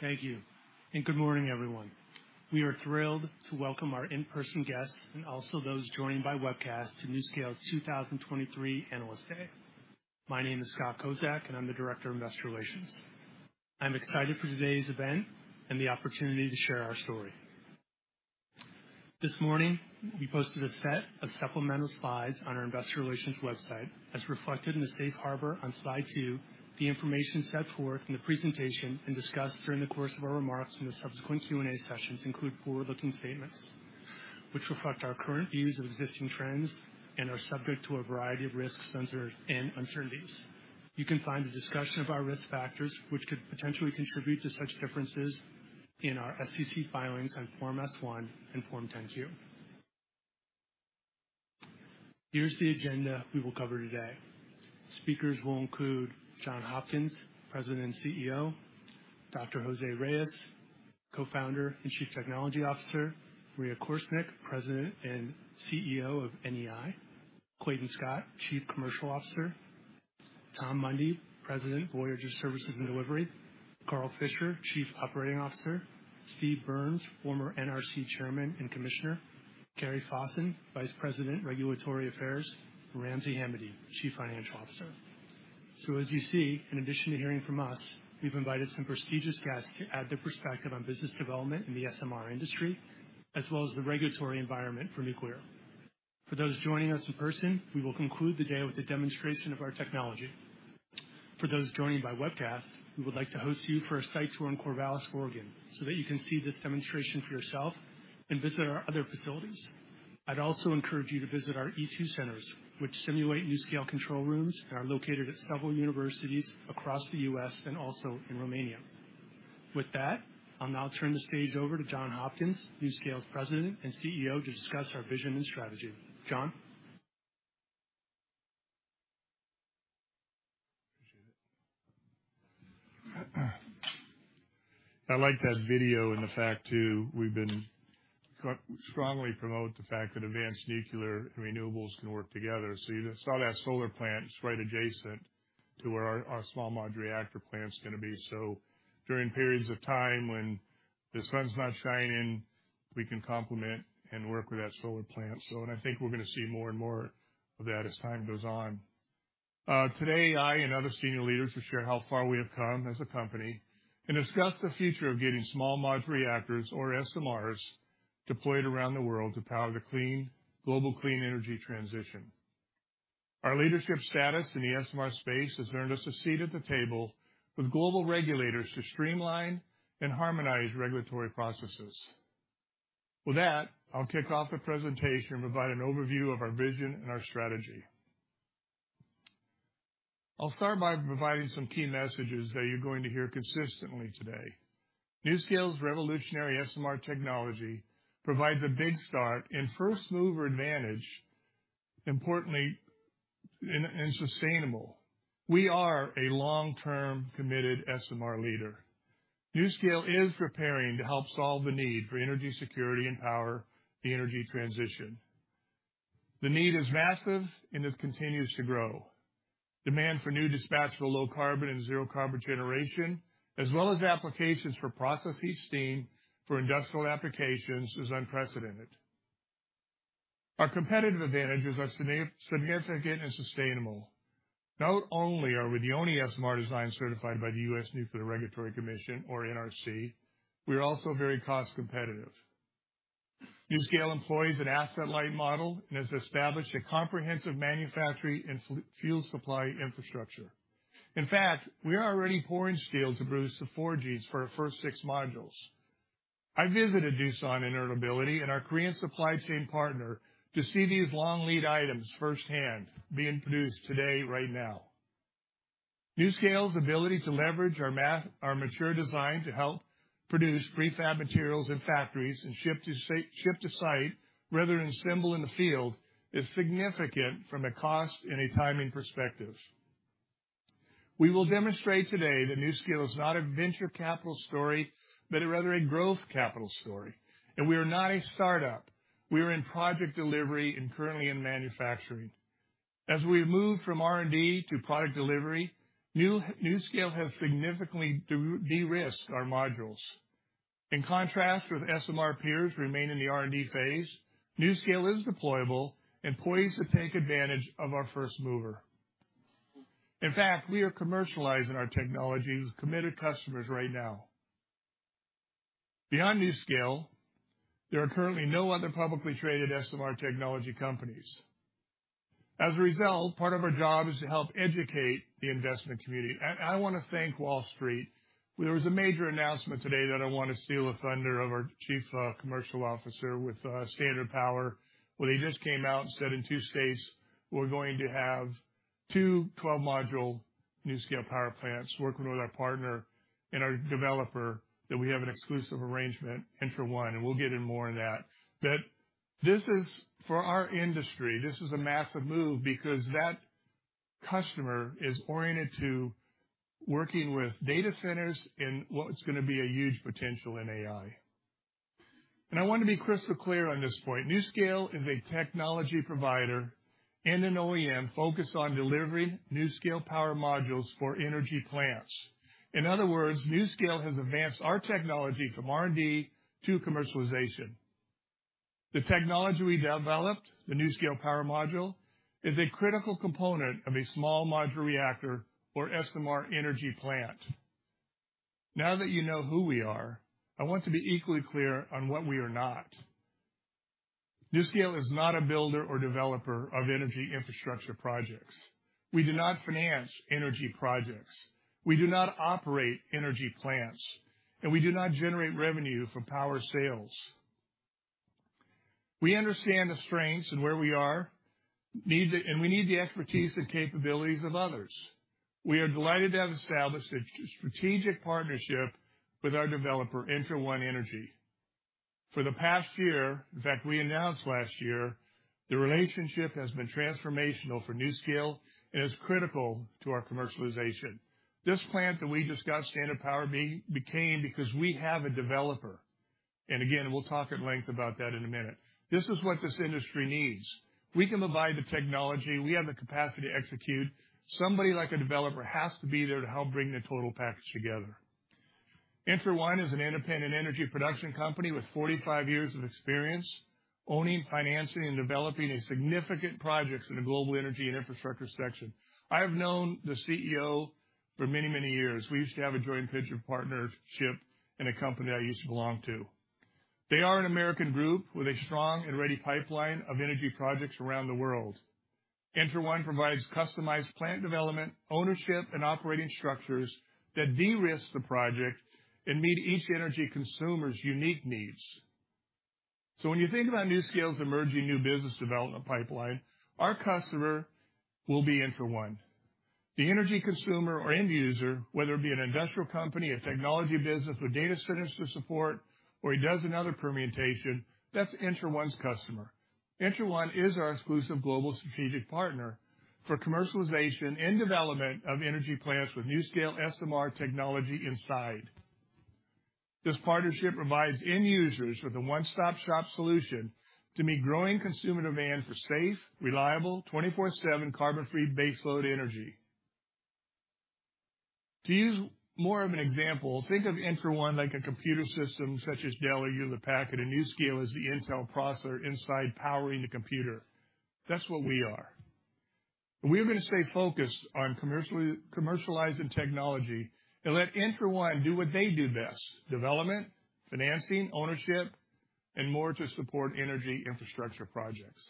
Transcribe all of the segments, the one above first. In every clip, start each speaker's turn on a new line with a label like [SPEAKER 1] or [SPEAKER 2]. [SPEAKER 1] Thank you, and good morning, everyone. We are thrilled to welcome our in-person guests and also those joining by webcast to NuScale's 2023 Analyst Day. My name is Scott Kozak, and I'm the Director of Investor Relations. I'm excited for today's event and the opportunity to share our story. This morning, we posted a set of supplemental slides on our investor relations website. As reflected in the Safe Harbor on slide two, the information set forth in the presentation and discussed during the course of our remarks in the subsequent Q&A sessions include forward-looking statements, which reflect our current views of existing trends and are subject to a variety of risks, uncertainties, and uncertainties. You can find a discussion of our risk factors, which could potentially contribute to such differences in our SEC filings on Form S-1 and Form 10-Q. Here's the agenda we will cover today. Speakers will include John Hopkins, President and CEO, Dr. Jose Reyes, Co-founder and Chief Technology Officer, Maria Korsnick, President and CEO of NEI, Clayton Scott, Chief Commercial Officer, Tom Mundy, President, VOYGR Services and Delivery, Carl Fisher, Chief Operating Officer, Steve Burns, former NRC Chairman and Commissioner, Carrie Fosaaen, Vice President, Regulatory Affairs, Ramsey Hamady, Chief Financial Officer. So as you see, in addition to hearing from us, we've invited some prestigious guests to add their perspective on business development in the SMR industry, as well as the regulatory environment for nuclear. For those joining us in person, we will conclude the day with a demonstration of our technology. For those joining by webcast, we would like to host you for a site tour in Corvallis, Oregon, so that you can see this demonstration for yourself and visit our other facilities. I'd also encourage you to visit our (E2) centers, which simulate NuScale control rooms and are located at several universities across the U.S. and also in Romania. With that, I'll now turn the stage over to John Hopkins, NuScale's President and CEO, to discuss our vision and strategy. John?
[SPEAKER 2] Appreciate it. I like that video and the fact, too, we've been strongly promote the fact that advanced nuclear and renewables can work together. So you saw that solar plant, it's right adjacent to where our small modular reactor plant is gonna be. So during periods of time when the sun's not shining, we can complement and work with that solar plant. So and I think we're gonna see more and more of that as time goes on. Today, I and other senior leaders will share how far we have come as a company and discuss the future of getting small modular reactors, or SMRs, deployed around the world to power the clean global clean energy transition. Our leadership status in the SMR space has earned us a seat at the table with global regulators to streamline and harmonize regulatory processes. With that, I'll kick off the presentation and provide an overview of our vision and our strategy. I'll start by providing some key messages that you're going to hear consistently today. NuScale's revolutionary SMR technology provides a big start in first-mover advantage, importantly, and sustainable. We are a long-term, committed SMR leader. NuScale is preparing to help solve the need for energy security and power the energy transition. The need is massive, and it continues to grow. Demand for new dispatchable, low carbon and zero carbon generation, as well as applications for process heat steam for industrial applications, is unprecedented. Our competitive advantages are significant and sustainable. Not only are we the only SMR design certified by the U.S. Nuclear Regulatory Commission, or NRC, we are also very cost competitive. NuScale employs an asset-light model and has established a comprehensive manufacturing and fuel supply infrastructure. In fact, we are already pouring steel to produce the forges for our first six modules. I visited Doosan Enerbility and our Korean supply chain partner to see these long lead items firsthand being produced today, right now. NuScale's ability to leverage our mature design to help produce prefab materials in factories and ship to site rather than assemble in the field is significant from a cost and a timing perspective. We will demonstrate today that NuScale is not a venture capital story, but rather a growth capital story, and we are not a startup. We are in project delivery and currently in manufacturing. As we've moved from R&D to product delivery, NuScale has significantly de-risked our modules. In contrast with SMR peers who remain in the R&D phase, NuScale is deployable and poised to take advantage of our first mover. In fact, we are commercializing our technology with committed customers right now. Beyond NuScale, there are currently no other publicly traded SMR technology companies. As a result, part of our job is to help educate the investment community. I want to thank Wall Street. There was a major announcement today that I want to steal the thunder of our Chief Commercial Officer with Standard Power, where they just came out and said, in two states, we're going to have two 12-module NuScale power plants working with our partner and our developer, that we have an exclusive arrangement in for one, and we'll get in more on that. This is, for our industry, a massive move because that customer is oriented to working with data centers and what's going to be a huge potential in AI. I want to be crystal clear on this point. NuScale is a technology provider and an OEM focused on delivering NuScale Power Modules for energy plants. In other words, NuScale has advanced our technology from R&D to commercialization. The technology we developed, the NuScale Power Module, is a critical component of a small modular reactor or SMR energy plant. Now that you know who we are, I want to be equally clear on what we are not. NuScale is not a builder or developer of energy infrastructure projects. We do not finance energy projects. We do not operate energy plants, and we do not generate revenue from power sales. We understand the strengths and where we are, and we need the expertise and capabilities of others. We are delighted to have established a strategic partnership with our developer, ENTRA1 Energy. For the past year, in fact, we announced last year, the relationship has been transformational for NuScale and is critical to our commercialization. This plant that we just got, Standard Power, became because we have a developer, and again, we'll talk at length about that in a minute. This is what this industry needs. We can provide the technology, we have the capacity to execute. Somebody like a developer has to be there to help bring the total package together. ENTRA1 Energy is an independent energy production company with 45 years of experience owning, financing, and developing significant projects in the global energy and infrastructure sector. I have known the CEO for many, many years. We used to have a joint venture partnership in a company I used to belong to. They are an American group with a strong and ready pipeline of energy projects around the world. ENTRA1 provides customized plant development, ownership, and operating structures that de-risk the project and meet each energy consumer's unique needs. So when you think about NuScale's emerging new business development pipeline, our customer will be ENTRA1. The energy consumer or end user, whether it be an industrial company, a technology business with data centers for support, or he does another permutation, that's ENTRA1 's customer. ENTRA1 is our exclusive global strategic partner for commercialization and development of energy plants with NuScale SMR technology inside. This partnership provides end users with a one-stop-shop solution to meet growing consumer demand for safe, reliable, 24/7 carbon-free baseload energy. To use more of an example, think of ENTRA1 like a computer system, such as Dell or Hewlett-Packard, and NuScale is the Intel processor inside powering the computer. That's what we are. We are going to stay focused on commercializing technology and let ENTRA1 do what they do best: development, financing, ownership, and more to support energy infrastructure projects.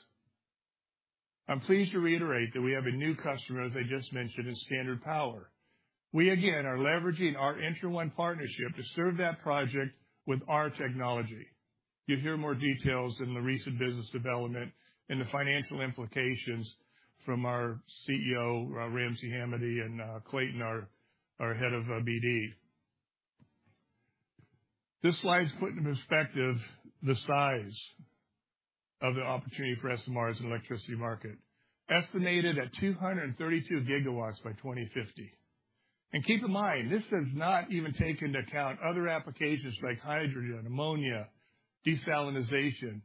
[SPEAKER 2] I'm pleased to reiterate that we have a new customer, as I just mentioned, in Standard Power. We, again, are leveraging our ENTRA1 partnership to serve that project with our technology. You'll hear more details in the recent business development and the financial implications from our CEO, Ramsey Hamady, and Clayton, our head of BD. This slide is putting in perspective the size of the opportunity for SMR as an electricity market, estimated at 232 GW by 2050. Keep in mind, this does not even take into account other applications like hydrogen, ammonia, desalinization,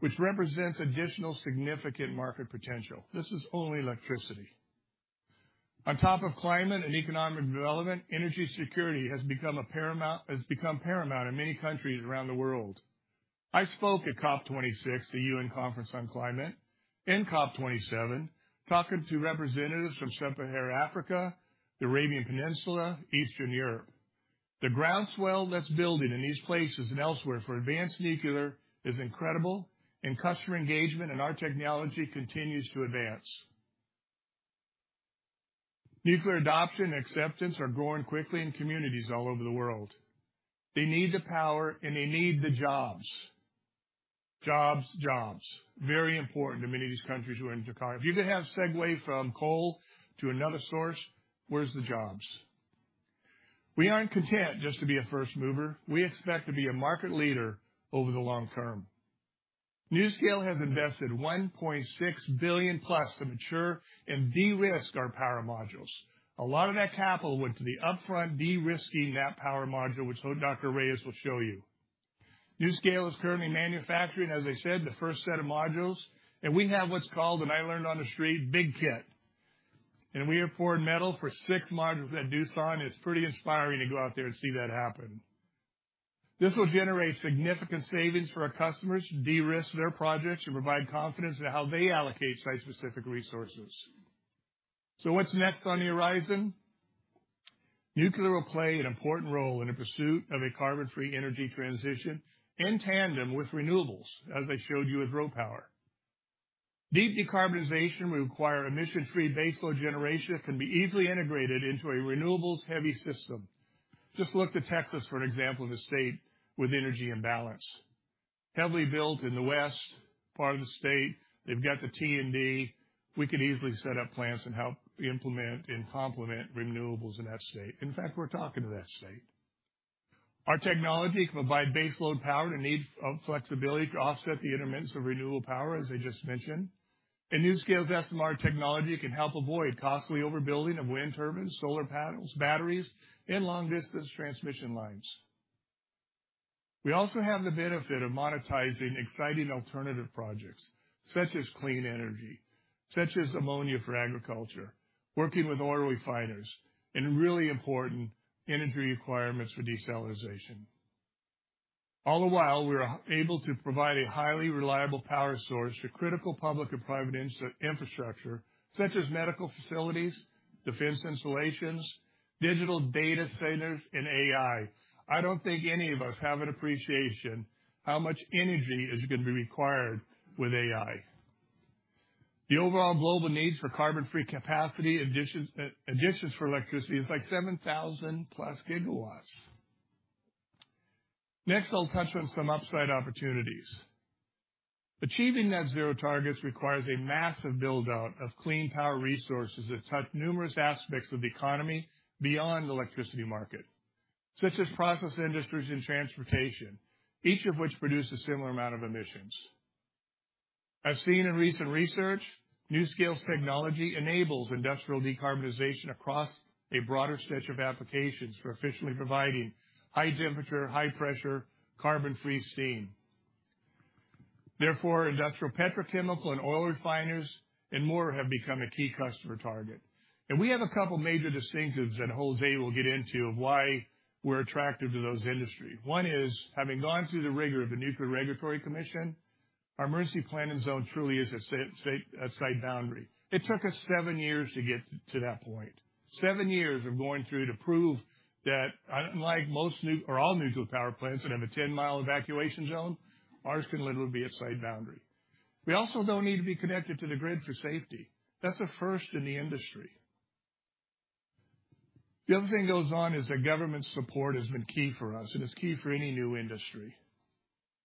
[SPEAKER 2] which represents additional significant market potential. This is only electricity. On top of climate and economic development, energy security has become paramount in many countries around the world. I spoke at COP26, the UN Conference on Climate, and COP27, talking to representatives from Sub-Saharan Africa, the Arabian Peninsula, Eastern Europe. The groundswell that's building in these places and elsewhere for advanced nuclear is incredible, and customer engagement in our technology continues to advance. Nuclear adoption and acceptance are growing quickly in communities all over the world. They need the power, and they need the jobs. Jobs, jobs. Very important to many of these countries who are in decline. If you're gonna have segue from coal to another source, where's the jobs? We aren't content just to be a first mover. We expect to be a market leader over the long term. NuScale has invested $1.6 billion+ to mature and de-risk our power modules. A lot of that capital went to the upfront de-risking that power module, which Dr. Reyes will show you. NuScale is currently manufacturing, as I said, the first set of modules, and we have what's called, and I learned on the street, big kit. We have poured metal for six modules at Doosan. It's pretty inspiring to go out there and see that happen. This will generate significant savings for our customers, de-risk their projects, and provide confidence in how they allocate site-specific resources. What's next on the horizon? Nuclear will play an important role in the pursuit of a carbon-free energy transition in tandem with renewables, as I showed you with RoPower. Deep decarbonization will require emission-free baseload generation that can be easily integrated into a renewables-heavy system. Just look to Texas for an example of a state with energy imbalance. Heavily built in the west part of the state, they've got the T&D. We could easily set up plants and help implement and complement renewables in that state. In fact, we're talking to that state. Our technology can provide baseload power to meet flexibility to offset the intermittency of renewable power, as I just mentioned. NuScale's SMR technology can help avoid costly overbuilding of wind turbines, solar panels, batteries, and long-distance transmission lines. We also have the benefit of monetizing exciting alternative projects such as clean energy, such as ammonia for agriculture, working with oil refiners, and really important energy requirements for desalination. All the while, we are able to provide a highly reliable power source to critical public and private infrastructure, such as medical facilities, defense installations, digital data centers, and AI. I don't think any of us have an appreciation how much energy is going to be required with AI. The overall global needs for carbon-free capacity additions, additions for electricity is like 7,000+ GW. Next, I'll touch on some upside opportunities. Achieving net zero targets requires a massive build-out of clean power resources that touch numerous aspects of the economy beyond the electricity market, such as process industries and transportation, each of which produce a similar amount of emissions. As seen in recent research, NuScale's technology enables industrial decarbonization across a broader stretch of applications for efficiently providing high temperature, high pressure, carbon-free steam. Therefore, industrial petrochemical and oil refiners and more have become a key customer target. And we have a couple major distinctives that Jose will get into of why we're attractive to those industries. One is, having gone through the rigor of the Nuclear Regulatory Commission, our emergency planning zone truly is a site boundary. It took us seven years to get to that point. Seven years of going through to prove that unlike most or all nuclear power plants that have a 10-mile evacuation zone, ours can literally be a site boundary. We also don't need to be connected to the grid for safety. That's a first in the industry. The other thing goes on is that government support has been key for us, and it's key for any new industry.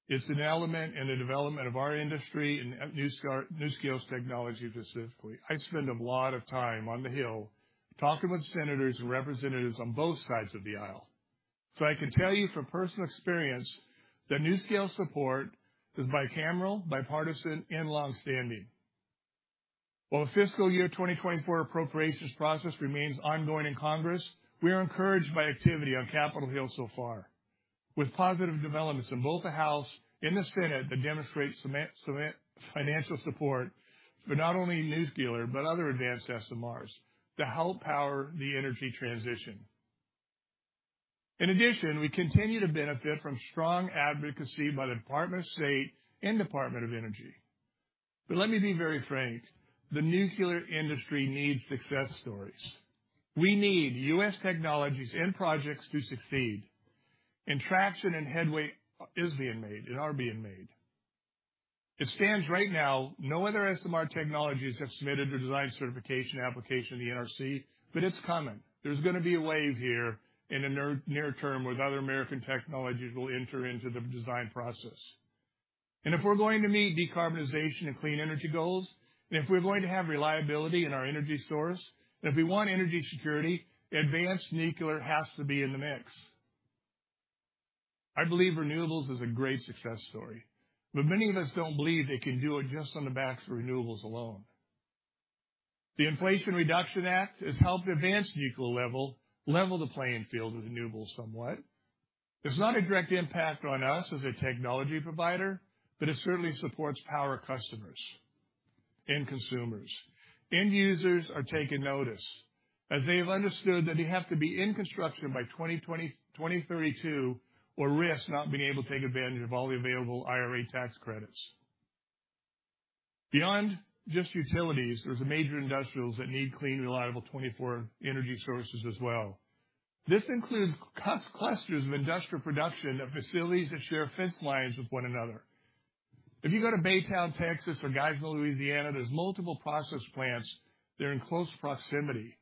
[SPEAKER 2] It's an element in the development of our industry and NuScale, NuScale's technology specifically. I spend a lot of time on the Hill talking with senators and representatives on both sides of the aisle. So I can tell you from personal experience that NuScale support is bicameral, bipartisan, and longstanding. While the fiscal year 2024 appropriations process remains ongoing in Congress, we are encouraged by activity on Capitol Hill so far, with positive developments in both the House and the Senate that demonstrate cemented financial support for not only NuScale, but other advanced SMRs to help power the energy transition. In addition, we continue to benefit from strong advocacy by the Department of State and Department of Energy. But let me be very frank, the nuclear industry needs success stories. We need U.S. technologies and projects to succeed, and traction and headway is being made and are being made. It stands right now, no other SMR technologies have submitted a design certification application to the NRC, but it's coming. There's gonna be a wave here in the near term, where other American technologies will enter into the design process. If we're going to meet decarbonization and clean energy goals, and if we're going to have reliability in our energy source, and if we want energy security, advanced nuclear has to be in the mix. I believe renewables is a great success story, but many of us don't believe they can do it just on the backs of renewables alone. The Inflation Reduction Act has helped advance nuclear, level the playing field with renewables somewhat. There's not a direct impact on us as a technology provider, but it certainly supports power customers and consumers. End users are taking notice, as they've understood that they have to be in construction by 2020, 2032, or risk not being able to take advantage of all the available IRA tax credits. Beyond just utilities, there's major industrials that need clean, reliable 24-hour energy sources as well. This includes clusters of industrial production facilities that share fence lines with one another. If you go to Baytown, Texas, or Geismar, Louisiana, there's multiple process plants. They're in close proximity.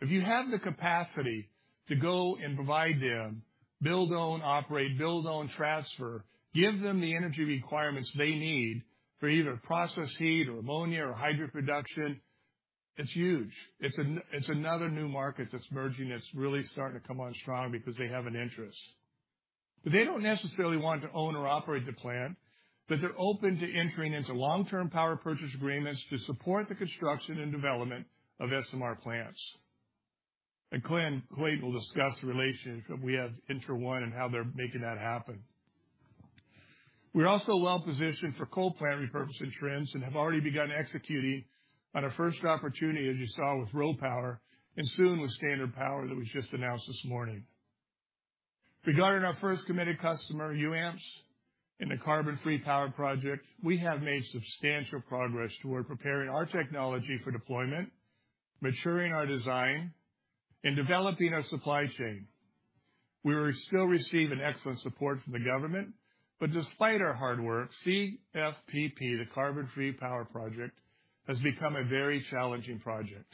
[SPEAKER 2] If you have the capacity to go and provide them, build, own, operate, build, own, transfer, give them the energy requirements they need for either process heat, or ammonia, or hydrogen production, it's huge. It's another new market that's emerging that's really starting to come on strong because they have an interest. But they don't necessarily want to own or operate the plant, but they're open to entering into long-term power purchase agreements to support the construction and development of SMR plants. And Clayton Scott will discuss the relationship we have with ENTRA1 and how they're making that happen. We're also well positioned for coal plant repurposing trends and have already begun executing on our first opportunity, as you saw with RoPower, and soon with Standard Power, that was just announced this morning. Regarding our first committed customer, UAMPS, and the Carbon Free Power Project, we have made substantial progress toward preparing our technology for deployment, maturing our design, and developing our supply chain. We still receive an excellent support from the government, but despite our hard work, CFPP, the Carbon Free Power Project, has become a very challenging project.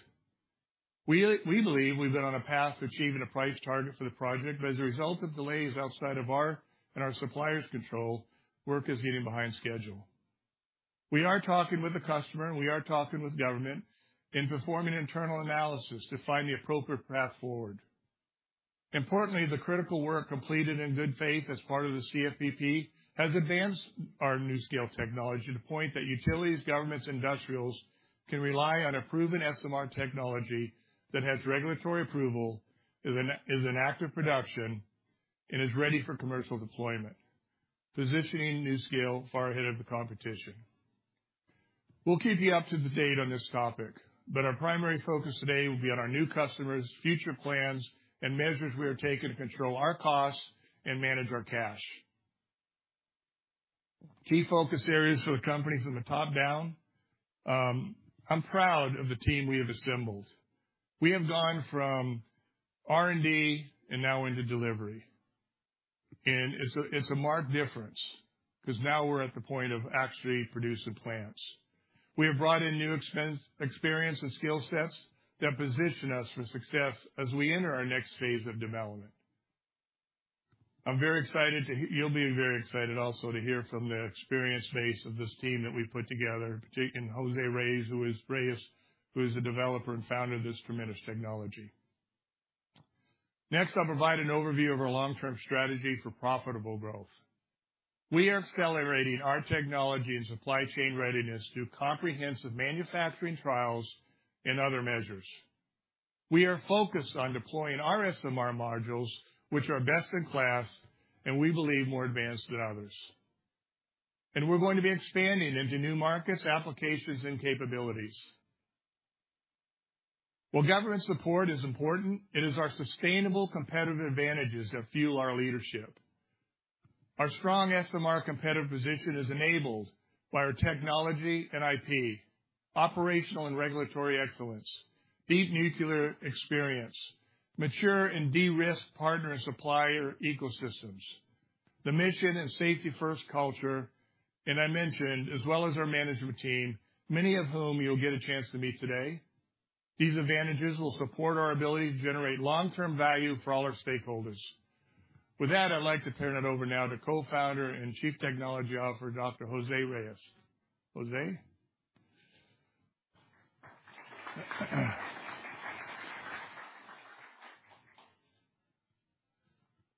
[SPEAKER 2] We believe we've been on a path to achieving a price target for the project, but as a result of delays outside of our and our suppliers' control, work is getting behind schedule. We are talking with the customer, and we are talking with government and performing internal analysis to find the appropriate path forward... Importantly, the critical work completed in good faith as part of the CFPP has advanced our NuScale technology to the point that utilities, governments, industrials, can rely on a proven SMR technology that has regulatory approval, is an active production, and is ready for commercial deployment, positioning NuScale far ahead of the competition. We'll keep you up to date on this topic, but our primary focus today will be on our new customers, future plans, and measures we are taking to control our costs and manage our cash. Key focus areas for the company from the top down. I'm proud of the team we have assembled. We have gone from R&D and now into delivery. It's a, it's a marked difference, 'cause now we're at the point of actually producing plants. We have brought in new experience and skill sets that position us for success as we enter our next phase of development. I'm very excited to hear-- You'll be very excited also to hear from the experienced base of this team that we've put together, in particular, Jose Reyes, who is the developer and founder of this tremendous technology. Next, I'll provide an overview of our long-term strategy for profitable growth. We are accelerating our technology and supply chain readiness through comprehensive manufacturing trials and other measures. We are focused on deploying our SMR modules, which are best in class and we believe more advanced than others. We're going to be expanding into new markets, applications, and capabilities. While government support is important, it is our sustainable competitive advantages that fuel our leadership. Our strong SMR competitive position is enabled by our technology and IP, operational and regulatory excellence, deep nuclear experience, mature and de-risked partner and supplier ecosystems, the mission and safety-first culture, and I mentioned, as well as our management team, many of whom you'll get a chance to meet today. These advantages will support our ability to generate long-term value for all our stakeholders. With that, I'd like to turn it over now to Co-founder and Chief Technology Officer, Dr. Jose Reyes. Jose?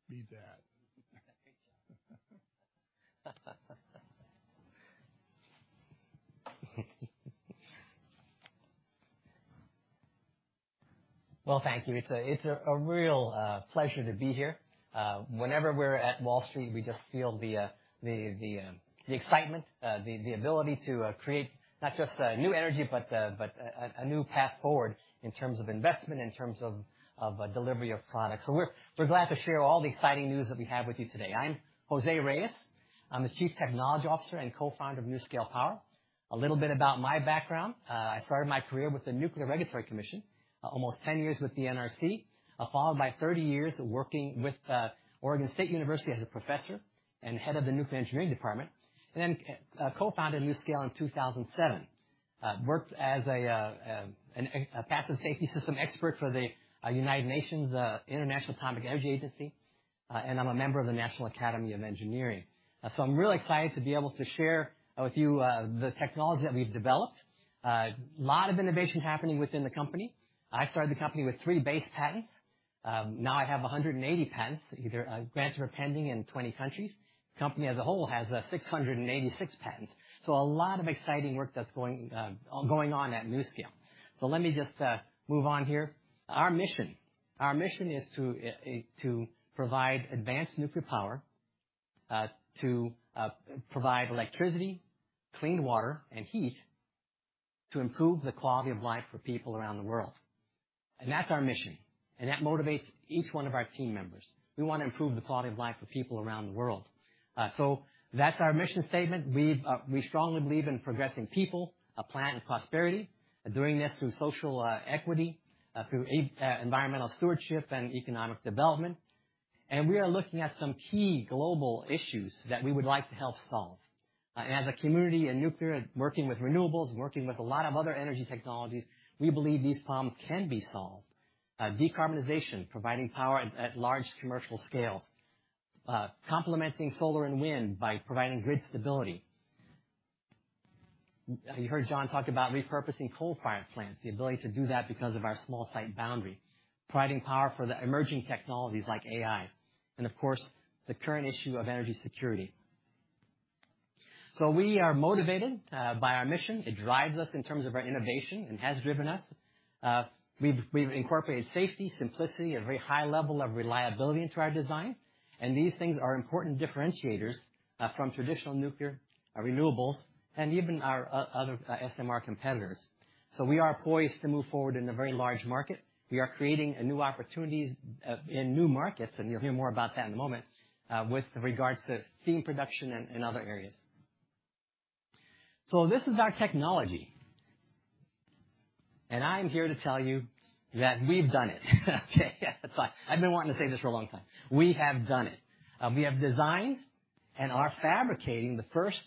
[SPEAKER 2] Be that.
[SPEAKER 3] Well, thank you. It's a real pleasure to be here. Whenever we're at Wall Street, we just feel the excitement, the ability to create not just new energy, but a new path forward in terms of investment, in terms of delivery of products. So we're glad to share all the exciting news that we have with you today. I'm Jose Reyes. I'm the Chief Technology Officer and Co-founder of NuScale Power. A little bit about my background. I started my career with the Nuclear Regulatory Commission, almost 10 years with the NRC, followed by 30 years working with Oregon State University as a professor and head of the Nuclear Engineering Department, and then co-founded NuScale in 2007. Worked as a passive safety system expert for the United Nations International Atomic Energy Agency, and I'm a member of the National Academy of Engineering. So I'm really excited to be able to share with you the technology that we've developed. A lot of innovation happening within the company. I started the company with three base patents. Now I have 180 patents, either granted or pending in 20 countries. The company as a whole has 686 patents, so a lot of exciting work that's going on at NuScale. So let me just move on here. Our mission. Our mission is to provide advanced nuclear power, to provide electricity, clean water, and heat, to improve the quality of life for people around the world. And that's our mission, and that motivates each one of our team members. We want to improve the quality of life for people around the world. So that's our mission statement. We strongly believe in progressing People, Planet, and Prosperity, doing this through social equity through environmental stewardship and economic development. And we are looking at some key global issues that we would like to help solve. As a community in nuclear and working with renewables, working with a lot of other energy technologies, we believe these problems can be solved. Decarbonization, providing power at large commercial scales, complementing solar and wind by providing grid stability. You heard John talk about repurposing coal-fired plants, the ability to do that because of our small site boundary, providing power for the emerging technologies like AI, and of course, the current issue of energy security. We are motivated by our mission. It drives us in terms of our innovation and has driven us. We've incorporated safety, simplicity, a very high level of reliability into our design, and these things are important differentiators from traditional nuclear, renewables, and even our other SMR competitors. We are poised to move forward in a very large market. We are creating new opportunities in new markets, and you'll hear more about that in a moment, with regards to steam production and other areas. This is our technology, and I'm here to tell you that we've done it. Okay, that's fine. I've been wanting to say this for a long time. We have done it. We have designed and are fabricating the first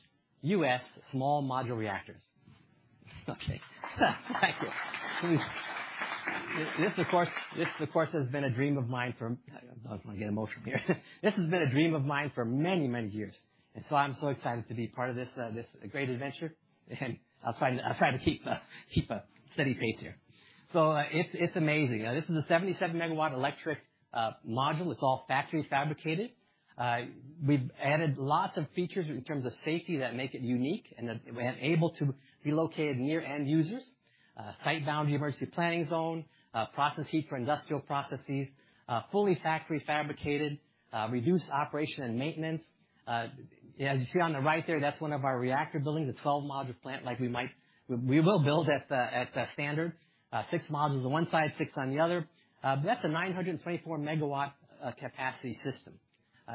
[SPEAKER 3] U.S. small modular reactors. Okay. Thank you. This, of course, has been a dream of mine for... I'm gonna get emotional here. This has been a dream of mine for many, many years, and so I'm so excited to be part of this, this great adventure, and I'll try, I'll try to keep a, keep a steady pace here... So, it's, it's amazing. This is a 77-MW electric module. It's all factory fabricated. We've added lots of features in terms of safety that make it unique and that-- and able to be located near end users. Site boundary emergency planning zone, process heat for industrial processes, fully factory fabricated, reduced operation and maintenance. As you see on the right there, that's one of our reactor buildings, the 12-module plant, like we might—we will build at the, at the standard, six modules on one side, six on the other. That's a 924 MW capacity system.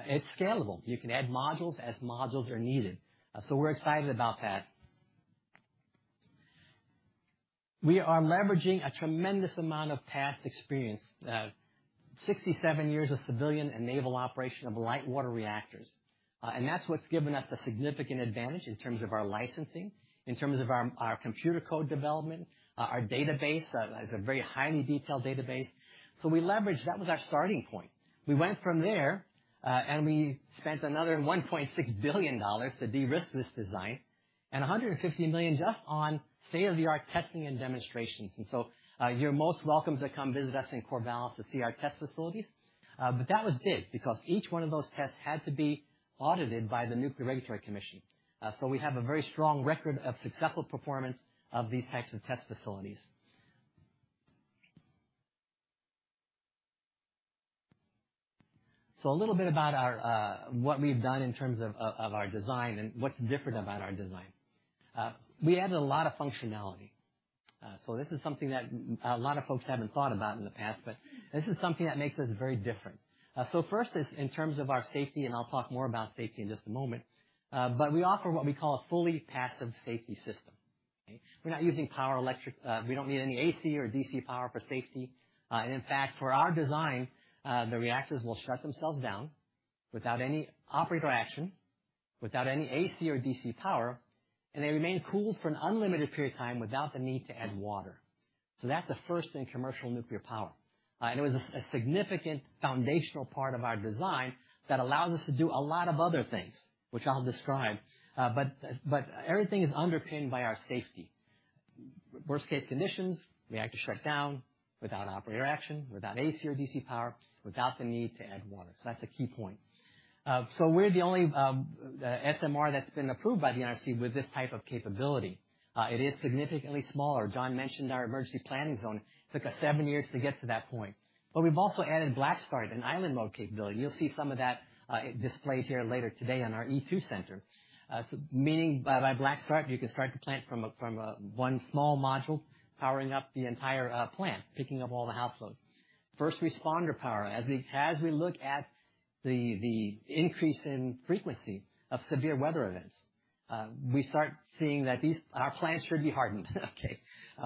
[SPEAKER 3] It's scalable. You can add modules as modules are needed. We're excited about that. We are leveraging a tremendous amount of past experience, 67 years of civilian and naval operation of light-water reactors, and that's what's given us the significant advantage in terms of our licensing, in terms of our computer code development, our database is a very highly detailed database. We leveraged, that was our starting point. We went from there, and we spent another $1.6 billion to de-risk this design, and $150 million just on state-of-the-art testing and demonstrations. And so, you're most welcome to come visit us in Corvallis to see our test facilities. But that was big because each one of those tests had to be audited by the Nuclear Regulatory Commission. So we have a very strong record of successful performance of these types of test facilities. So a little bit about our, what we've done in terms of our design and what's different about our design. We added a lot of functionality. So this is something that a lot of folks haven't thought about in the past, but this is something that makes us very different. First is in terms of our safety, and I'll talk more about safety in just a moment. We offer what we call a fully passive safety system, okay? We're not using power electric-- we don't need any AC or DC power for safety. In fact, for our design, the reactors will shut themselves down without any operator action, without any AC or DC power, and they remain cooled for an unlimited period of time without the need to add water. That's a first in commercial nuclear power. It was a significant foundational part of our design that allows us to do a lot of other things, which I'll describe, but everything is underpinned by our safety. Worst case conditions, reactor shut down without operator action, without AC or DC power, without the need to add water. That's a key point. We're the only SMR that's been approved by the NRC with this type of capability. It is significantly smaller. John mentioned our emergency planning zone. It took us seven years to get to that point, but we've also added black start and island mode capability. You'll see some of that displayed here later today on our (E2) Center. So, meaning by black start, you can start the plant from a one small module, powering up the entire plant, picking up all the house loads. First responder power. As we look at the increase in frequency of severe weather events, we start seeing that these our plants should be hardened, okay?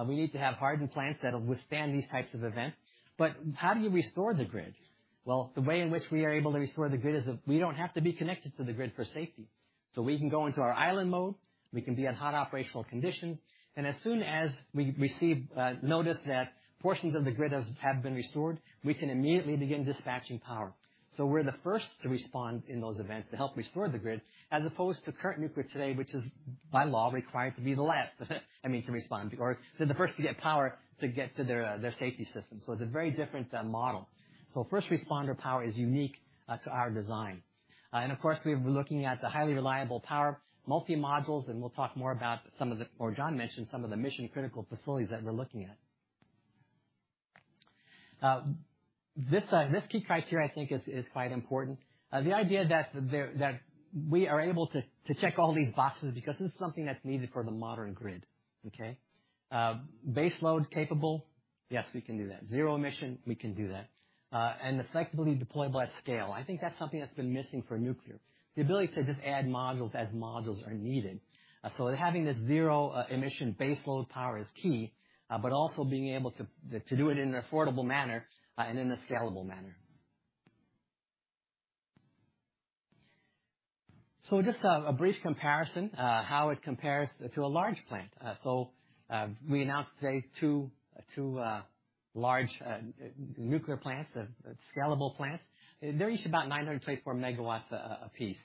[SPEAKER 3] We need to have hardened plants that will withstand these types of events. But how do you restore the grid? Well, the way in which we are able to restore the grid is we don't have to be connected to the grid for safety. So we can go into our island mode, we can be at hot operational conditions, and as soon as we receive notice that portions of the grid has, have been restored, we can immediately begin dispatching power. So we're the first to respond in those events to help restore the grid, as opposed to current nuclear today, which is by law, required to be the last, I mean, to respond to or they're the first to get power to get to their their safety system. So it's a very different model. So first responder power is unique to our design. And, of course, we're looking at the highly reliable power multi-modules, and we'll talk more about some of the... Well, John mentioned some of the mission-critical facilities that we're looking at. This key criteria, I think, is quite important. The idea that we are able to check all these boxes because this is something that's needed for the modern grid, okay? Base load capable, yes, we can do that. Zero emission, we can do that. And effectively deployable at scale. I think that's something that's been missing for nuclear. The ability to just add modules as modules are needed. So having this zero emission base load power is key, but also being able to do it in an affordable manner and in a scalable manner. So just a brief comparison, how it compares to a large plant. So, we announced today two large nuclear plants, scalable plants. They're each about 924 MW apiece.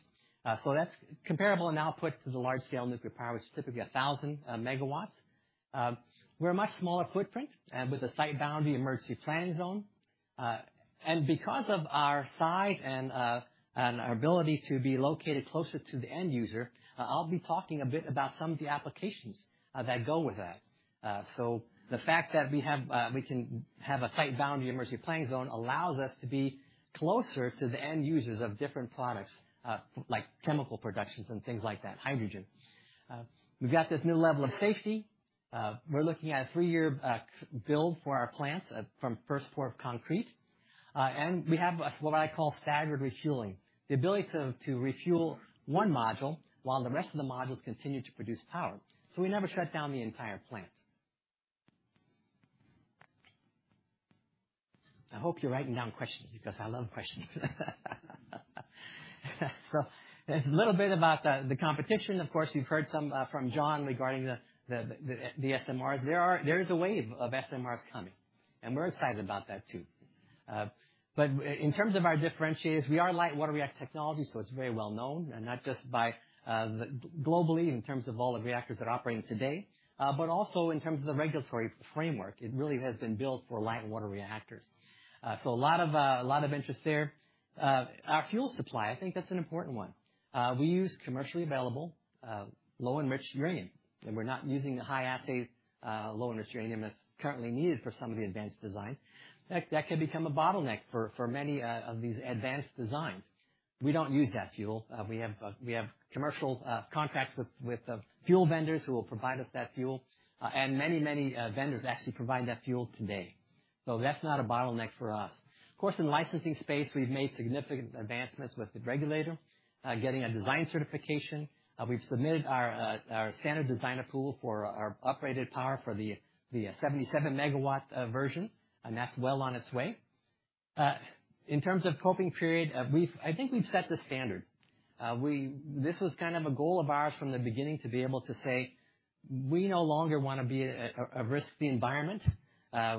[SPEAKER 3] So that's comparable in output to the large-scale nuclear power, which is typically 1,000 MW. We're a much smaller footprint, and with a site boundary emergency planning zone, and because of our size and our ability to be located closer to the end user, I'll be talking a bit about some of the applications that go with that. So the fact that we have, we can have a site boundary emergency planning zone allows us to be closer to the end users of different products, like chemical productions and things like that, hydrogen. We've got this new level of safety. We're looking at a three-year build for our plants from first pour of concrete. And we have what I call staggered refueling. The ability to refuel one module while the rest of the modules continue to produce power, so we never shut down the entire plant. I hope you're writing down questions because I love questions. So there's a little bit about the competition. Of course, you've heard some from John, regarding the SMRs. There is a wave of SMRs coming. And we're excited about that, too. But in terms of our differentiators, we are a light-water reactor technology, so it's very well known, and not just globally, in terms of all the reactors that are operating today, but also in terms of the regulatory framework. It really has been built for light-water reactors. So a lot of, a lot of interest there. Our fuel supply, I think that's an important one. We use commercially available, low-enriched uranium, and we're not using the high-assay low-enriched uranium that's currently needed for some of the advanced designs. That, that can become a bottleneck for, for many, of these advanced designs. We don't use that fuel. We have, we have commercial, contracts with, with, fuel vendors who will provide us that fuel, and many, many, vendors actually provide that fuel today. So that's not a bottleneck for us. Of course, in the licensing space, we've made significant advancements with the regulator, getting a design certification. We've submitted our Standard Design Approval for our uprated power for the 77-MW version, and that's well on its way. In terms of coping period, we've—I think we've set the standard. This was kind of a goal of ours from the beginning, to be able to say: We no longer want to be a risky environment.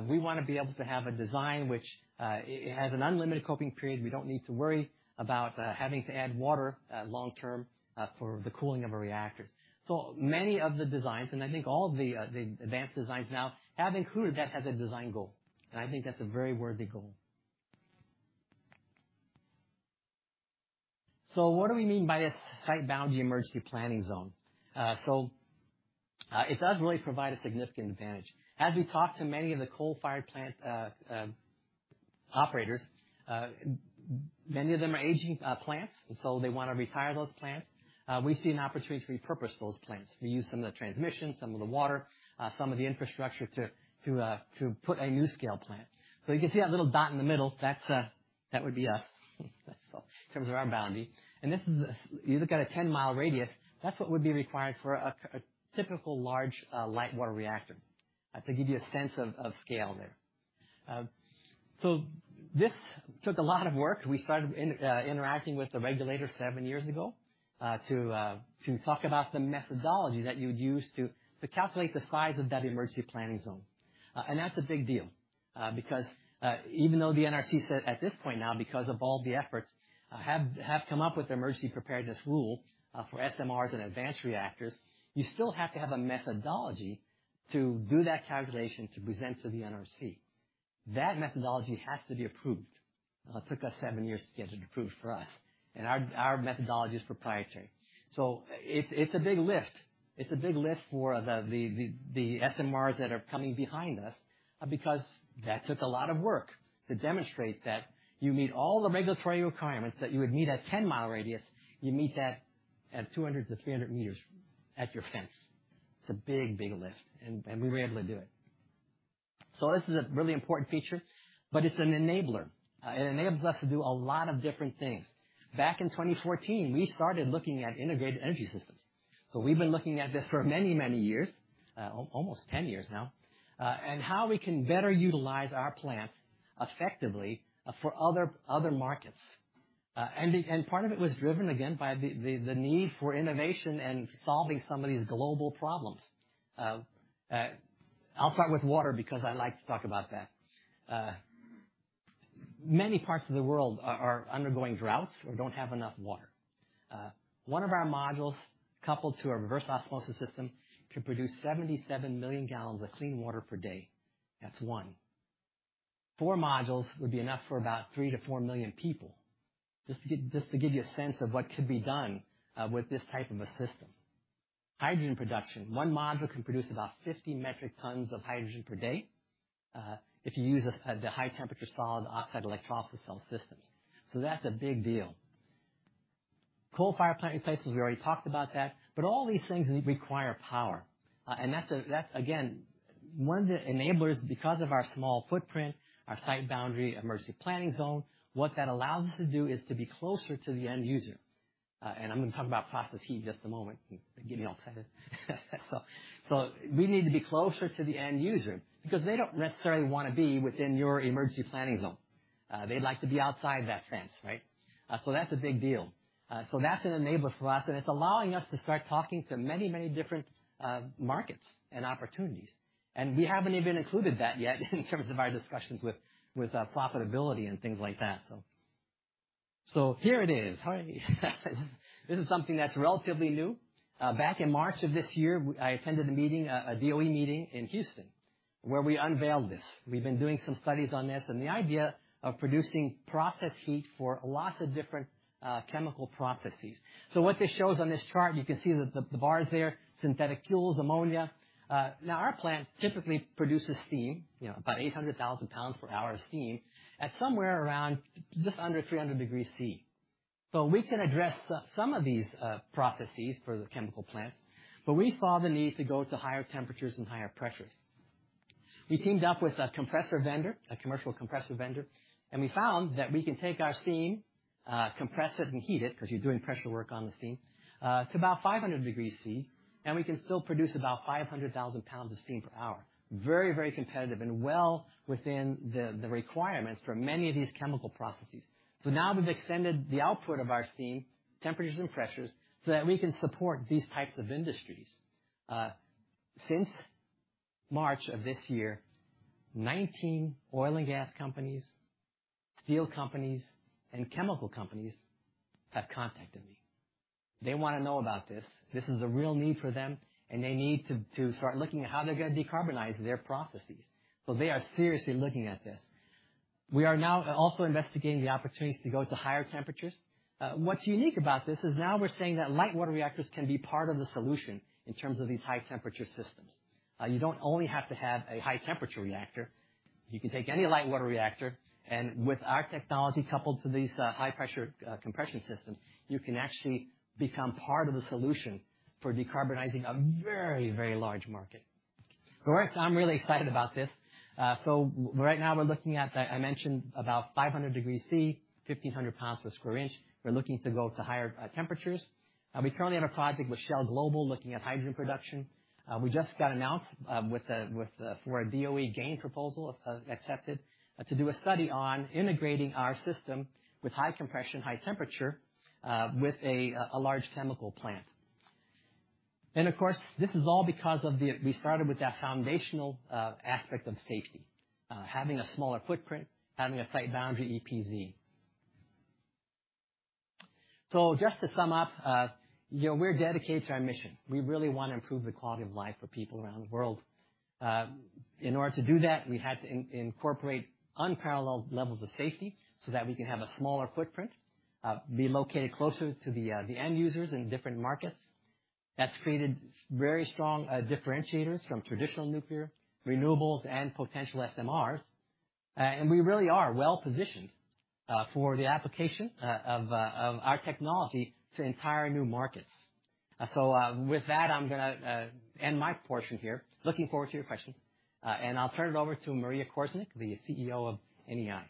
[SPEAKER 3] We wanna be able to have a design which it has an unlimited coping period. We don't need to worry about having to add water long term for the cooling of a reactor. So many of the designs, and I think all of the advanced designs now, have included that as a design goal, and I think that's a very worthy goal. So what do we mean by a site boundary emergency planning zone? So, it does really provide a significant advantage. As we talk to many of the coal-fired plant operators, many of them are aging plants, so they want to retire those plants. We see an opportunity to repurpose those plants. We use some of the transmission, some of the water, some of the infrastructure to put a NuScale plant. So you can see that little dot in the middle, that's that would be us, in terms of our boundary. And this is a—you look at a 10-mile radius, that's what would be required for a typical large light-water reactor, to give you a sense of scale there. So this took a lot of work. We started interacting with the regulator seven years ago to talk about the methodology that you'd use to calculate the size of that emergency planning zone. And that's a big deal because even though the NRC said at this point now, because of all the efforts, have come up with the emergency preparedness rule for SMRs and advanced reactors, you still have to have a methodology to do that calculation to present to the NRC. That methodology has to be approved. It took us seven years to get it approved for us, and our methodology is proprietary. So it's a big lift. It's a big lift for the SMRs that are coming behind us, because that took a lot of work to demonstrate that you meet all the regulatory requirements that you would meet at 10-mile radius, you meet that at 200-300 meters at your fence. It's a big, big lift, and we were able to do it. So this is a really important feature, but it's an enabler. It enables us to do a lot of different things. Back in 2014, we started looking at integrated energy systems. So we've been looking at this for many, many years, almost 10 years now, and how we can better utilize our plant effectively, for other markets. Part of it was driven, again, by the need for innovation and solving some of these global problems. I'll start with water, because I like to talk about that. Many parts of the world are undergoing droughts or don't have enough water. One of our modules, coupled to a reverse osmosis system, can produce 77 million gallons of clean water per day. That's 1. 4 modules would be enough for about 3-4 million people. Just to give you a sense of what could be done with this type of a system. Hydrogen production. One module can produce about 50 metric tons of hydrogen per day, if you use the high-temperature solid oxide electrolysis cell systems. So that's a big deal. Coal fire plant replacement, we already talked about that, but all these things require power, and that's a, that's again, one of the enablers, because of our small footprint, our site boundary, emergency planning zone. What that allows us to do is to be closer to the end user. I'm going to talk about process heat in just a moment. It gets me all excited. We need to be closer to the end user because they don't necessarily want to be within your emergency planning zone. They'd like to be outside that fence, right? That's a big deal. That's an enabler for us, and it's allowing us to start talking to many, many different markets and opportunities. We haven't even included that yet in terms of our discussions with profitability and things like that. So here it is. Hi. This is something that's relatively new. Back in March of this year, I attended a meeting, a DOE meeting in Houston, where we unveiled this. We've been doing some studies on this, and the idea of producing process heat for lots of different chemical processes. So what this shows on this chart, you can see that the bars there, synthetic fuels, ammonia. Now, our plant typically produces steam, you know, about 800,000 pounds per hour of steam at somewhere around just under 300 degrees Celsius. So we can address some of these processes for the chemical plants, but we saw the need to go to higher temperatures and higher pressures. We teamed up with a compressor vendor, a commercial compressor vendor, and we found that we can take our steam, compress it, and heat it, because you're doing pressure work on the steam, to about 500 degree Celsius, and we can still produce about 500,000 pounds of steam per hour. Very, very competitive and well within the requirements for many of these chemical processes. So now we've extended the output of our steam, temperatures and pressures, so that we can support these types of industries. Since March of this year, 19 oil and gas companies, steel companies, and chemical companies have contacted me. They wanna know about this. This is a real need for them, and they need to start looking at how they're gonna decarbonize their processes. So they are seriously looking at this. We are now also investigating the opportunities to go to higher temperatures. What's unique about this is now we're saying that light-water reactors can be part of the solution in terms of these high-temperature systems. You don't only have to have a high-temperature reactor. You can take any light-water reactor, and with our technology coupled to these, high-pressure, compression systems, you can actually become part of the solution for decarbonizing a very, very large market. So I'm really excited about this. So right now we're looking at, I mentioned about 500 degree Celsius, 1,500 pounds per square inch. We're looking to go to higher, temperatures. We currently have a project with Shell Global, looking at hydrogen production. We just got announced with the DOE GAIN proposal accepted to do a study on integrating our system with high compression, high temperature, with a large chemical plant. Of course, this is all because we started with that foundational aspect of safety, having a smaller footprint, having a site boundary EPZ. Just to sum up, you know, we're dedicated to our mission. We really wanna improve the quality of life for people around the world. In order to do that, we had to incorporate unparalleled levels of safety so that we can have a smaller footprint, be located closer to the end users in different markets. That's created very strong differentiators from traditional nuclear, renewables, and potential SMRs. We really are well positioned for the application of our technology to entire new markets. With that, I'm gonna end my portion here. Looking forward to your questions, and I'll turn it over to Maria Korsnick, the CEO of NEI.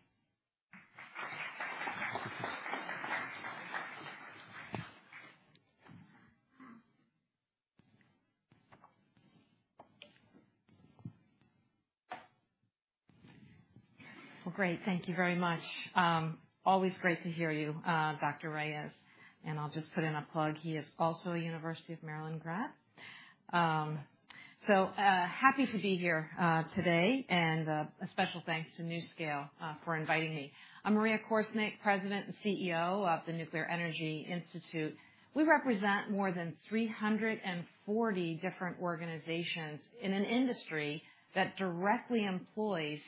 [SPEAKER 4] Well, great. Thank you very much. Always great to hear you, Dr. Reyes, and I'll just put in a plug. He is also a University of Maryland grad. So, happy to be here today, and a special thanks to NuScale for inviting me. I'm Maria Korsnick, President and CEO of the Nuclear Energy Institute. We represent more than 340 different organizations in an industry that directly employs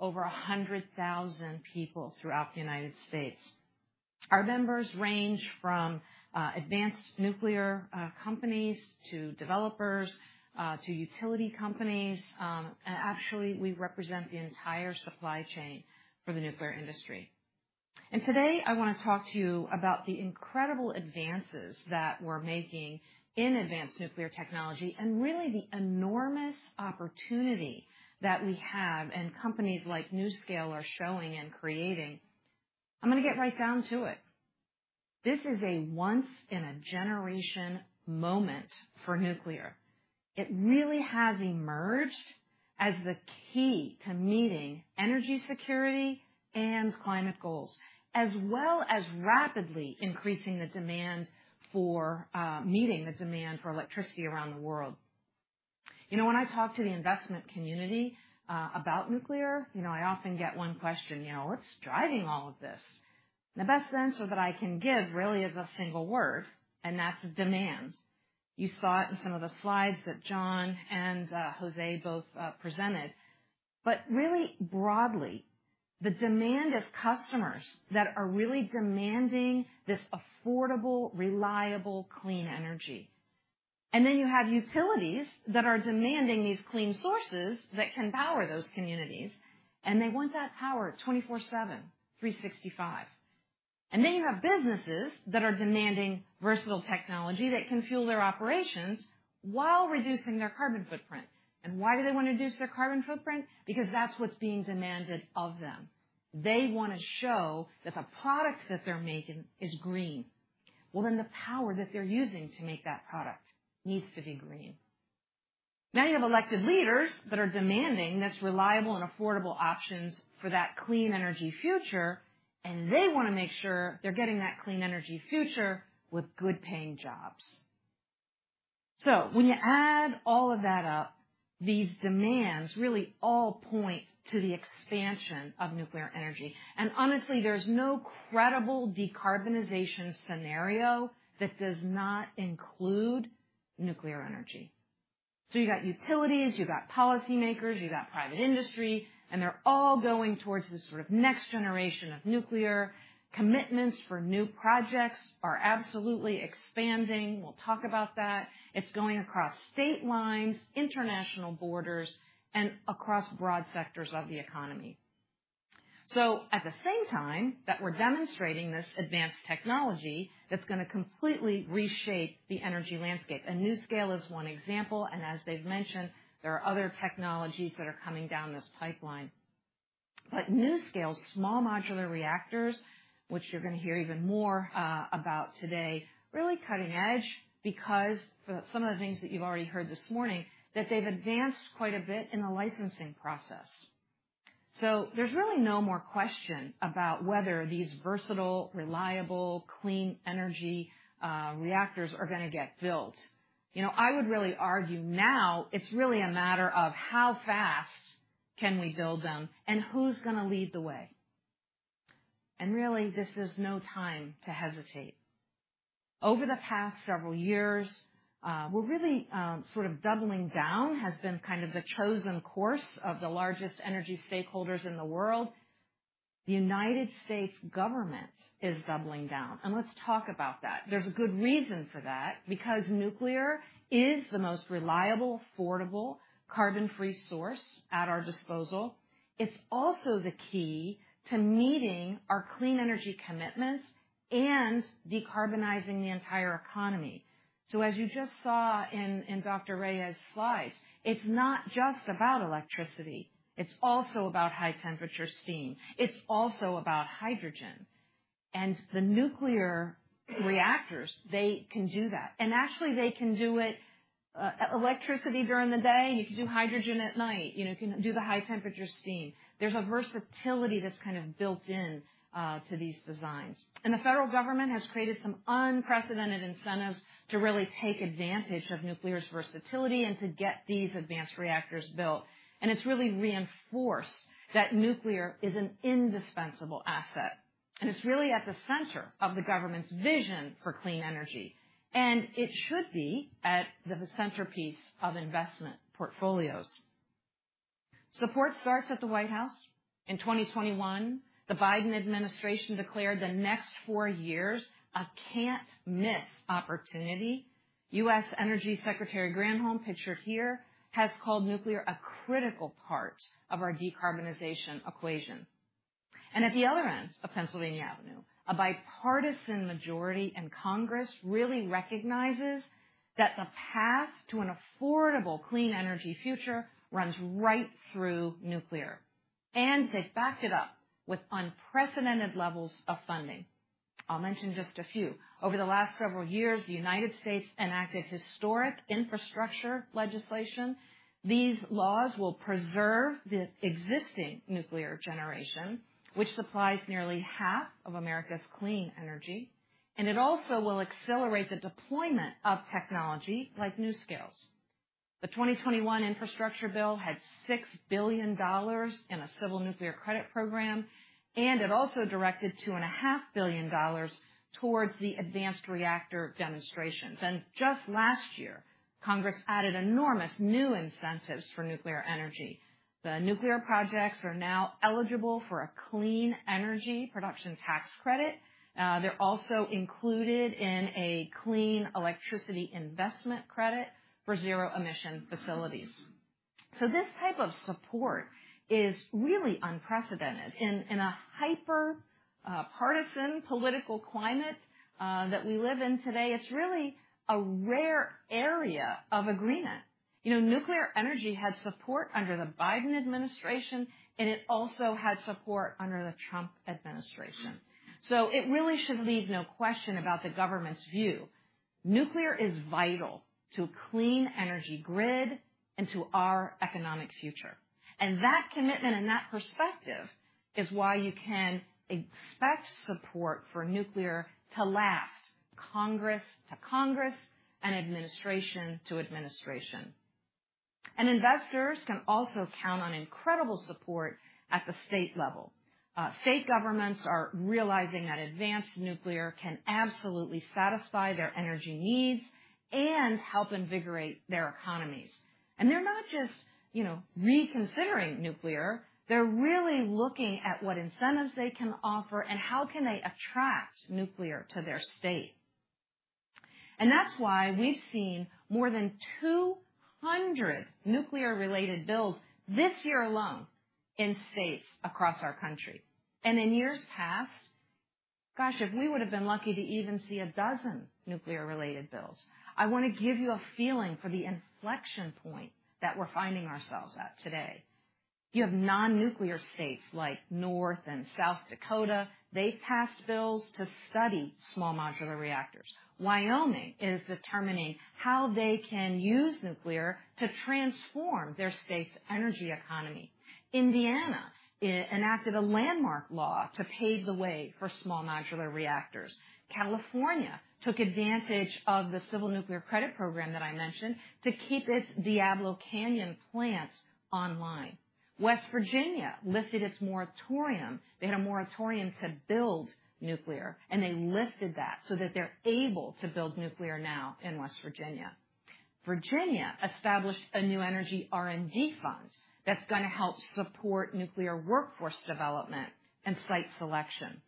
[SPEAKER 4] over 100,000 people throughout the United States. Our members range from advanced nuclear companies, to developers, to utility companies. And actually, we represent the entire supply chain for the nuclear industry. And today, I wanna talk to you about the incredible advances that we're making in advanced nuclear technology and really the enormous opportunity that we have, and companies like NuScale are showing and creating. I'm gonna get right down to it. This is a once-in-a-generation moment for nuclear. It really has emerged as the key to meeting energy security and climate goals, as well as rapidly increasing the demand for, you know, meeting the demand for electricity around the world. You know, when I talk to the investment community, you know, about nuclear, you know, I often get one question: "You know, what's driving all of this?" The best answer that I can give really is a single word, and that's demand. You saw it in some of the slides that John and, you know, Jose both, you know, presented. Really broadly, the demand is customers that are really demanding this affordable, reliable, clean energy. Then you have utilities that are demanding these clean sources that can power those communities, and they want that power 24/7, 365. Then you have businesses that are demanding versatile technology that can fuel their operations while reducing their carbon footprint. Why do they want to reduce their carbon footprint? Because that's what's being demanded of them. They wanna show that the product that they're making is green. Well, then the power that they're using to make that product needs to be green. Now, you have elected leaders that are demanding this reliable and affordable options for that clean energy future, and they wanna make sure they're getting that clean energy future with good-paying jobs. When you add all of that up, these demands really all point to the expansion of nuclear energy. Honestly, there's no credible decarbonization scenario that does not include nuclear energy. You've got utilities, you've got policymakers, you've got private industry, and they're all going towards this sort of next generation of nuclear. Commitments for new projects are absolutely expanding. We'll talk about that. It's going across state lines, international borders, and across broad sectors of the economy. So at the same time that we're demonstrating this advanced technology, that's gonna completely reshape the energy landscape, and NuScale is one example, and as they've mentioned, there are other technologies that are coming down this pipeline. But NuScale's small modular reactors, which you're gonna hear even more about today, really cutting edge, because for some of the things that you've already heard this morning, that they've advanced quite a bit in the licensing process. So there's really no more question about whether these versatile, reliable, clean energy reactors are gonna get built. You know, I would really argue now it's really a matter of how fast can we build them, and who's gonna lead the way? Really, this is no time to hesitate. Over the past several years, we're really, sort of doubling down, has been kind of the chosen course of the largest energy stakeholders in the world. The United States government is doubling down, and let's talk about that. There's a good reason for that, because nuclear is the most reliable, affordable, carbon-free source at our disposal. It's also the key to meeting our clean energy commitments and decarbonizing the entire economy. So as you just saw in Dr. Reyes' slide, it's not just about electricity, it's also about high-temperature steam. It's also about hydrogen. And the nuclear reactors, they can do that. And actually, they can do it, electricity during the day, and you can do hydrogen at night. You know, you can do the high-temperature steam. There's a versatility that's kind of built in to these designs. The federal government has created some unprecedented incentives to really take advantage of nuclear's versatility and to get these advanced reactors built. It's really reinforced that nuclear is an indispensable asset, and it's really at the center of the government's vision for clean energy, and it should be at the centerpiece of investment portfolios. Support starts at the White House. In 2021, the Biden administration declared the next four years a can't-miss opportunity. U.S. Energy Secretary Granholm, pictured here, has called nuclear a critical part of our decarbonization equation. At the other end of Pennsylvania Avenue, a bipartisan majority in Congress really recognizes that the path to an affordable, clean energy future runs right through nuclear, and they've backed it up with unprecedented levels of funding. I'll mention just a few. Over the last several years, the United States enacted historic infrastructure legislation. These laws will preserve the existing nuclear generation, which supplies nearly half of America's clean energy, and it also will accelerate the deployment of technology like NuScale's. The 2021 infrastructure bill had $6 billion in a Civil Nuclear Credit Program, and it also directed $2.5 billion towards the advanced reactor demonstrations. Just last year, Congress added enormous new incentives for nuclear energy. The nuclear projects are now eligible for a Clean Energy Production Tax Credit. They're also included in a Clean Electricity Investment Credit for zero-emission facilities. This type of support is really unprecedented. In a hyper partisan political climate that we live in today, it's really a rare area of agreement. You know, nuclear energy had support under the Biden administration, and it also had support under the Trump administration. So it really should leave no question about the government's view. Nuclear is vital to a clean energy grid and to our economic future. And that commitment and that perspective is why you can expect support for nuclear to last Congress to Congress and administration to administration. And investors can also count on incredible support at the state level. State governments are realizing that advanced nuclear can absolutely satisfy their energy needs and help invigorate their economies. And they're not just, you know, reconsidering nuclear, they're really looking at what incentives they can offer and how can they attract nuclear to their state. And that's why we've seen more than 200 nuclear-related bills this year alone in states across our country. In years past, gosh, if we would have been lucky to even see a dozen nuclear-related bills. I wanna give you a feeling for the inflection point that we're finding ourselves at today. You have non-nuclear states like North and South Dakota, they've passed bills to study small modular reactors. Wyoming is determining how they can use nuclear to transform their state's energy economy. Indiana enacted a landmark law to pave the way for small modular reactors. California took advantage of the Civil Nuclear Credit Program that I mentioned to keep its Diablo Canyon plant online. West Virginia lifted its moratorium. They had a moratorium to build nuclear, and they lifted that so that they're able to build nuclear now in West Virginia. Virginia established a new energy R&D fund that's gonna help support nuclear workforce development and site selection.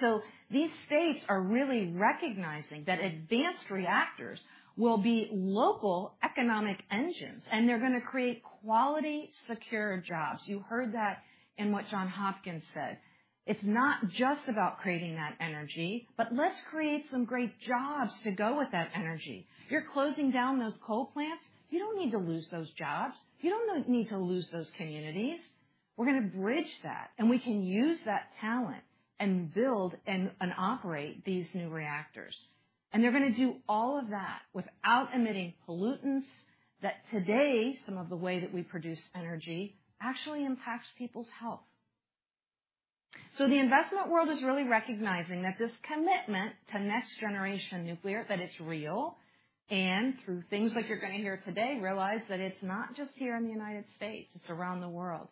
[SPEAKER 4] So these states are really recognizing that advanced reactors will be local economic engines, and they're gonna create quality, secure jobs. You heard that in what John Hopkins said. It's not just about creating that energy, but let's create some great jobs to go with that energy. You're closing down those coal plants? You don't need to lose those jobs. You don't need to lose those communities. We're gonna bridge that, and we can use that talent and build and operate these new reactors.... And they're gonna do all of that without emitting pollutants that today, some of the way that we produce energy, actually impacts people's health. So the investment world is really recognizing that this commitment to next-generation nuclear, that it's real, and through things that you're gonna hear today, realize that it's not just here in the United States, it's around the world.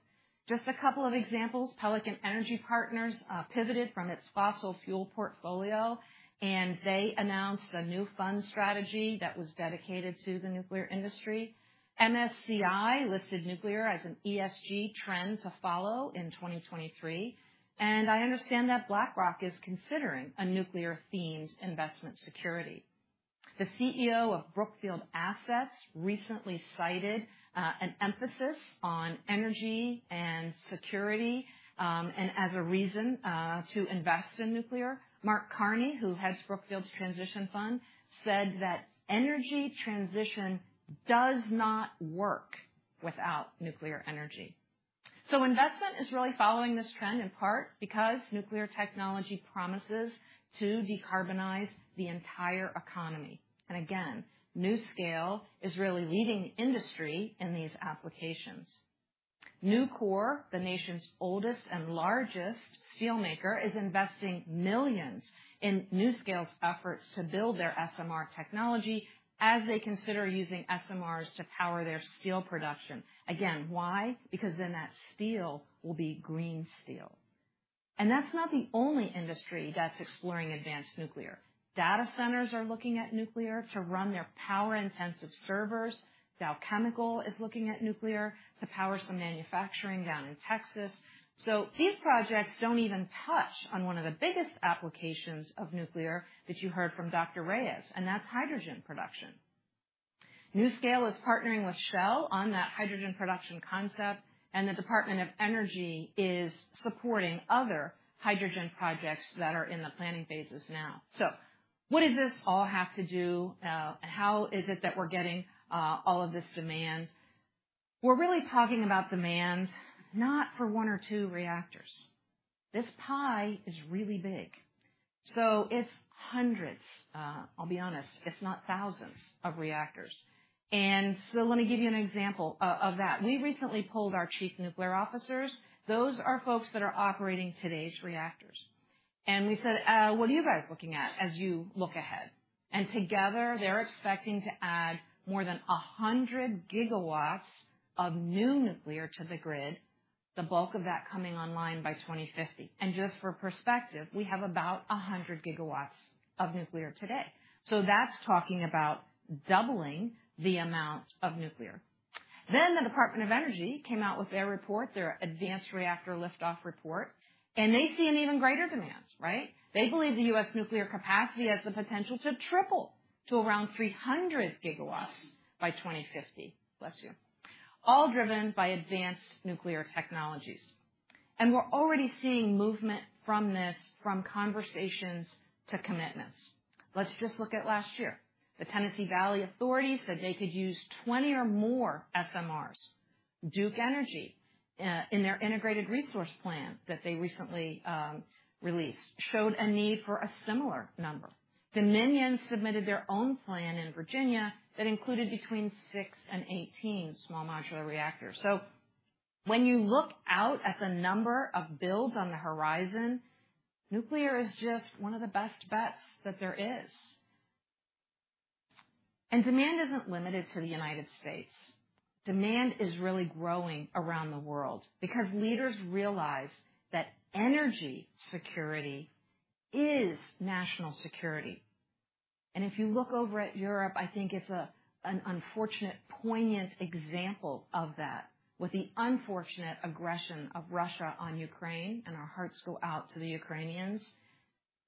[SPEAKER 4] Just a couple of examples. Pelican Energy Partners pivoted from its fossil fuel portfolio, and they announced a new fund strategy that was dedicated to the nuclear industry. MSCI listed nuclear as an ESG trend to follow in 2023, and I understand that BlackRock is considering a nuclear-themed investment security. The CEO of Brookfield Assets recently cited an emphasis on energy and security and as a reason to invest in nuclear. Mark Carney, who heads Brookfield's transition fund, said that: "Energy transition does not work without nuclear energy." So investment is really following this trend, in part because nuclear technology promises to decarbonize the entire economy. And again, NuScale is really leading the industry in these applications. Nucor, the nation's oldest and largest steelmaker, is investing millions in NuScale's efforts to build their SMR technology as they consider using SMRs to power their steel production. Again, why? Because then that steel will be green steel. And that's not the only industry that's exploring advanced nuclear. Data centers are looking at nuclear to run their power-intensive servers. Dow Chemical is looking at nuclear to power some manufacturing down in Texas. So these projects don't even touch on one of the biggest applications of nuclear that you heard from Dr. Reyes, and that's hydrogen production. NuScale is partnering with Shell on that hydrogen production concept, and the Department of Energy is supporting other hydrogen projects that are in the planning phases now. So what does this all have to do, and how is it that we're getting, all of this demand? We're really talking about demand, not for 1 or 2 reactors. This pie is really big, so it's hundreds, I'll be honest, if not thousands of reactors. Let me give you an example of that. We recently polled our chief nuclear officers. Those are folks that are operating today's reactors. We said, "What are you guys looking at as you look ahead?" Together, they're expecting to add more than 100 GW of new nuclear to the grid, the bulk of that coming online by 2050. Just for perspective, we have about 100 GW of nuclear today, so that's talking about doubling the amount of nuclear. The Department of Energy came out with their report, their Advanced Reactor Liftoff report, and they see an even greater demand, right? They believe the U.S. nuclear capacity has the potential to triple to around 300 GW by 2050. Bless you. All driven by advanced nuclear technologies. We're already seeing movement from this, from conversations to commitments. Let's just look at last year. The Tennessee Valley Authority said they could use 20 or more SMRs. Duke Energy in their integrated resource plan that they recently released showed a need for a similar number. Dominion submitted their own plan in Virginia that included between 6 and 18 small modular reactors. So when you look out at the number of builds on the horizon, nuclear is just one of the best bets that there is. And demand isn't limited to the United States. Demand is really growing around the world because leaders realize that energy security is national security. And if you look over at Europe, I think it's a an unfortunate poignant example of that, with the unfortunate aggression of Russia on Ukraine, and our hearts go out to the Ukrainians.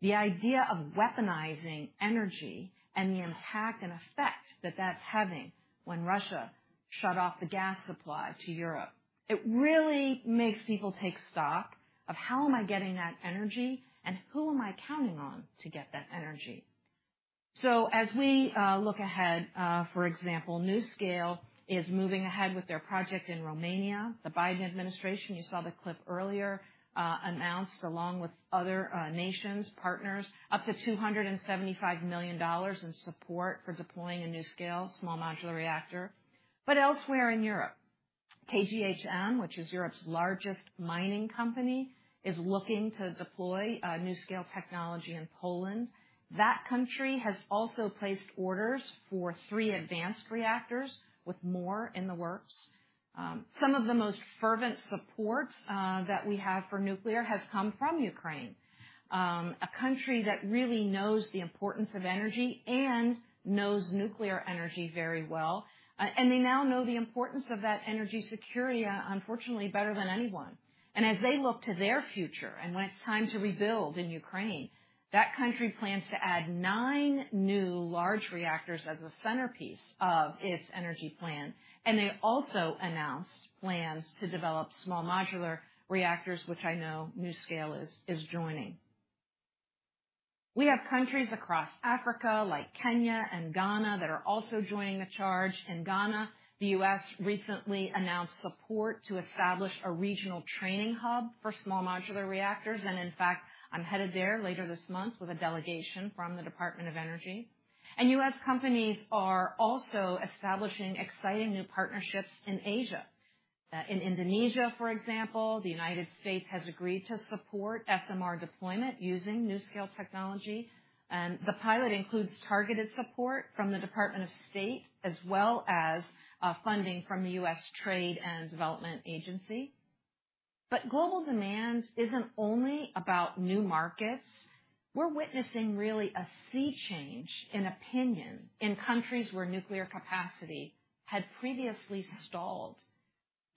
[SPEAKER 4] The idea of weaponizing energy and the impact and effect that that's having when Russia shut off the gas supply to Europe, it really makes people take stock of: How am I getting that energy, and who am I counting on to get that energy? So as we look ahead, for example, NuScale is moving ahead with their project in Romania. The Biden administration, you saw the clip earlier, announced, along with other nations, partners, up to $275 million in support for deploying a NuScale small modular reactor. But elsewhere in Europe, KGHM, which is Europe's largest mining company, is looking to deploy NuScale technology in Poland. That country has also placed orders for 3 advanced reactors, with more in the works. Some of the most fervent support that we have for nuclear has come from Ukraine, a country that really knows the importance of energy and knows nuclear energy very well. They now know the importance of that energy security, unfortunately, better than anyone. As they look to their future and when it's time to rebuild in Ukraine, that country plans to add 9 new large reactors as a centerpiece of its energy plan. They also announced plans to develop small modular reactors, which I know NuScale is joining. We have countries across Africa, like Kenya and Ghana, that are also joining the charge. In Ghana, the U.S. recently announced support to establish a regional training hub for small modular reactors, and in fact, I'm headed there later this month with a delegation from the Department of Energy. U.S. companies are also establishing exciting new partnerships in Asia. In Indonesia, for example, the United States has agreed to support SMR deployment using NuScale technology, and the pilot includes targeted support from the Department of State, as well as funding from the U.S. Trade and Development Agency. Global demand isn't only about new markets. We're witnessing really a sea change in opinion in countries where nuclear capacity had previously stalled.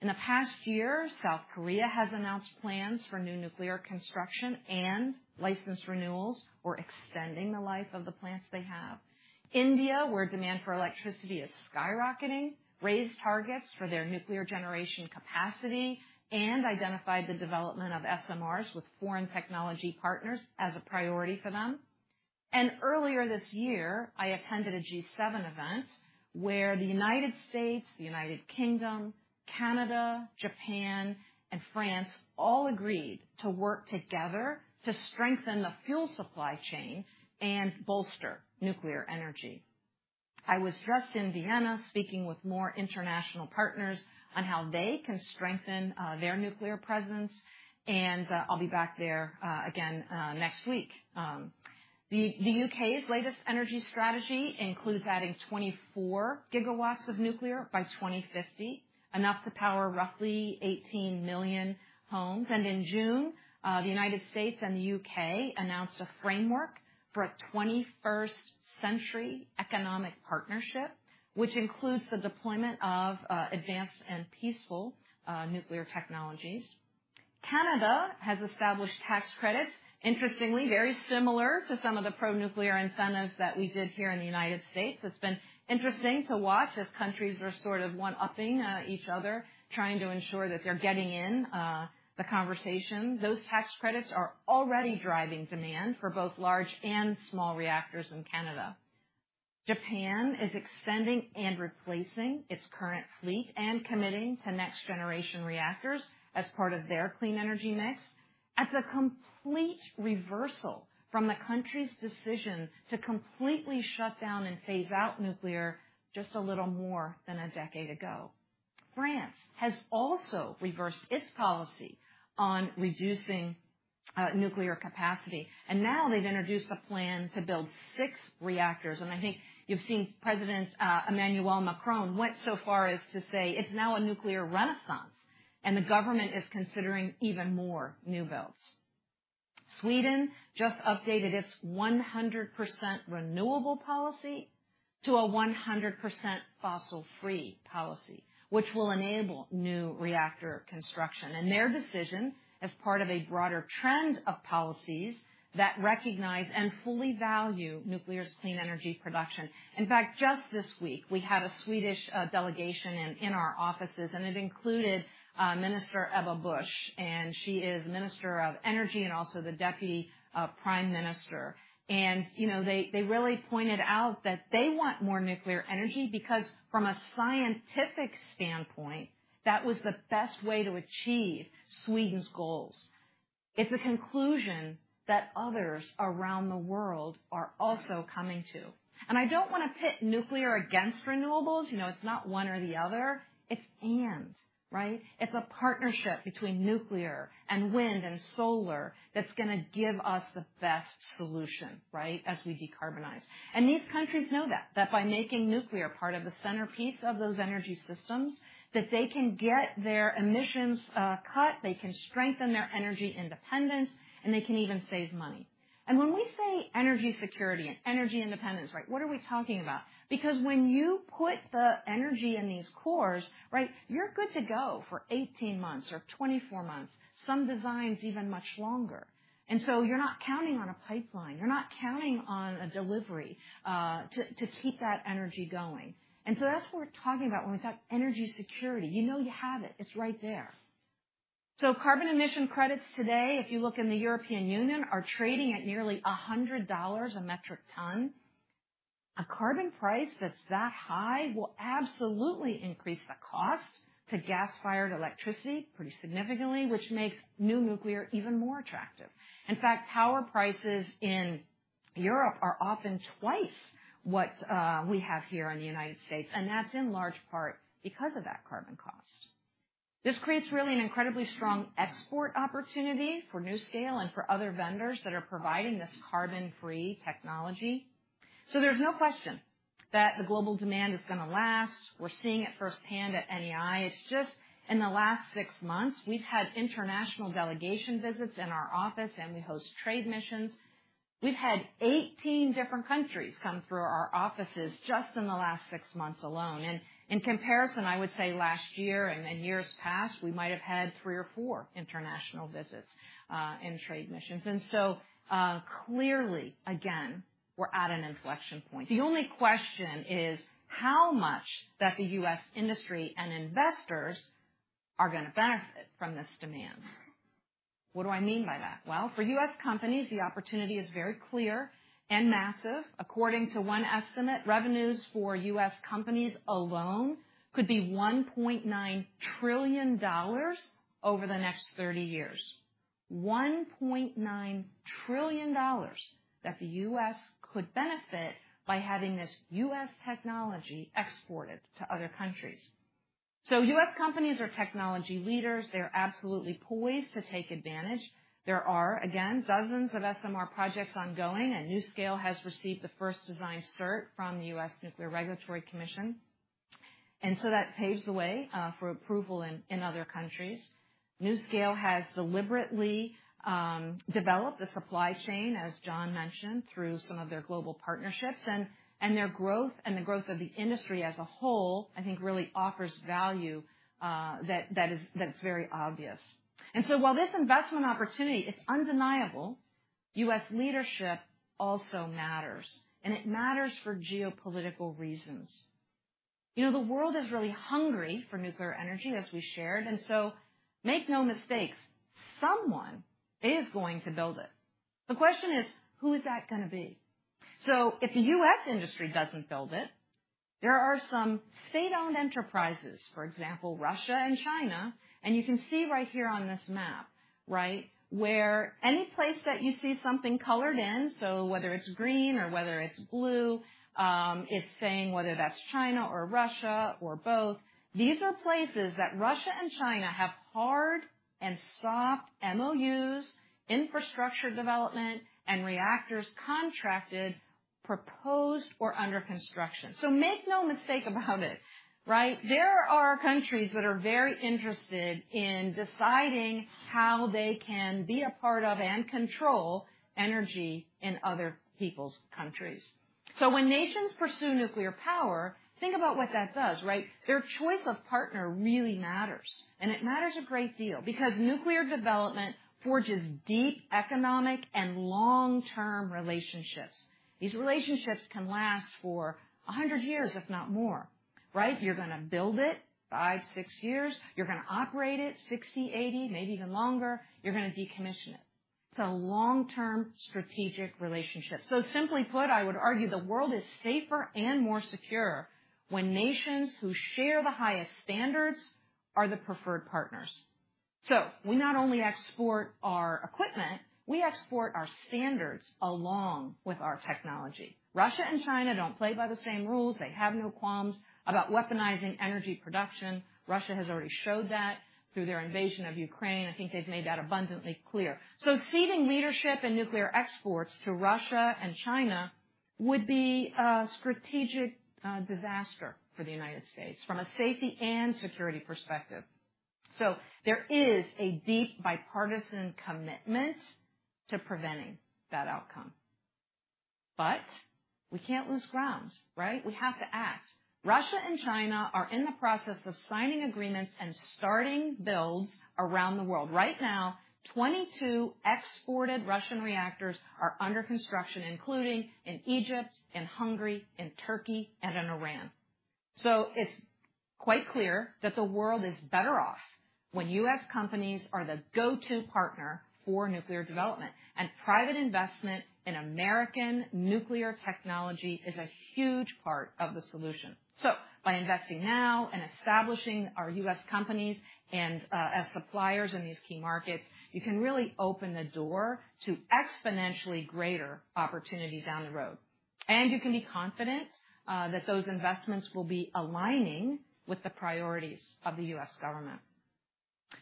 [SPEAKER 4] In the past year, South Korea has announced plans for new nuclear construction and license renewals or extending the life of the plants they have. India, where demand for electricity is skyrocketing, raised targets for their nuclear generation capacity and identified the development of SMRs with foreign technology partners as a priority for them. Earlier this year, I attended a G7 event where the United States, the United Kingdom, Canada, Japan, and France all agreed to work together to strengthen the fuel supply chain and bolster nuclear energy. I was just in Vienna, speaking with more international partners on how they can strengthen their nuclear presence, and I'll be back there again next week. The U.K.'s latest energy strategy includes adding 24 gigawatts of nuclear by 2050, enough to power roughly 18 million homes. In June, the United States and the U.K. announced a framework for a 21st century economic partnership, which includes the deployment of advanced and peaceful nuclear technologies. Canada has established tax credits, interestingly, very similar to some of the pro-nuclear incentives that we did here in the United States. It's been interesting to watch as countries are sort of one-upping, each other, trying to ensure that they're getting in, the conversation. Those tax credits are already driving demand for both large and small reactors in Canada. Japan is extending and replacing its current fleet and committing to next-generation reactors as part of their clean energy mix. That's a complete reversal from the country's decision to completely shut down and phase out nuclear just a little more than a decade ago. France has also reversed its policy on reducing, nuclear capacity, and now they've introduced a plan to build six reactors, and I think you've seen President, Emmanuel Macron went so far as to say it's now a nuclear renaissance, and the government is considering even more new builds. Sweden just updated its 100% renewable policy to a 100% fossil-free policy, which will enable new reactor construction, and their decision is part of a broader trend of policies that recognize and fully value nuclear's clean energy production. In fact, just this week, we had a Swedish delegation in our offices, and it included Minister Ebba Busch, and she is Minister of Energy and also the Deputy Prime Minister. And, you know, they really pointed out that they want more nuclear energy because from a scientific standpoint, that was the best way to achieve Sweden's goals. It's a conclusion that others around the world are also coming to. And I don't wanna pit nuclear against renewables. You know, it's not one or the other. It's and, right? It's a partnership between nuclear and wind and solar that's gonna give us the best solution, right, as we decarbonize. These countries know that by making nuclear part of the centerpiece of those energy systems, that they can get their emissions cut, they can strengthen their energy independence, and they can even save money. When we say energy security and energy independence, right, what are we talking about? Because when you put the energy in these cores, right, you're good to go for 18 months or 24 months, some designs even much longer. You're not counting on a pipeline, you're not counting on a delivery to keep that energy going. That's what we're talking about when we talk energy security. You know you have it. It's right there. So carbon emission credits today, if you look in the European Union, are trading at nearly $100 a metric ton. A carbon price that's that high will absolutely increase the cost to gas-fired electricity pretty significantly, which makes new nuclear even more attractive. In fact, power prices in Europe are often twice what we have here in the United States, and that's in large part because of that carbon cost. This creates really an incredibly strong export opportunity for NuScale and for other vendors that are providing this carbon-free technology. So there's no question that the global demand is gonna last. We're seeing it firsthand at NEI. It's just in the last 6 months, we've had international delegation visits in our office, and we host trade missions. We've had 18 different countries come through our offices just in the last 6 months alone, and in comparison, I would say last year and years past, we might have had 3 or 4 international visits, and trade missions. So, clearly, again, we're at an inflection point. The only question is how much that the U.S. industry and investors are going to benefit from this demand. What do I mean by that? Well, for U.S. companies, the opportunity is very clear and massive. According to one estimate, revenues for U.S. companies alone could be $1.9 trillion dollars over the next 30 years. $1.9 trillion dollars that the U.S. could benefit by having this U.S. technology exported to other countries. So U.S. companies are technology leaders. They're absolutely poised to take advantage. There are, again, dozens of SMR projects ongoing, and NuScale has received the first design cert from the U.S. Nuclear Regulatory Commission. That paves the way for approval in other countries. NuScale has deliberately developed a supply chain, as John mentioned, through some of their global partnerships, and their growth and the growth of the industry as a whole, I think, really offers value that is very obvious. While this investment opportunity is undeniable, U.S. leadership also matters, and it matters for geopolitical reasons. You know, the world is really hungry for nuclear energy, as we shared, and so make no mistakes, someone is going to build it. The question is, who is that going to be? If the U.S. industry doesn't build it, there are some state-owned enterprises, for example, Russia and China. You can see right here on this map, right, where any place that you see something colored in, so whether it's green or whether it's blue, it's saying whether that's China or Russia or both. These are places that Russia and China have hard and soft MOUs, infrastructure development, and reactors contracted, proposed, or under construction. So make no mistake about it, right? There are countries that are very interested in deciding how they can be a part of, and control, energy in other people's countries. So when nations pursue nuclear power, think about what that does, right? Their choice of partner really matters, and it matters a great deal because nuclear development forges deep economic and long-term relationships. These relationships can last for 100 years, if not more. Right? You're going to build it, 5, 6 years. You're going to operate it, 60, 80, maybe even longer. You're going to decommission it. It's a long-term strategic relationship. So simply put, I would argue the world is safer and more secure when nations who share the highest standards are the preferred partners. So we not only export our equipment, we export our standards along with our technology. Russia and China don't play by the same rules. They have no qualms about weaponizing energy production. Russia has already showed that through their invasion of Ukraine. I think they've made that abundantly clear. So ceding leadership in nuclear exports to Russia and China would be a strategic disaster for the United States from a safety and security perspective. So there is a deep bipartisan commitment to preventing that outcome. But we can't lose ground, right? We have to act. Russia and China are in the process of signing agreements and starting builds around the world. Right now, 22 exported Russian reactors are under construction, including in Egypt, in Hungary, in Turkey, and in Iran. So it's quite clear that the world is better off when U.S. companies are the go-to partner for nuclear development, and private investment in American nuclear technology is a huge part of the solution. So by investing now and establishing our U.S. companies and, as suppliers in these key markets, you can really open the door to exponentially greater opportunity down the road. And you can be confident, that those investments will be aligning with the priorities of the U.S. government.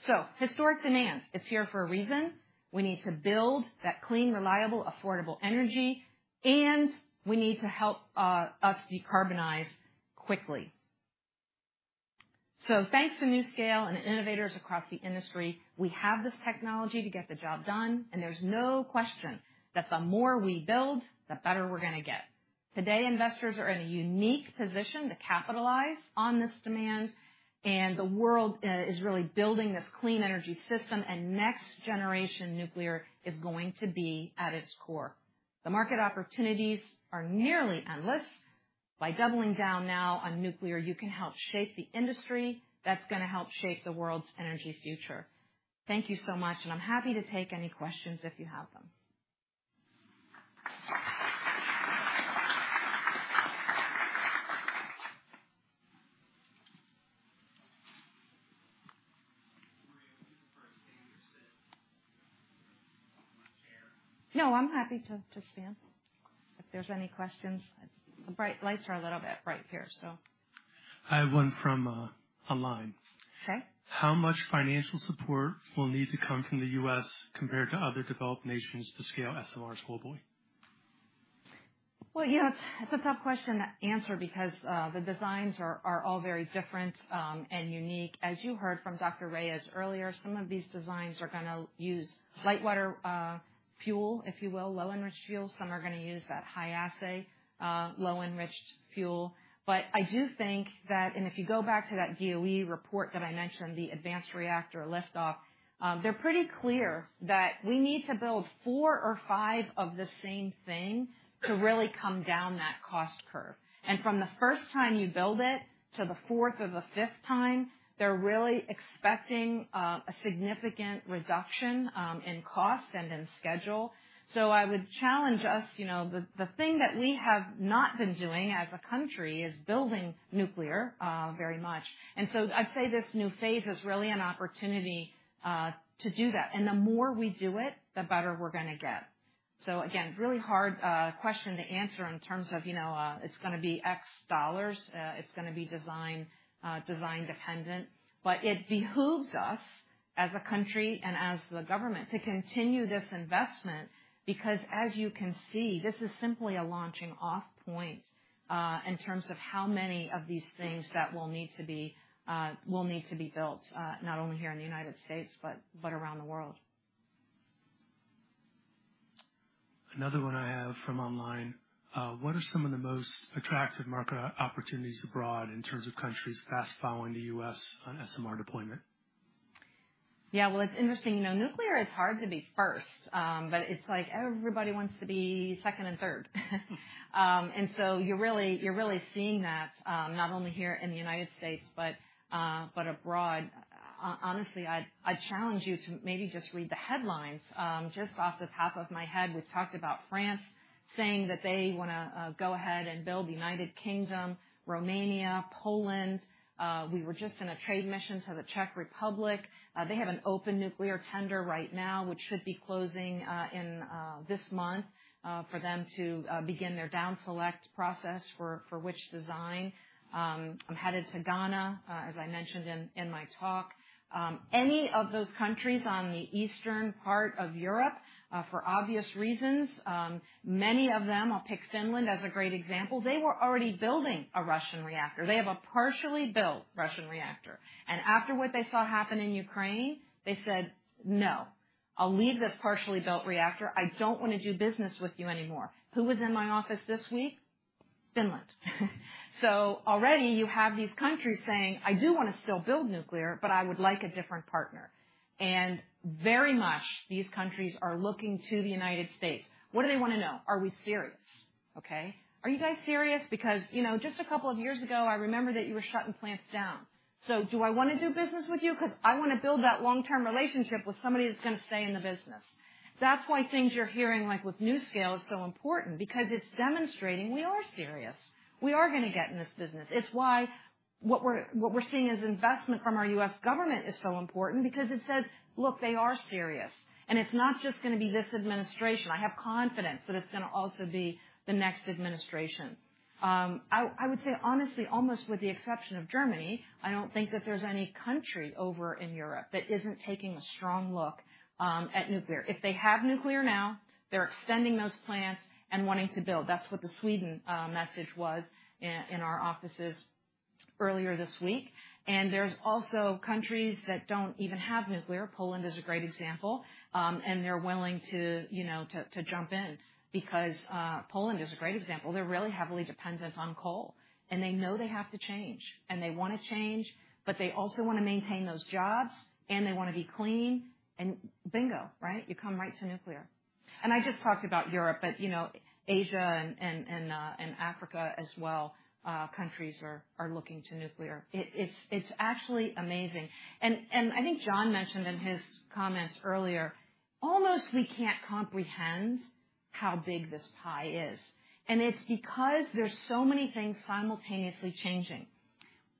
[SPEAKER 4] So historic demand, it's here for a reason. We need to build that clean, reliable, affordable energy, and we need to help, us decarbonize quickly. Thanks to NuScale and innovators across the industry, we have this technology to get the job done, and there's no question that the more we build, the better we're going to get. Today, investors are in a unique position to capitalize on this demand, and the world is really building this clean energy system, and next-generation nuclear is going to be at its core. The market opportunities are nearly endless. By doubling down now on nuclear, you can help shape the industry that's going to help shape the world's energy future. Thank you so much, and I'm happy to take any questions if you have them. No, I'm happy to stand if there's any questions. The bright lights are a little bit bright here, so.
[SPEAKER 1] I have one from, online.
[SPEAKER 4] Okay.
[SPEAKER 1] How much financial support will need to come from the U.S. compared to other developed nations to scale SMRs globally?
[SPEAKER 4] Well, you know, it's a tough question to answer because the designs are all very different and unique. As you heard from Dr. Reyes earlier, some of these designs are gonna use light-water, fuel, if you will, low-enriched fuel. Some are gonna use that high-assay, low-enriched fuel. I do think that if you go back to that DOE report that I mentioned, the Advanced Reactor Liftoff, they're pretty clear that we need to build 4 or 5 of the same thing to really come down that cost curve. From the first time you build it to the fourth or the fifth time, they're really expecting a significant reduction in cost and in schedule. I would challenge us, you know, the thing that we have not been doing as a country is building nuclear very much. I'd say this new phase is really an opportunity to do that, and the more we do it, the better we're gonna get. Really hard question to answer in terms of, you know, it's gonna be X dollars, it's gonna be design, design dependent, but it behooves us as a country and as the government to continue this investment, because as you can see, this is simply a launching-off point in terms of how many of these things that will need to be, will need to be built, not only here in the United States, but, but around the world.
[SPEAKER 1] Another one I have from online: What are some of the most attractive market opportunities abroad in terms of countries fast-following the U.S. on SMR deployment?
[SPEAKER 4] Yeah, well, it's interesting. You know, nuclear is hard to be first, but it's like everybody wants to be second and third. And so you're really seeing that, not only here in the United States, but abroad. Honestly, I'd challenge you to maybe just read the headlines. Just off the top of my head, we've talked about France saying that they wanna go ahead and build, the United Kingdom, Romania, Poland. We were just in a trade mission to the Czech Republic. They have an open nuclear tender right now, which should be closing in this month for them to begin their down-select process for which design. I'm headed to Ghana, as I mentioned in my talk. Any of those countries on the eastern part of Europe, for obvious reasons, many of them, I'll pick Finland as a great example. They were already building a Russian reactor. They have a partially built Russian reactor, and after what they saw happen in Ukraine, they said, "No, I'll leave this partially built reactor. I don't want to do business with you anymore." Who was in my office this week? Finland. So already you have these countries saying, "I do wanna still build nuclear, but I would like a different partner." And very much, these countries are looking to the United States. What do they wanna know? Are we serious? Okay. Are you guys serious? Because, you know, just a couple of years ago, I remember that you were shutting plants down. So do I wanna do business with you? 'Cause I wanna build that long-term relationship with somebody that's gonna stay in the business. That's why things you're hearing, like with NuScale, is so important, because it's demonstrating we are serious. We are gonna get in this business. It's why what we're seeing as investment from our U.S. government is so important because it says, "Look, they are serious." And it's not just gonna be this administration. I have confidence that it's gonna also be the next administration. I would say honestly, almost with the exception of Germany, I don't think that there's any country over in Europe that isn't taking a strong look at nuclear. If they have nuclear now, they're extending those plants and wanting to build. That's what the Sweden message was in our offices earlier this week. And there's also countries that don't even have nuclear. Poland is a great example, and they're willing to, you know, to jump in because Poland is a great example. They're really heavily dependent on coal, and they know they have to change, and they wanna change, but they also wanna maintain those jobs, and they wanna be clean, and bingo, right? You come right to nuclear. And I just talked about Europe, but, you know, Asia and Africa as well, countries are looking to nuclear. It's actually amazing. And I think John mentioned in his comments earlier, almost we can't comprehend how big this pie is, and it's because there's so many things simultaneously changing.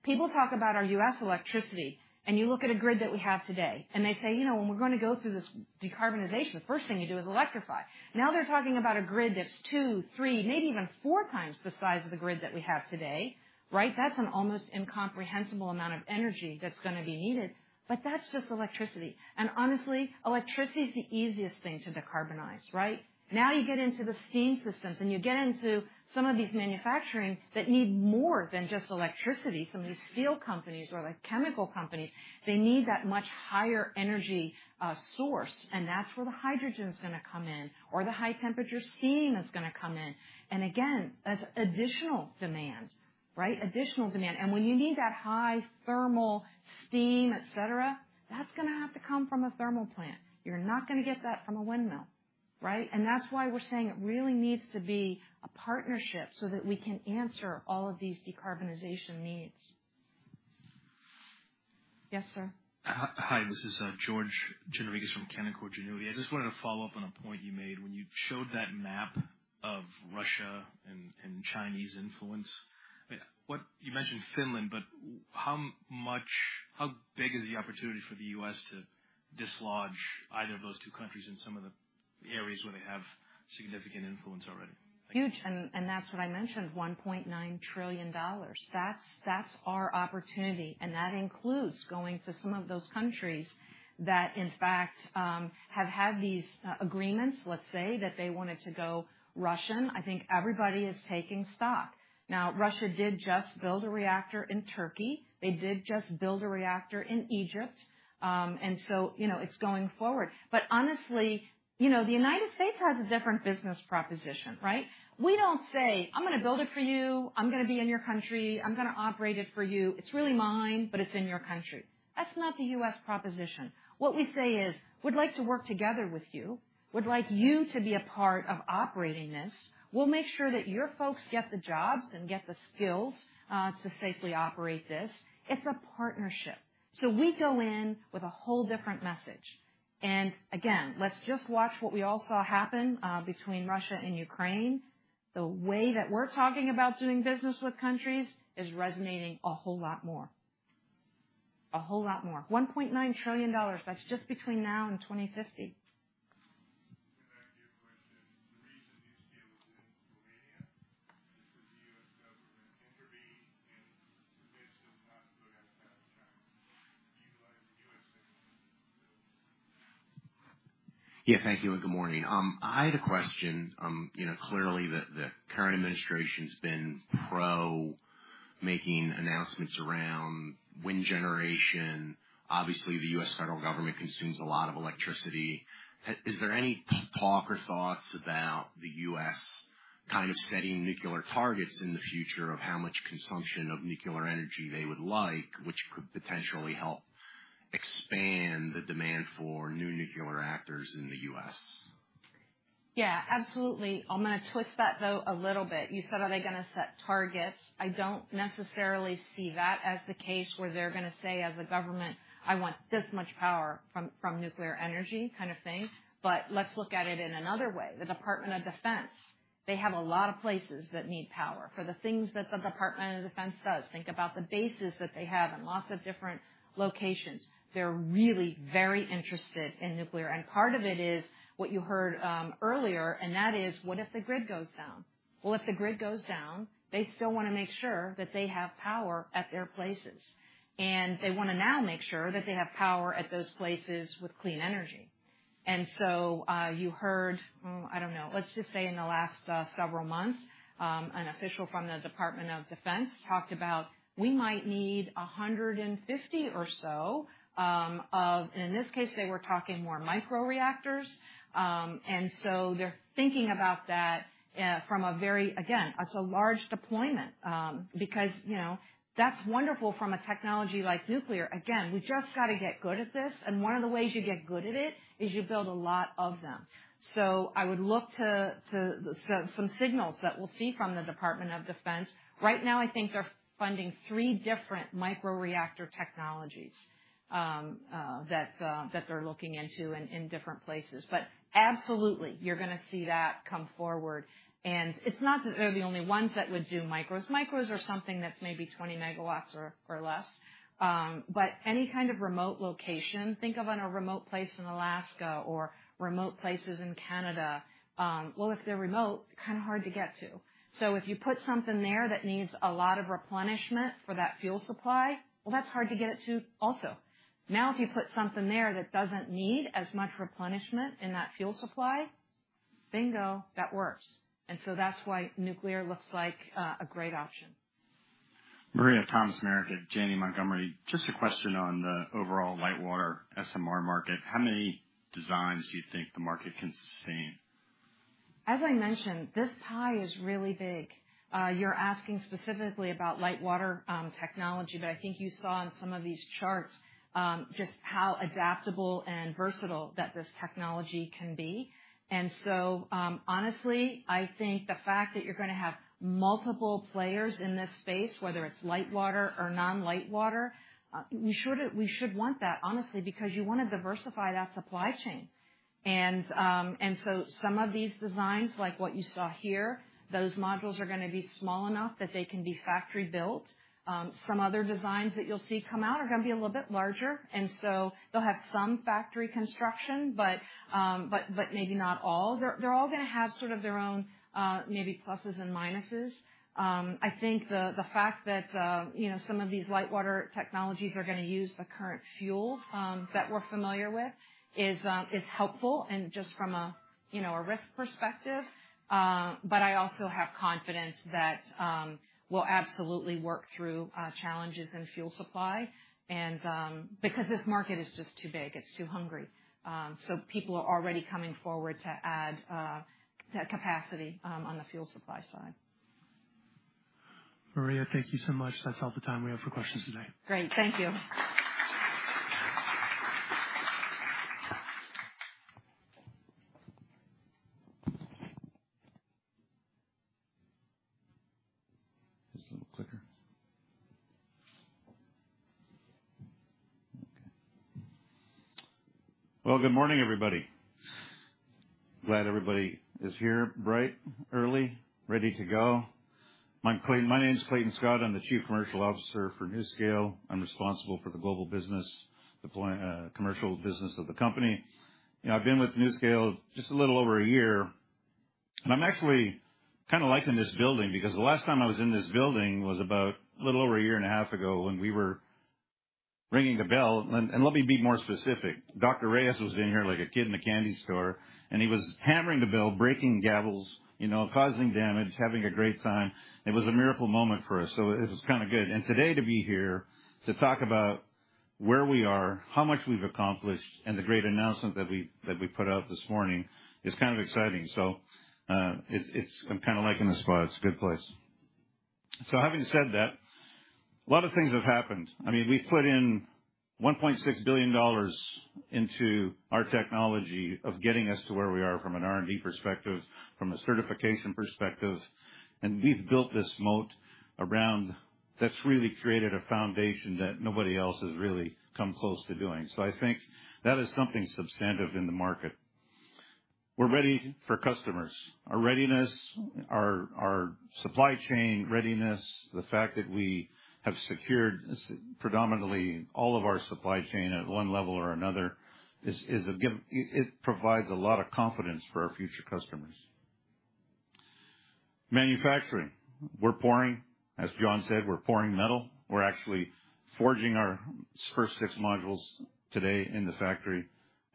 [SPEAKER 4] People talk about our U.S. electricity, and you look at a grid that we have today, and they say, "You know, when we're going to go through this decarbonization, the first thing you do is electrify." Now they're talking about a grid that's 2, 3, maybe even 4 times the size of the grid that we have today, right? That's an almost incomprehensible amount of energy that's gonna be needed, but that's just electricity. And honestly, electricity is the easiest thing to decarbonize, right? Now, you get into the steam systems, and you get into some of these manufacturing that need more than just electricity. Some of these steel companies or, like, chemical companies, they need that much higher energy source, and that's where the hydrogen's gonna come in, or the high-temperature steam is gonna come in. And again, that's additional demand, right? Additional demand. And when you need that high thermal steam, et cetera, that's gonna have to come from a thermal plant. You're not gonna get that from a windmill, right? And that's why we're saying it really needs to be a partnership so that we can answer all of these decarbonization needs. Yes, sir.
[SPEAKER 5] Hi, this is George Gianarikas from Canaccord Genuity. I just wanted to follow up on a point you made when you showed that map of Russia and Chinese influence. I mean, what? You mentioned Finland, but how much, how big is the opportunity for the U.S. to dislodge either of those two countries in some of the areas where they have significant influence already?
[SPEAKER 4] Huge, and that's what I mentioned, $1.9 trillion. That's our opportunity, and that includes going to some of those countries that, in fact, have had these agreements, let's say, that they wanted to go Russian. I think everybody is taking stock. Now, Russia did just build a reactor in Turkey. They did just build a reactor in Egypt. And so, you know, it's going forward. But honestly, you know, the United States has a different business proposition, right? We don't say: I'm gonna build it for you. I'm gonna be in your country. I'm gonna operate it for you. It's really mine, but it's in your country. That's not the U.S. proposition. What we say is: We'd like to work together with you. We'd like you to be a part of operating this. We'll make sure that your folks get the jobs and get the skills to safely operate this. It's a partnership. So we go in with a whole different message. And again, let's just watch what we all saw happen between Russia and Ukraine. The way that we're talking about doing business with countries is resonating a whole lot more... a whole lot more, $1.9 trillion. That's just between now and 2050.
[SPEAKER 6] Can I ask you a question? The reason NuScale is in Romania, is because the U.S. government intervened and convinced them not to go ahead with that contract, utilize the U.S. Yeah, thank you, and good morning. I had a question. You know, clearly, the current administration's been pro making announcements around wind generation. Obviously, the U.S. federal government consumes a lot of electricity. Is there any talk or thoughts about the U.S. kind of setting nuclear targets in the future of how much consumption of nuclear energy they would like, which could potentially help expand the demand for new nuclear reactors in the U.S.?
[SPEAKER 4] Yeah, absolutely. I'm going to twist that, though, a little bit. You said, are they going to set targets? I don't necessarily see that as the case where they're going to say, as a government, "I want this much power from, from nuclear energy," kind of thing. But let's look at it in another way. The Department of Defense, they have a lot of places that need power for the things that the Department of Defense does. Think about the bases that they have in lots of different locations. They're really very interested in nuclear, and part of it is what you heard earlier, and that is: What if the grid goes down? Well, if the grid goes down, they still want to make sure that they have power at their places, and they want to now make sure that they have power at those places with clean energy. You heard, oh, I don't know, let's just say in the last several months, an official from the Department of Defense talked about we might need 150 or so, in this case, they were talking more microreactors. They're thinking about that from a very, again, it's a large deployment, because, you know, that's wonderful from a technology like nuclear. Again, we just got to get good at this, and one of the ways you get good at it is you build a lot of them. I would look to some signals that we'll see from the Department of Defense. Right now, I think they're funding three different microreactor technologies that they're looking into in different places. But absolutely, you're going to see that come forward, and it's not that they're the only ones that would do micros. Micros are something that's maybe 20 MW or, or less. But any kind of remote location, think of on a remote place in Alaska or remote places in Canada. Well, if they're remote, kind of hard to get to. So if you put something there that needs a lot of replenishment for that fuel supply, well, that's hard to get it to also. Now, if you put something there that doesn't need as much replenishment in that fuel supply, bingo, that works. And so that's why nuclear looks like a great option.
[SPEAKER 7] Maria, Thomas Meric, Janney Montgomery. Just a question on the overall light-water SMR market. How many designs do you think the market can sustain?
[SPEAKER 4] As I mentioned, this pie is really big. You're asking specifically about light-water technology, but I think you saw in some of these charts just how adaptable and versatile that this technology can be. Honestly, I think the fact that you're going to have multiple players in this space, whether it's light-water or non-light-water, we should want that, honestly, because you want to diversify that supply chain. Some of these designs, like what you saw here, those modules are going to be small enough that they can be factory built. Some other designs that you'll see come out are going to be a little bit larger, and they'll have some factory construction, but maybe not all. They're all going to have sort of their own, maybe pluses and minuses. I think the fact that, you know, some of these light-water technologies are going to use the current fuel that we're familiar with is helpful, and just from a, you know, a risk perspective. But I also have confidence that we'll absolutely work through challenges in fuel supply and because this market is just too big, it's too hungry. So people are already coming forward to add that capacity on the fuel supply side.
[SPEAKER 1] Maria, thank you so much. That's all the time we have for questions today.
[SPEAKER 4] Great. Thank you.
[SPEAKER 8] Just a little clicker. Okay. Well, good morning, everybody. Glad everybody is here, bright, early, ready to go. My name is Clayton Scott. I'm the Chief Commercial Officer for NuScale. I'm responsible for the global business deploy, you know, commercial business of the company. You know, I've been with NuScale just a little over a year, and I'm actually kind of liking this building because the last time I was in this building was about a little over a year and a half ago when we were ringing the bell. Let me be more specific. Dr. Reyes was in here like a kid in a candy store, and he was hammering the bell, breaking gavels, you know, causing damage, having a great time. It was a miracle moment for us, so it was kind of good. Today, to be here to talk about where we are, how much we've accomplished, and the great announcement that we, that we put out this morning is kind of exciting. So, it's. I'm kind of liking this spot. It's a good place. So having said that, a lot of things have happened. I mean, we put in $1.6 billion into our technology of getting us to where we are from an R&D perspective, from a certification perspective, and we've built this moat around... that's really created a foundation that nobody else has really come close to doing. So I think that is something substantive in the market.... We're ready for customers. Our readiness, our supply chain readiness, the fact that we have secured predominantly all of our supply chain at one level or another, is a given. It provides a lot of confidence for our future customers. Manufacturing. We're pouring. As John said, we're pouring metal. We're actually forging our first six modules today in the factory,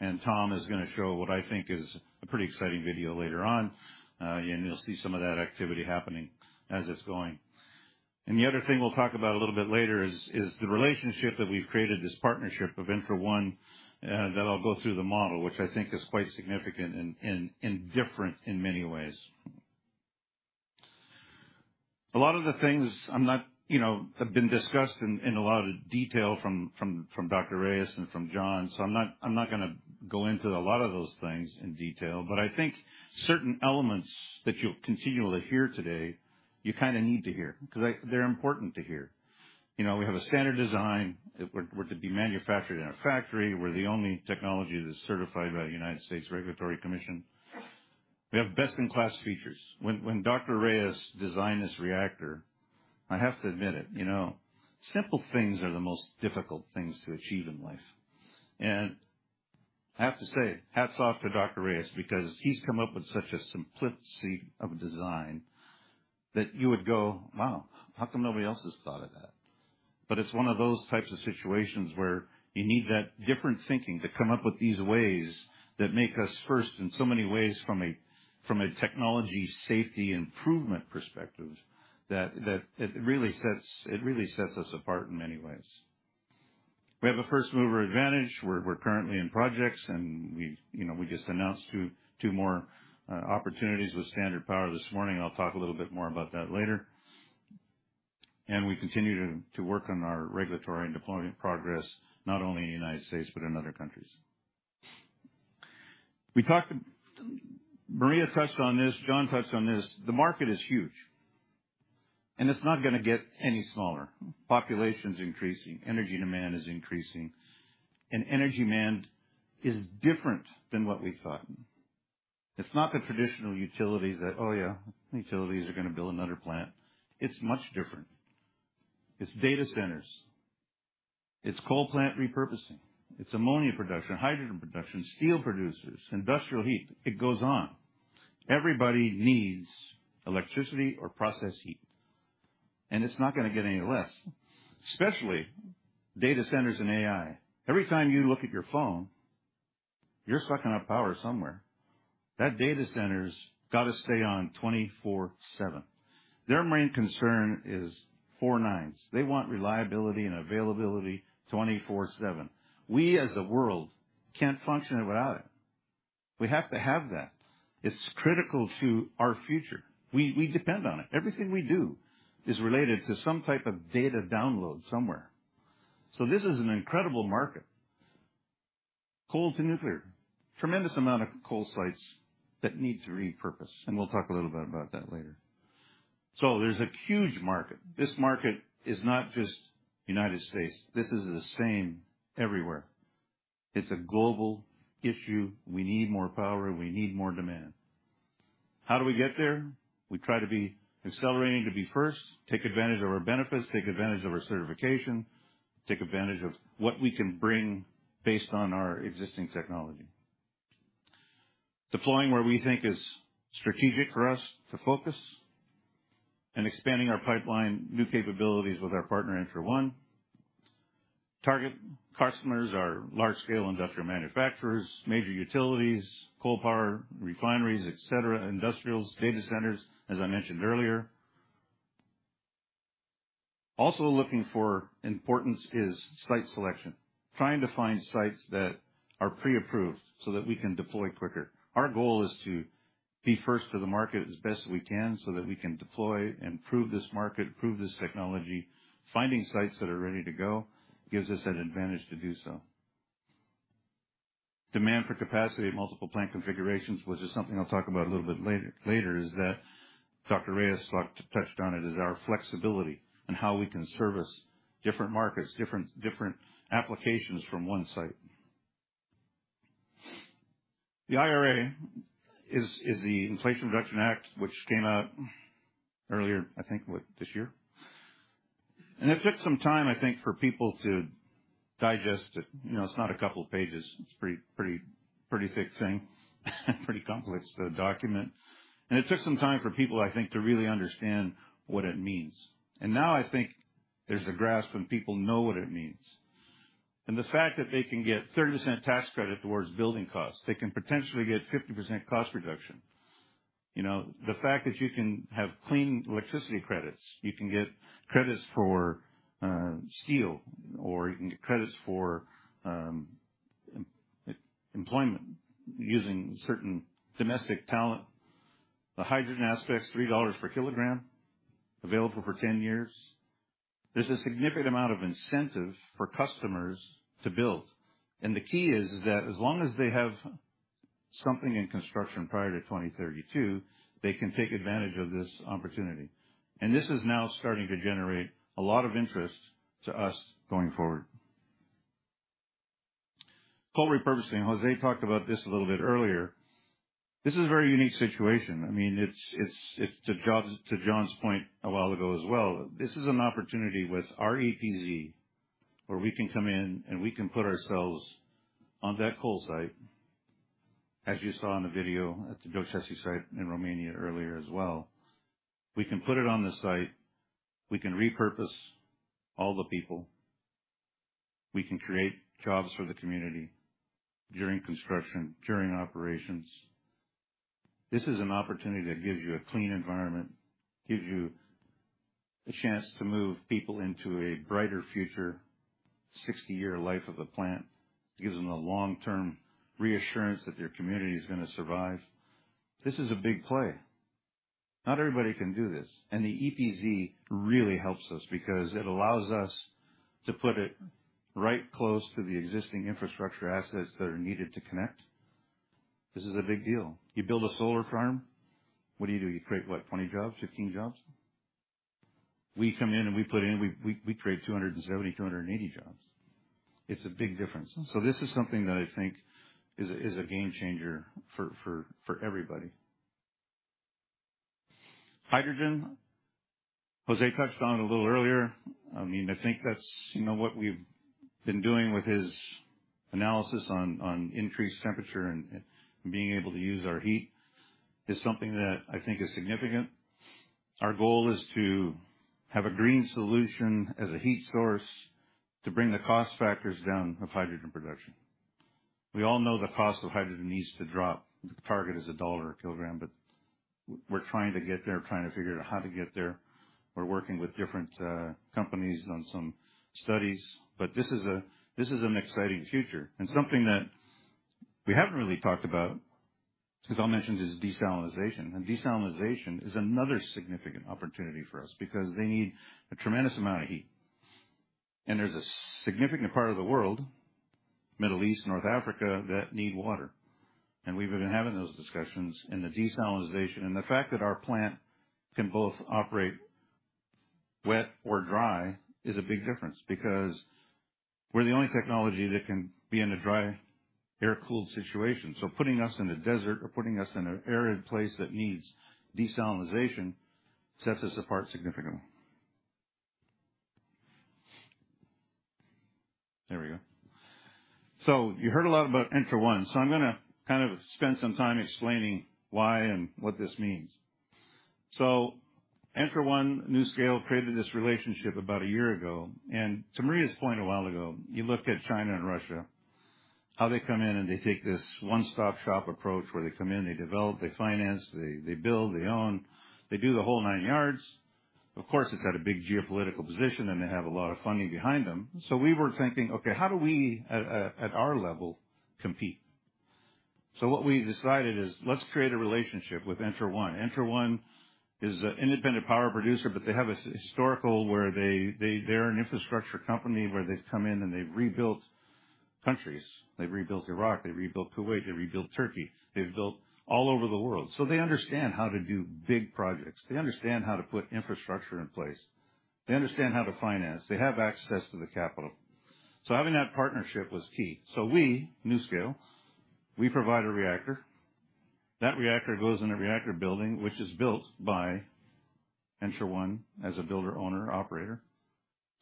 [SPEAKER 8] and Tom is gonna show what I think is a pretty exciting video later on, and you'll see some of that activity happening as it's going. And the other thing we'll talk about a little bit later is the relationship that we've created, this partnership of ENTRA1, that I'll go through the model, which I think is quite significant and different in many ways. A lot of the things I'm not, you know, have been discussed in a lot of detail from Dr. Reyes and from John, so I'm not, I'm not gonna go into a lot of those things in detail. But I think certain elements that you'll continually hear today, you kinda need to hear, 'cause they, they're important to hear. You know, we have a standard design that we're, we're to be manufactured in a factory. We're the only technology that's certified by the U.S. Nuclear Regulatory Commission. We have best-in-class features. When, when Dr. Reyes designed this reactor, I have to admit it, you know, simple things are the most difficult things to achieve in life. And I have to say, hats off to Dr. Reyes, because he's come up with such a simplicity of design that you would go, "Wow, how come nobody else has thought of that?" It's one of those types of situations where you need that different thinking to come up with these ways that make us first in so many ways, from a technology, safety, improvement perspective, that it really sets us apart in many ways. We have a first-mover advantage. We're currently in projects, and we, you know, we just announced two more opportunities with Standard Power this morning. I'll talk a little bit more about that later. We continue to work on our regulatory and deployment progress, not only in the United States, but in other countries. We talked—Maria touched on this, John touched on this. The market is huge, and it's not gonna get any smaller. Population's increasing, energy demand is increasing, and energy demand is different than what we thought. It's not the traditional utilities that, oh, yeah, utilities are gonna build another plant. It's much different. It's data centers. It's coal plant repurposing. It's ammonia production, hydrogen production, steel producers, industrial heat. It goes on. Everybody needs electricity or process heat, and it's not gonna get any less, especially data centers and AI. Every time you look at your phone, you're sucking up power somewhere. That data center's gotta stay on 24/7. Their main concern is four nines. They want reliability and availability, 24/7. We, as a world, can't function without it. We have to have that. It's critical to our future. We, we depend on it. Everything we do is related to some type of data download somewhere. So this is an incredible market. Coal to nuclear. Tremendous amount of coal sites that need to repurpose, and we'll talk a little bit about that later. So there's a huge market. This market is not just United States. This is the same everywhere. It's a global issue. We need more power. We need more demand. How do we get there? We try to be accelerating to be first, take advantage of our benefits, take advantage of our certification, take advantage of what we can bring based on our existing technology. Deploying where we think is strategic for us to focus and expanding our pipeline, new capabilities with our partner, ENTRA1. Target customers are large-scale industrial manufacturers, major utilities, coal power, refineries, et cetera, industrials, data centers, as I mentioned earlier. Also looking for importance is site selection. Trying to find sites that are pre-approved so that we can deploy quicker. Our goal is to be first to the market as best we can, so that we can deploy and prove this market, prove this technology. Finding sites that are ready to go gives us an advantage to do so. Demand for capacity of multiple plant configurations, which is something I'll talk about a little bit later, is that Dr. Reyes touched on it, is our flexibility and how we can service different markets, different applications from one site. The IRA is the Inflation Reduction Act, which came out earlier, I think, what, this year. It took some time, I think, for people to digest it. You know, it's not a couple of pages. It's pretty thick thing, pretty complex document. It took some time for people, I think, to really understand what it means. Now I think there's a grasp, and people know what it means. The fact that they can get 30% tax credit towards building costs, they can potentially get 50% cost reduction. You know, the fact that you can have clean electricity credits, you can get credits for steel, or you can get credits for employment, using certain domestic talent. The hydrogen aspects, $3 per kilogram, available for 10 years. There's a significant amount of incentive for customers to build, and the key is that as long as they have something in construction prior to 2032, they can take advantage of this opportunity. This is now starting to generate a lot of interest to us going forward. Coal repurposing, José talked about this a little bit earlier. This is a very unique situation. I mean, it's, it's, it's to John's, to John's point a while ago as well, this is an opportunity with our EPZ, where we can come in and we can put ourselves on that coal site, as you saw in the video at the Doicești site in Romania earlier as well. We can put it on the site, we can repurpose all the people, we can create jobs for the community during construction, during operations. This is an opportunity that gives you a clean environment, gives you the chance to move people into a brighter future, 60-year life of a plant. It gives them a long-term reassurance that their community is gonna survive. This is a big play. Not everybody can do this, and the EPZ really helps us because it allows us to put it right close to the existing infrastructure assets that are needed to connect. This is a big deal. You build a solar farm, what do you do? You create, what, 20 jobs, 15 jobs? We come in and we put in, we create 270, 280 jobs. It's a big difference. This is something that I think is a game changer for everybody. Hydrogen, Jose touched on it a little earlier. I mean, I think that's, you know, what we've been doing with his analysis on increased temperature and being able to use our heat is something that I think is significant. Our goal is to have a green solution as a heat source to bring the cost factors down of hydrogen production. We all know the cost of hydrogen needs to drop. The target is $1 a kilogram, but we're trying to get there, trying to figure out how to get there. We're working with different companies on some studies, but this is a, this is an exciting future. Something that we haven't really talked about, as I mentioned, is desalinization. Desalinization is another significant opportunity for us because they need a tremendous amount of heat. There's a significant part of the world, Middle East, North Africa, that need water. We've been having those discussions in the desalinization. And the fact that our plant can both operate wet or dry is a big difference because we're the only technology that can be in a dry, air-cooled situation. So putting us in a desert or putting us in an arid place that needs desalination sets us apart significantly. There we go. So you heard a lot about ENTRA1. So I'm gonna kind of spend some time explaining why and what this means. So ENTRA1, NuScale created this relationship about a year ago. And to Maria's point a while ago, you look at China and Russia, how they come in and they take this one-stop-shop approach, where they come in, they develop, they finance, they, they build, they own, they do the whole nine yards. Of course, it's got a big geopolitical position, and they have a lot of funding behind them. We were thinking: Okay, how do we, at our level, compete? What we decided is, let's create a relationship with ENTRA1 Energy. ENTRA1 Energy is an independent power producer, but they have a historical where they, they're an infrastructure company where they've come in and they've rebuilt countries. They've rebuilt Iraq, they've rebuilt Kuwait, they've rebuilt Turkey, they've built all over the world. They understand how to do big projects. They understand how to put infrastructure in place. They understand how to finance. They have access to the capital. Having that partnership was key. We, NuScale, we provide a reactor. That reactor goes in a reactor building, which is built by ENTRA1 Energy as a builder, owner, operator,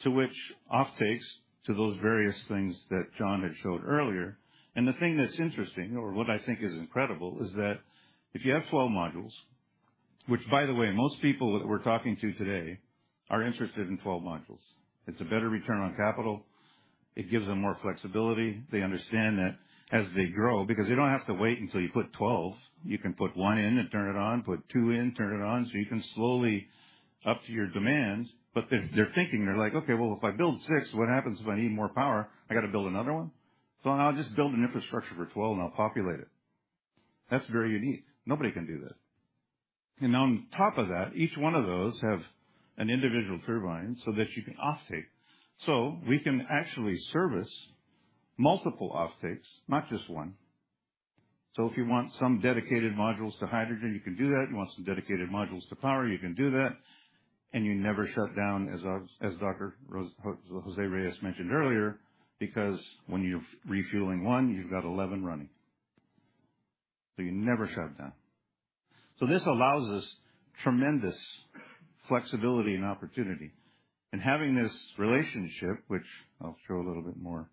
[SPEAKER 8] to which offtakes to those various things that John had showed earlier. The thing that's interesting, or what I think is incredible, is that if you have 12 modules, which, by the way, most people that we're talking to today are interested in 12 modules. It's a better return on capital. It gives them more flexibility. They understand that as they grow, because you don't have to wait until you put 12. You can put one in and turn it on, put two in, turn it on, so you can slowly up to your demands. But they're, they're thinking, they're like: "Okay, well, if I build six, what happens if I need more power? I got to build another one. So I'll just build an infrastructure for 12, and I'll populate it." That's very unique. Nobody can do this. And on top of that, each one of those have an individual turbine so that you can offtake. So we can actually service multiple offtakes, not just one. So if you want some dedicated modules to hydrogen, you can do that. You want some dedicated modules to power, you can do that, and you never shut down, as Dr. Jose Reyes mentioned earlier, because when you're refueling one, you've got 11 running, so you never shut down. So this allows us tremendous flexibility and opportunity. And having this relationship, which I'll show a little bit more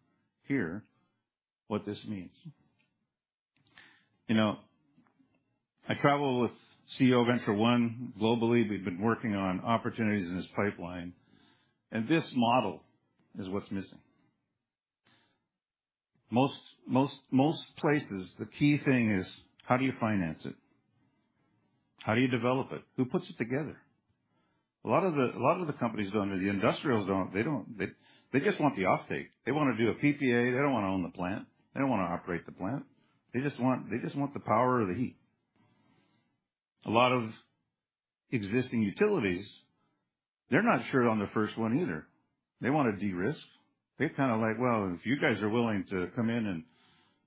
[SPEAKER 8] here, what this means. You know, I travel with CEO of ENTRA1 globally. We've been working on opportunities in this pipeline, and this model is what's missing. Most places, the key thing is, how do you finance it? How do you develop it? Who puts it together? A lot of the companies don't, the industrials don't, they just want the offtake. They want to do a PPA. They don't want to own the plant. They don't want to operate the plant. They just want, they just want the power or the heat. A lot of existing utilities, they're not sure on the first one either. They want to de-risk. They're kind of like: "Well, if you guys are willing to come in and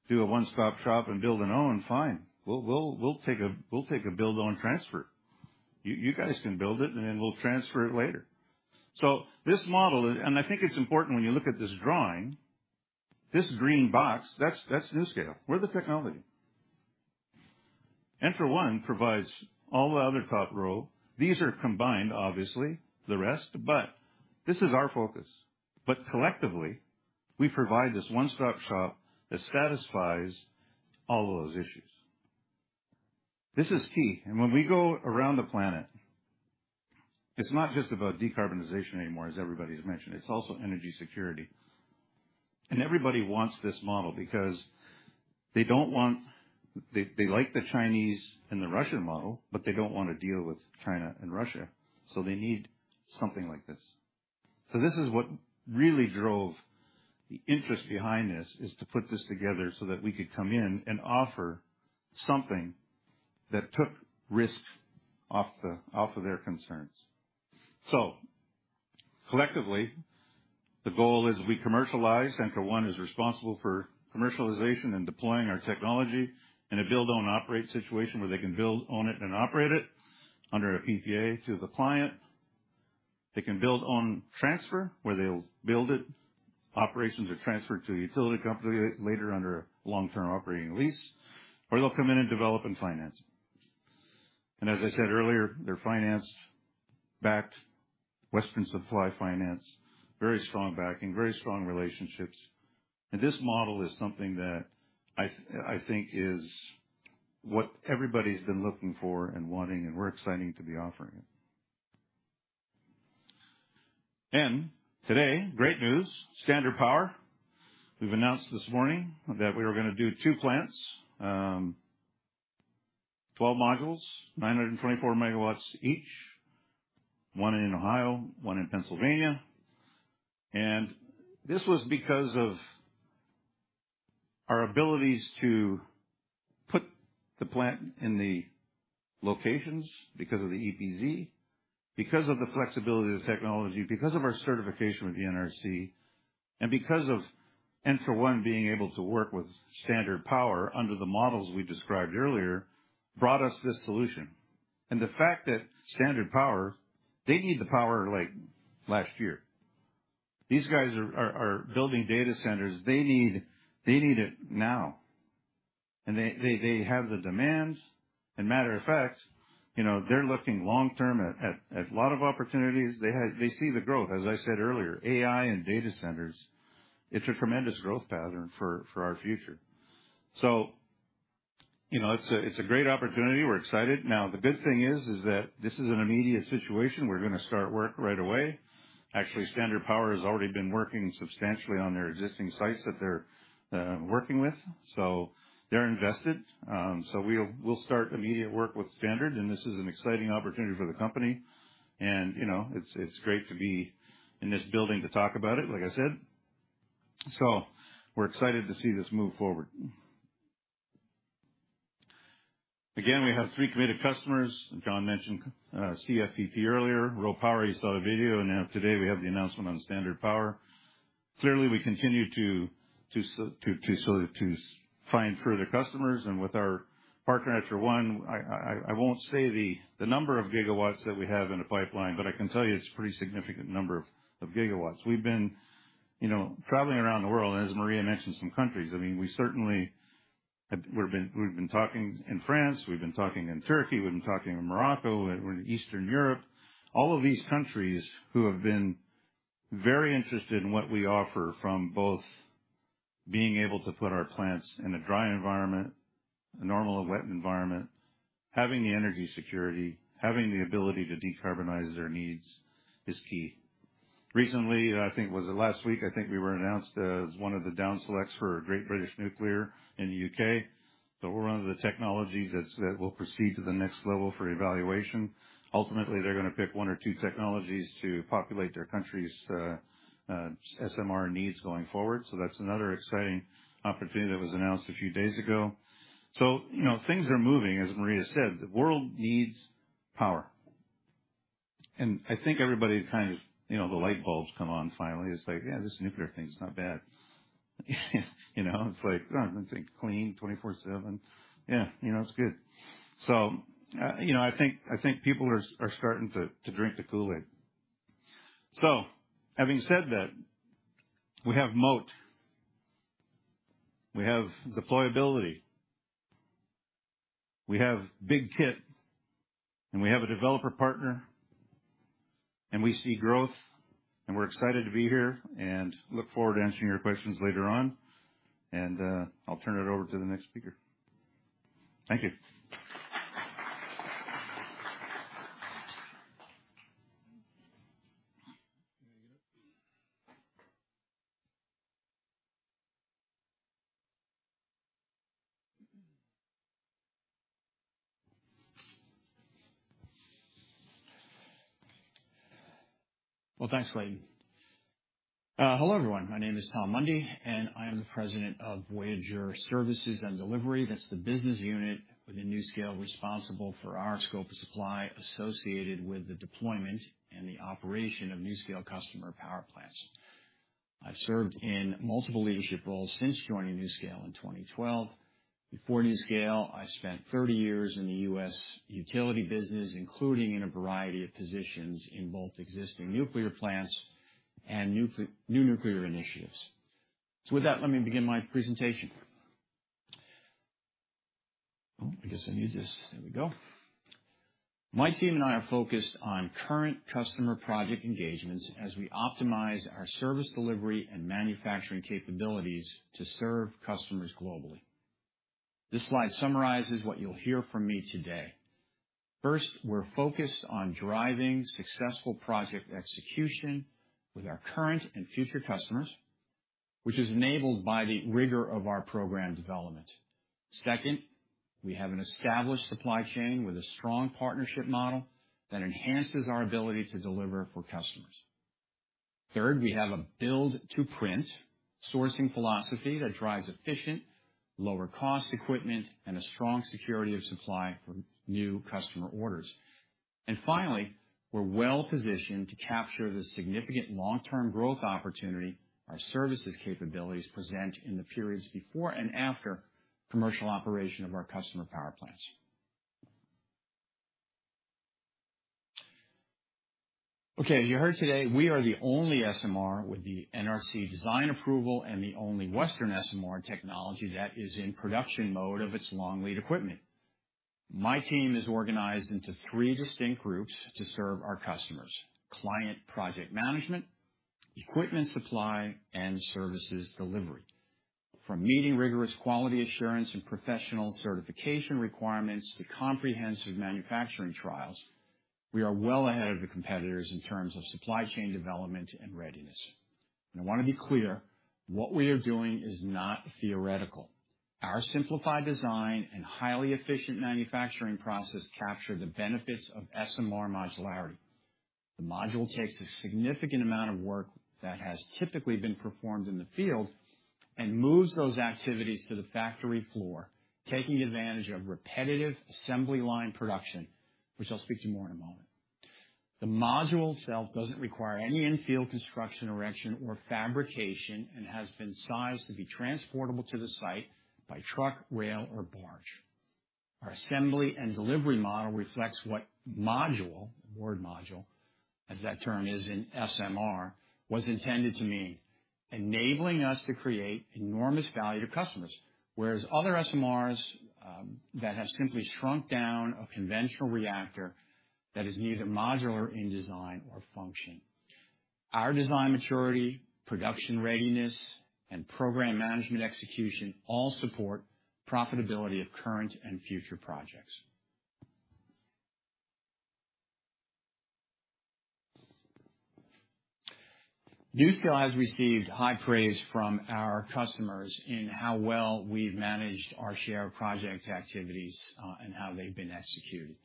[SPEAKER 8] do a one-stop shop and build and own, fine. We'll, we'll, we'll take a, we'll take a build-own transfer."... You, you guys can build it, and then we'll transfer it later. So this model, and I think it's important when you look at this drawing, this green box, that's, that's NuScale. We're the technology. ENTRA1 provides all the other top row. These are combined, obviously, the rest, but this is our focus. But collectively, we provide this one-stop shop that satisfies all those issues. This is key, and when we go around the planet, it's not just about decarbonization anymore, as everybody's mentioned, it's also energy security. And everybody wants this model because they don't want—they, they like the Chinese and the Russian model, but they don't want to deal with China and Russia, so they need something like this. So this is what really drove the interest behind this, is to put this together so that we could come in and offer something that took risk off the, off of their concerns. So collectively, the goal is we commercialize. ENTRA1 is responsible for commercialization and deploying our technology in a build, own, and operate situation where they can build, own it, and operate it under a PPA to the client. They can build on transfer, where they'll build it, operations are transferred to a utility company later under a long-term operating lease, or they'll come in and develop and finance. And as I said earlier, they're finance-backed, Western supply finance, very strong backing, very strong relationships. And this model is something that I think is what everybody's been looking for and wanting, and we're excited to be offering it. And today, great news, Standard Power. We've announced this morning that we were gonna do 2 plants, 12 modules, 924 MW each, one in Ohio, one in Pennsylvania. This was because of our abilities to put the plant in the locations because of the EPZ, because of the flexibility of the technology, because of our certification with the NRC, and because of ENTRA1 being able to work with Standard Power under the models we described earlier, brought us this solution. The fact that Standard Power, they need the power, like, last year. These guys are, are building data centers. They need, they need it now. They have the demands. Matter of fact, you know, they're looking long-term at, at a lot of opportunities. They have-- they see the growth. As I said earlier, AI and data centers, it's a tremendous growth pattern for our future. You know, it's a, it's a great opportunity. We're excited. Now, the good thing is, is that this is an immediate situation. We're gonna start work right away. Actually, Standard Power has already been working substantially on their existing sites that they're working with, so they're invested. So we'll start immediate work with Standard, and this is an exciting opportunity for the company. And, you know, it's great to be in this building to talk about it, like I said. So we're excited to see this move forward. Again, we have three committed customers. John mentioned CFPP earlier, RoPower, you saw the video, and now today we have the announcement on Standard Power. Clearly, we continue to find further customers, and with our partner, ENTRA1, I won't say the number of gigawatts that we have in the pipeline, but I can tell you it's a pretty significant number of gigawatts. We've been, you know, traveling around the world, and as Maria mentioned, some countries. I mean, we certainly have-- we've been, we've been talking in France, we've been talking in Turkey, we've been talking in Morocco, we're in Eastern Europe. All of these countries who have been very interested in what we offer from both being able to put our plants in a dry environment, a normal and wet environment, having the energy security, having the ability to decarbonize their needs is key. Recently, I think it was last week, I think we were announced as one of the down selects for Great British Nuclear in the U.K. We’re one of the technologies that's, that will proceed to the next level for evaluation. Ultimately, they're gonna pick one or two technologies to populate their country's SMR needs going forward. So that's another exciting opportunity that was announced a few days ago. So, you know, things are moving. As Maria said, the world needs power. And I think everybody kind of, you know, the light bulbs come on finally. It's like, yeah, this nuclear thing is not bad. You know, it's like, oh, I think clean, 24/7. Yeah, you know, it's good. So, you know, I think, I think people are, are starting to, to drink the Kool-Aid. So having said that, we have moat, we have deployability, we have big kit, and we have a developer partner, and we see growth, and we're excited to be here and look forward to answering your questions later on. And, I'll turn it over to the next speaker. Thank you.
[SPEAKER 9] Well, thanks, Clayton. Hello, everyone. My name is Tom Mundy, and I am the President of VOYGR Services and Delivery. That's the business unit with the NuScale, responsible for our scope of supply associated with the deployment and the operation of NuScale customer power plants.... I've served in multiple leadership roles since joining NuScale in 2012. Before NuScale, I spent 30 years in the U.S. utility business, including in a variety of positions in both existing nuclear plants and new nuclear initiatives. So with that, let me begin my presentation. Oh, I guess I need this. There we go. My team and I are focused on current customer project engagements as we optimize our service delivery and manufacturing capabilities to serve customers globally. This slide summarizes what you'll hear from me today. First, we're focused on driving successful project execution with our current and future customers, which is enabled by the rigor of our program development. Second, we have an established supply chain with a strong partnership model that enhances our ability to deliver for customers. Third, we have a build-to-print sourcing philosophy that drives efficient, lower-cost equipment and a strong security of supply for new customer orders. Finally, we're well-positioned to capture the significant long-term growth opportunity our services capabilities present in the periods before and after commercial operation of our customer power plants. Okay, you heard today, we are the only SMR with the NRC design approval and the only Western SMR technology that is in production mode of its long-lead equipment. My team is organized into three distinct groups to serve our customers: client project management, equipment supply, and services delivery. From meeting rigorous quality assurance and professional certification requirements to comprehensive manufacturing trials, we are well ahead of the competitors in terms of supply chain development and readiness. I want to be clear, what we are doing is not theoretical. Our simplified design and highly efficient manufacturing process capture the benefits of SMR modularity. The module takes a significant amount of work that has typically been performed in the field and moves those activities to the factory floor, taking advantage of repetitive assembly line production, which I'll speak to more in a moment. The module itself doesn't require any in-field construction, erection, or fabrication, and has been sized to be transportable to the site by truck, rail, or barge. Our assembly and delivery model reflects what module, the word module, as that term is in SMR, was intended to mean, enabling us to create enormous value to customers, whereas other SMRs that have simply shrunk down a conventional reactor that is neither modular in design or function. Our design maturity, production readiness, and program management execution all support profitability of current and future projects. NuScale has received high praise from our customers in how well we've managed our share of project activities, and how they've been executed.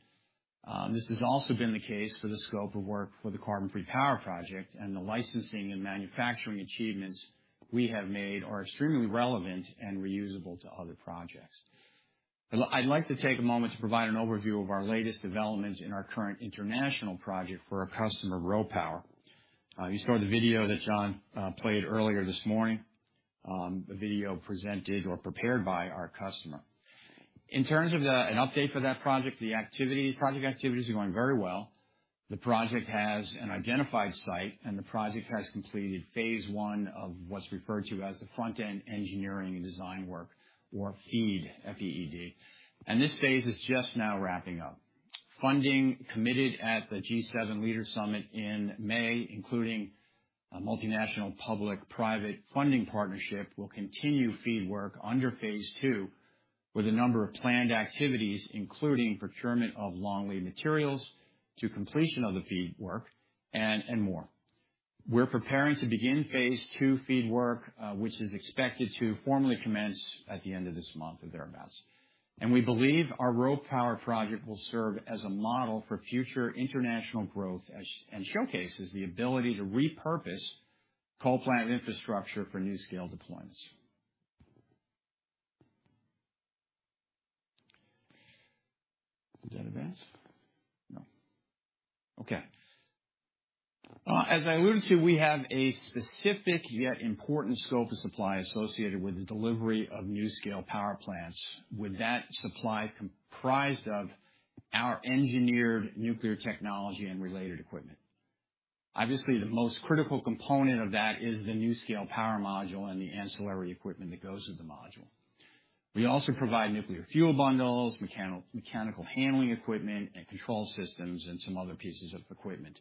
[SPEAKER 9] This has also been the case for the scope of work for the Carbon Free Power Project, and the licensing and manufacturing achievements we have made are extremely relevant and reusable to other projects. I'd like to take a moment to provide an overview of our latest developments in our current international project for our customer, RoPower. You saw the video that John played earlier this morning, a video presented or prepared by our customer. In terms of an update for that project, the project activities are going very well. The project has an identified site, and the project has completed phase one of what's referred to as the front-end engineering and design work, or FEED, F-E-E-D, and this phase is just now wrapping up. Funding committed at the G7 Leaders Summit in May, including a multinational public-private funding partnership, will continue FEED work under phase two, with a number of planned activities, including procurement of long-lead materials to completion of the FEED work and more. We're preparing to begin phase two FEED work, which is expected to formally commence at the end of this month or thereabouts. We believe our RoPower project will serve as a model for future international growth as, and showcases the ability to repurpose coal plant infrastructure for NuScale deployments. Did that advance? No. Okay. As I alluded to, we have a specific yet important scope of supply associated with the delivery of NuScale power plants, with that supply comprised of our engineered nuclear technology and related equipment. Obviously, the most critical component of that is the NuScale Power Module and the ancillary equipment that goes with the module. We also provide nuclear fuel bundles, mechanical handling equipment, and control systems, and some other pieces of equipment.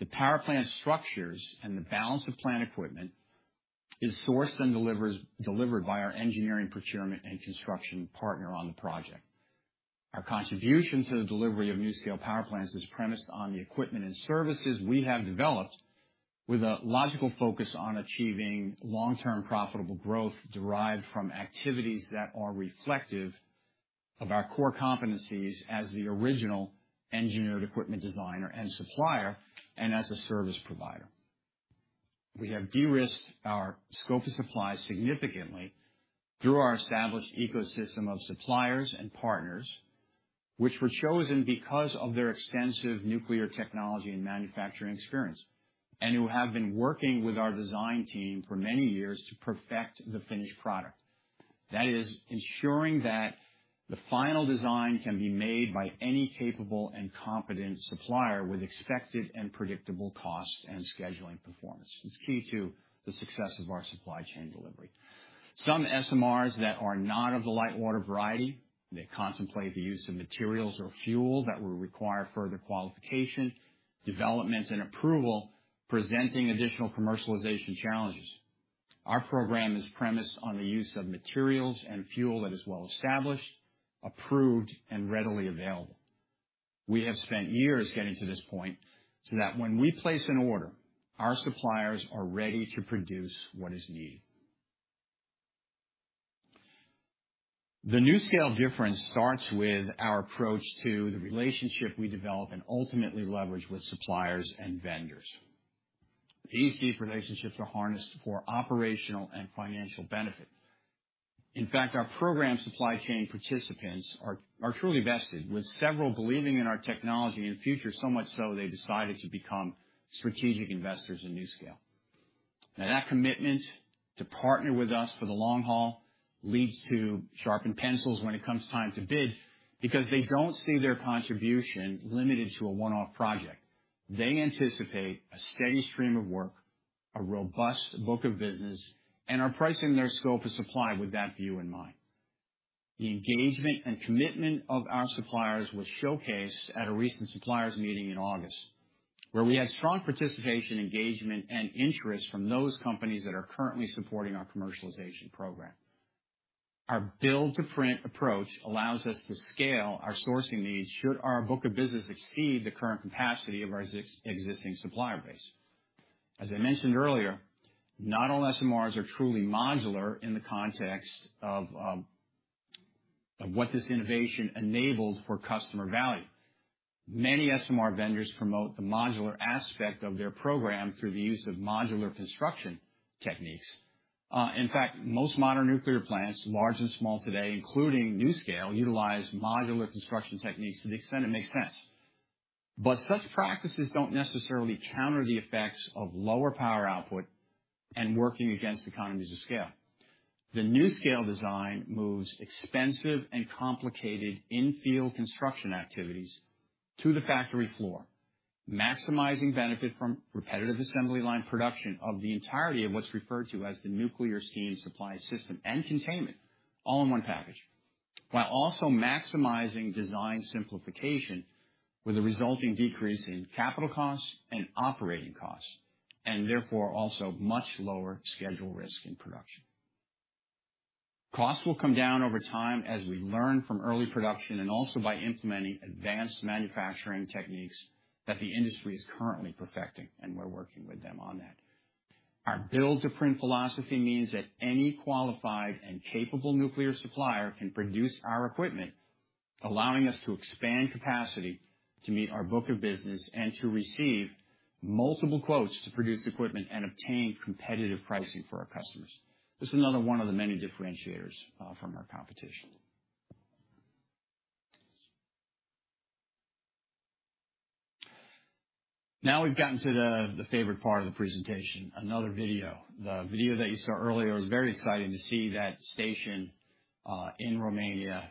[SPEAKER 9] The power plant structures and the balance of plant equipment is sourced and delivered by our engineering, procurement, and construction partner on the project. Our contribution to the delivery of NuScale power plants is premised on the equipment and services we have developed with a logical focus on achieving long-term profitable growth derived from activities that are reflective of our core competencies as the original engineered equipment designer and supplier, and as a service provider. We have de-risked our scope of supply significantly through our established ecosystem of suppliers and partners, which were chosen because of their extensive nuclear technology and manufacturing experience, and who have been working with our design team for many years to perfect the finished product. That is, ensuring that the final design can be made by any capable and competent supplier with expected and predictable cost and scheduling performance. It's key to the success of our supply chain delivery. Some SMRs that are not of the light-water variety, they contemplate the use of materials or fuel that will require further qualification, developments, and approval, presenting additional commercialization challenges. Our program is premised on the use of materials and fuel that is well-established, approved, and readily available. We have spent years getting to this point, so that when we place an order, our suppliers are ready to produce what is needed. The NuScale difference starts with our approach to the relationship we develop and ultimately leverage with suppliers and vendors. These deep relationships are harnessed for operational and financial benefit. In fact, our program supply chain participants are truly vested, with several believing in our technology and future, so much so, they decided to become strategic investors in NuScale. Now, that commitment to partner with us for the long haul leads to sharpened pencils when it comes time to bid, because they don't see their contribution limited to a one-off project. They anticipate a steady stream of work, a robust book of business, and are pricing their scope of supply with that view in mind. The engagement and commitment of our suppliers was showcased at a recent suppliers meeting in August, where we had strong participation, engagement, and interest from those companies that are currently supporting our commercialization program. Our build-to-print approach allows us to scale our sourcing needs, should our book of business exceed the current capacity of our existing supplier base. As I mentioned earlier, not all SMRs are truly modular in the context of what this innovation enables for customer value. Many SMR vendors promote the modular aspect of their program through the use of modular construction techniques. In fact, most modern nuclear plants, large and small today, including NuScale, utilize modular construction techniques to the extent it makes sense. But such practices don't necessarily counter the effects of lower power output and working against economies of scale. The NuScale design moves expensive and complicated in-field construction activities to the factory floor, maximizing benefit from repetitive assembly line production of the entirety of what's referred to as the nuclear steam supply system and containment, all in one package, while also maximizing design simplification, with a resulting decrease in capital costs and operating costs, and therefore, also much lower schedule risk in production. Costs will come down over time as we learn from early production, and also by implementing advanced manufacturing techniques that the industry is currently perfecting, and we're working with them on that. Our build-to-print philosophy means that any qualified and capable nuclear supplier can produce our equipment, allowing us to expand capacity to meet our book of business and to receive multiple quotes to produce equipment and obtain competitive pricing for our customers. This is another one of the many differentiators from our competition. Now we've gotten to the favorite part of the presentation, another video. The video that you saw earlier, it was very exciting to see that station in Romania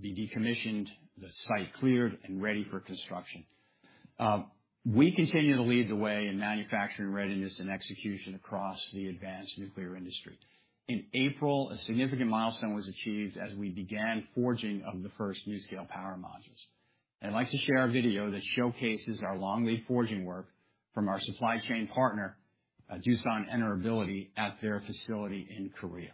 [SPEAKER 9] be decommissioned, the site cleared and ready for construction. We continue to lead the way in manufacturing readiness and execution across the advanced nuclear industry. In April, a significant milestone was achieved as we began forging of the first NuScale Power Modules. I'd like to share a video that showcases our long-lead forging work from our supply chain partner, Doosan Enerbility, at their facility in Korea.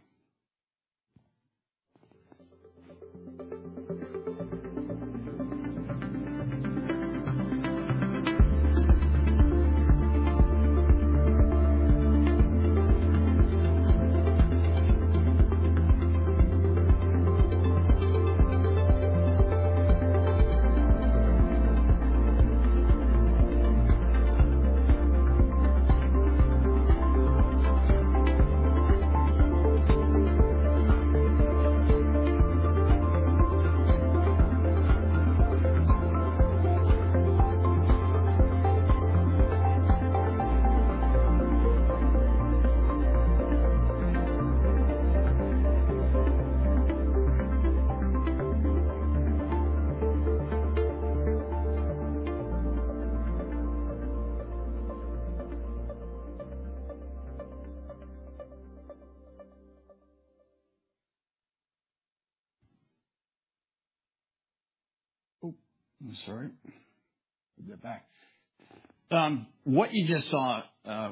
[SPEAKER 9] Oh, I'm sorry. Let me get back. What you just saw,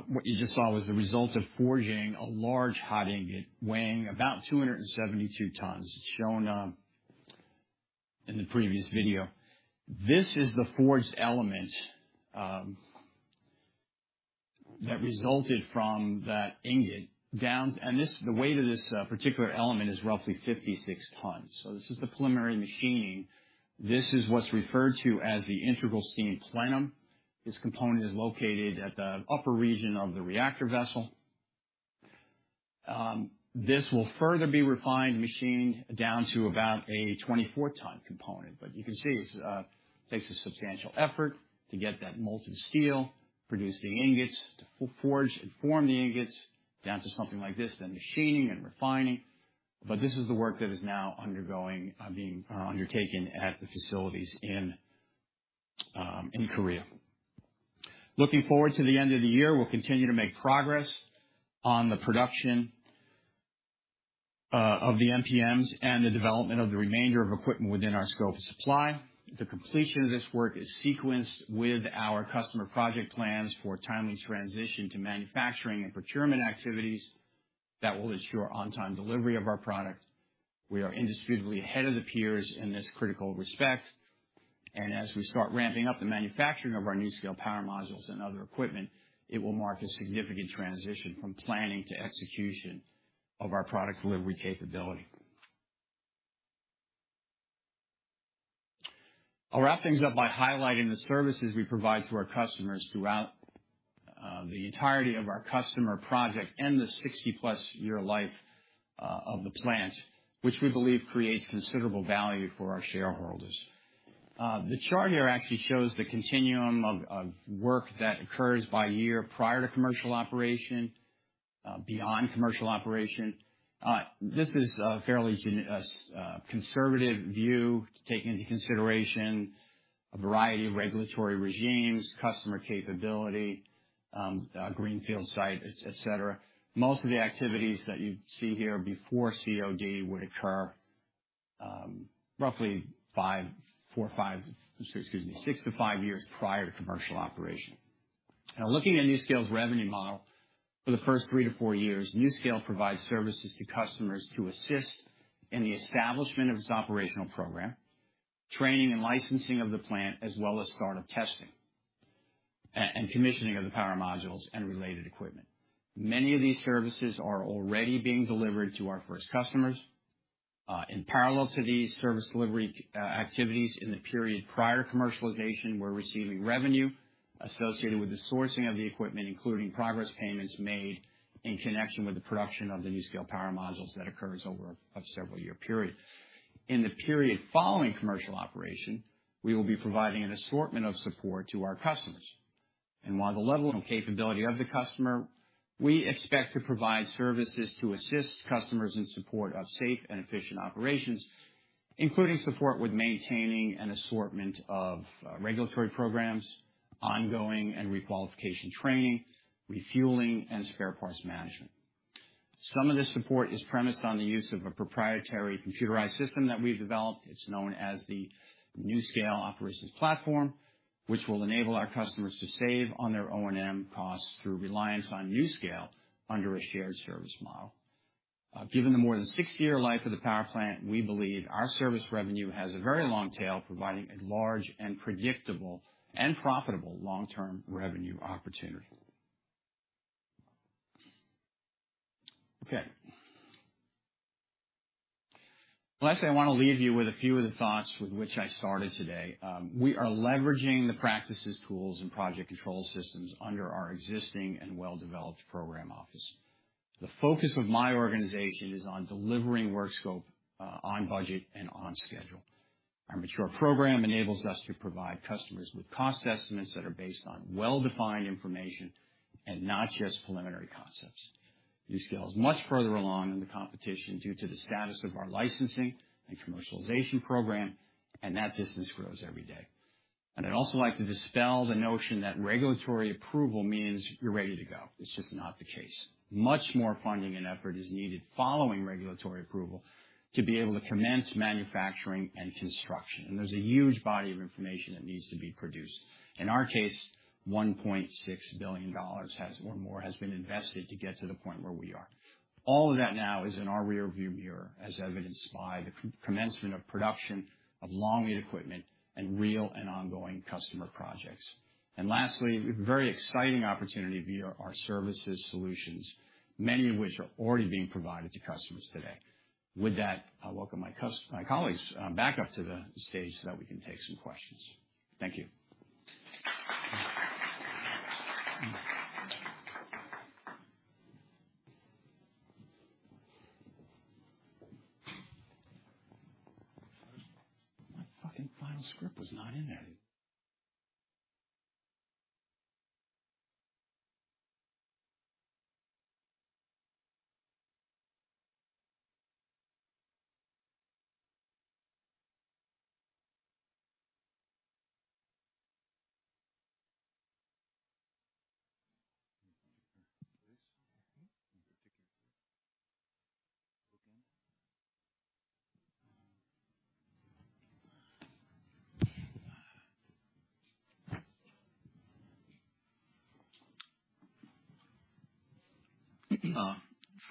[SPEAKER 9] what you just saw was the result of forging a large hot ingot, weighing about 272 tons, shown in the previous video. This is the forged element that resulted from that ingot, down-- This, the weight of this particular element is roughly 56 tons. This is the preliminary machining. This is what's referred to as the integral steam plenum. This component is located at the upper region of the reactor vessel. This will further be refined, machined down to about a 24-ton component. But you can see, this, takes a substantial effort to get that molten steel, produce the ingots, to forge and form the ingots down to something like this, then machining and refining. But this is the work that is now undergoing, being, undertaken at the facilities in, in Korea. Looking forward to the end of the year, we'll continue to make progress on the production, of the NPMs and the development of the remainder of equipment within our scope of supply. The completion of this work is sequenced with our customer project plans for timely transition to manufacturing and procurement activities that will ensure on-time delivery of our product. We are indisputably ahead of the peers in this critical respect, and as we start ramping up the manufacturing of our NuScale Power Modules and other equipment, it will mark a significant transition from planning to execution of our product delivery capability. I'll wrap things up by highlighting the services we provide to our customers throughout the entirety of our customer project and the 60+ year life of the plant, which we believe creates considerable value for our shareholders. The chart here actually shows the continuum of work that occurs by year prior to commercial operation, beyond commercial operation. This is a fairly conservative view to take into consideration a variety of regulatory regimes, customer capability, a greenfield site, et cetera. Most of the activities that you see here before COD would occur roughly six to five years prior to commercial operation. Now, looking at NuScale's revenue model for the first 3-4 years, NuScale provides services to customers to assist in the establishment of its operational program, training and licensing of the plant, as well as startup testing and commissioning of the power modules and related equipment. Many of these services are already being delivered to our first customers. In parallel to these service delivery activities in the period prior to commercialization, we're receiving revenue associated with the sourcing of the equipment, including progress payments made in connection with the production of the NuScale Power Modules that occurs over a several-year period. In the period following commercial operation, we will be providing an assortment of support to our customers. While the level and capability of the customer, we expect to provide services to assist customers in support of safe and efficient operations, including support with maintaining an assortment of regulatory programs, ongoing and requalification training, refueling, and spare parts management. Some of this support is premised on the use of a proprietary computerized system that we've developed. It's known as the NuScale Operations Platform, which will enable our customers to save on their O&M costs through reliance on NuScale under a shared service model. Given the more than 60-year life of the power plant, we believe our service revenue has a very long tail, providing a large and predictable and profitable long-term revenue opportunity. Okay. Lastly, I wanna leave you with a few of the thoughts with which I started today. We are leveraging the practices, tools, and project control systems under our existing and well-developed program office. The focus of my organization is on delivering work scope on budget and on schedule. Our mature program enables us to provide customers with cost estimates that are based on well-defined information and not just preliminary concepts. NuScale is much further along in the competition due to the status of our licensing and commercialization program, and that distance grows every day. And I'd also like to dispel the notion that regulatory approval means you're ready to go. It's just not the case. Much more funding and effort is needed following regulatory approval to be able to commence manufacturing and construction, and there's a huge body of information that needs to be produced. In our case, $1.6 billion or more has been invested to get to the point where we are. All of that now is in our rear view mirror, as evidenced by the commencement of production of long-lead equipment and real and ongoing customer projects. And lastly, a very exciting opportunity via our services solutions, many of which are already being provided to customers today. With that, I'll welcome my colleagues back up to the stage so that we can take some questions. Thank you.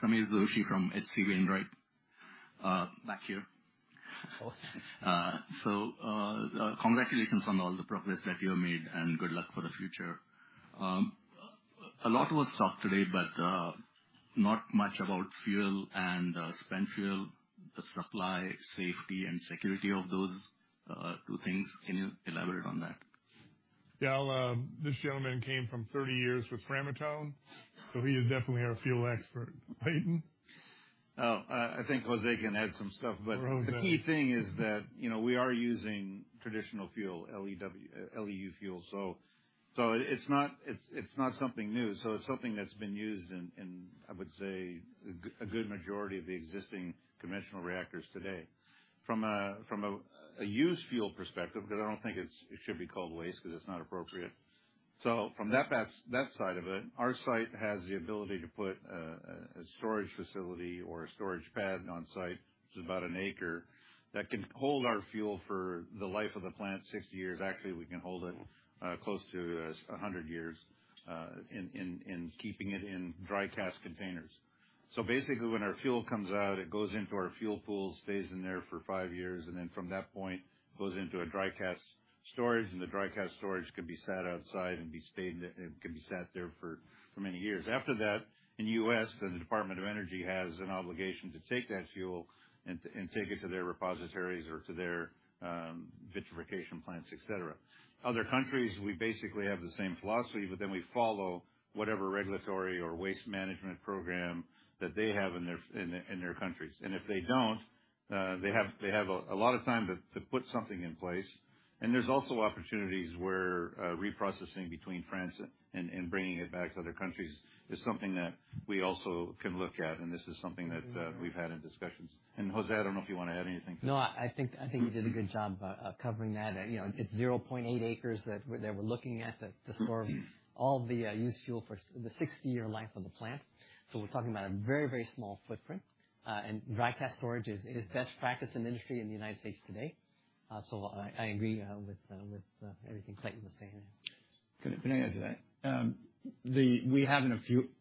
[SPEAKER 10] Sameer Joshi from H.C. Wainwright, back here. So, congratulations on all the progress that you have made, and good luck for the future. A lot was talked today, but not much about fuel and spent fuel, the supply, safety, and security of those two things. Can you elaborate on that?
[SPEAKER 2] Yeah, this gentleman came from 30 years with Framatome, so he is definitely our fuel expert. Clayton?
[SPEAKER 8] Oh, I think José can add some stuff, but...
[SPEAKER 2] Oh, okay.
[SPEAKER 8] The key thing is that, you know, we are using traditional fuel, LEU fuel. So it's not something new. So it's something that's been used in, I would say, a good majority of the existing conventional reactors today. From a used fuel perspective, because I don't think it should be called waste because it's not appropriate. So from that side of it, our site has the ability to put a storage facility or a storage pad on site. It's about an acre, that can hold our fuel for the life of the plant, 60 years. Actually, we can hold it close to 100 years in keeping it in dry cask containers. Basically, when our fuel comes out, it goes into our fuel pool, stays in there for five years, and then from that point goes into a dry cask storage, and the dry cask storage can be sat outside and can be sat there for many years. After that, in the U.S., the Department of Energy has an obligation to take that fuel and take it to their repositories or to their vitrification plants, et cetera. Other countries, we basically have the same philosophy, but then we follow whatever regulatory or waste management program that they have in their countries. If they don't, they have a lot of time to put something in place. There's also opportunities where reprocessing between France and bringing it back to other countries is something that we also can look at, and this is something that we've had in discussions. And, José, I don't know if you want to add anything to this.
[SPEAKER 3] No, I think, I think you did a good job of covering that. You know, it's 0.8 acres that we're looking at to store all the used fuel for the 60-year life of the plant. We're talking about a very, very small footprint. Dry cask storage is best practice in the industry in the United States today. I agree with everything Clayton was saying.
[SPEAKER 9] Good. Can I add to that? We have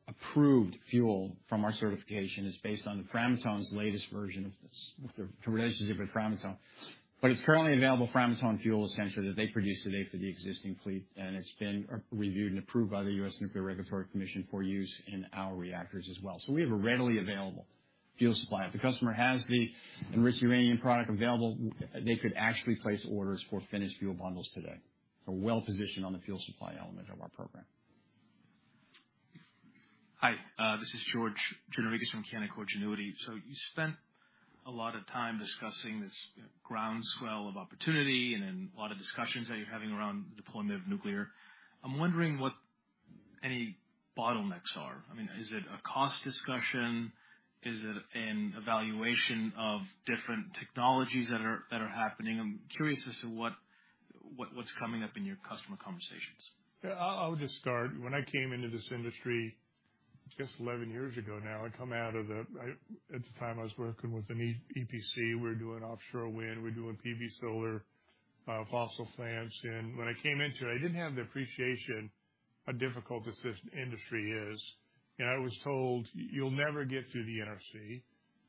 [SPEAKER 9] approved fuel from our certification. It's based on Framatome's latest version of this, with the relationship with Framatome. But it's currently available Framatome fuel, essentially, that they produce today for the existing fleet, and it's been reviewed and approved by the U.S. Nuclear Regulatory Commission for use in our reactors as well. So we have a readily available fuel supply. If the customer has the enriched uranium product available, they could actually place orders for finished fuel bundles today. We're well-positioned on the fuel supply element of our program.
[SPEAKER 5] Hi, this is George Gianarikas from Canaccord Genuity. So you spent a lot of time discussing this groundswell of opportunity and then a lot of discussions that you're having around deployment of nuclear. I'm wondering what any bottlenecks are. I mean, is it a cost discussion? Is it an evaluation of different technologies that are happening? I'm curious as to what, what's coming up in your customer conversations.
[SPEAKER 2] Yeah, I'll just start. When I came into this industry, just 11 years ago now, I come out of the... I— At the time, I was working with an EPC. We were doing offshore wind, we were doing PV solar, fossil plants. And when I came into it, I didn't have the appreciation how difficult this industry is. And I was told, "You'll never get through the NRC.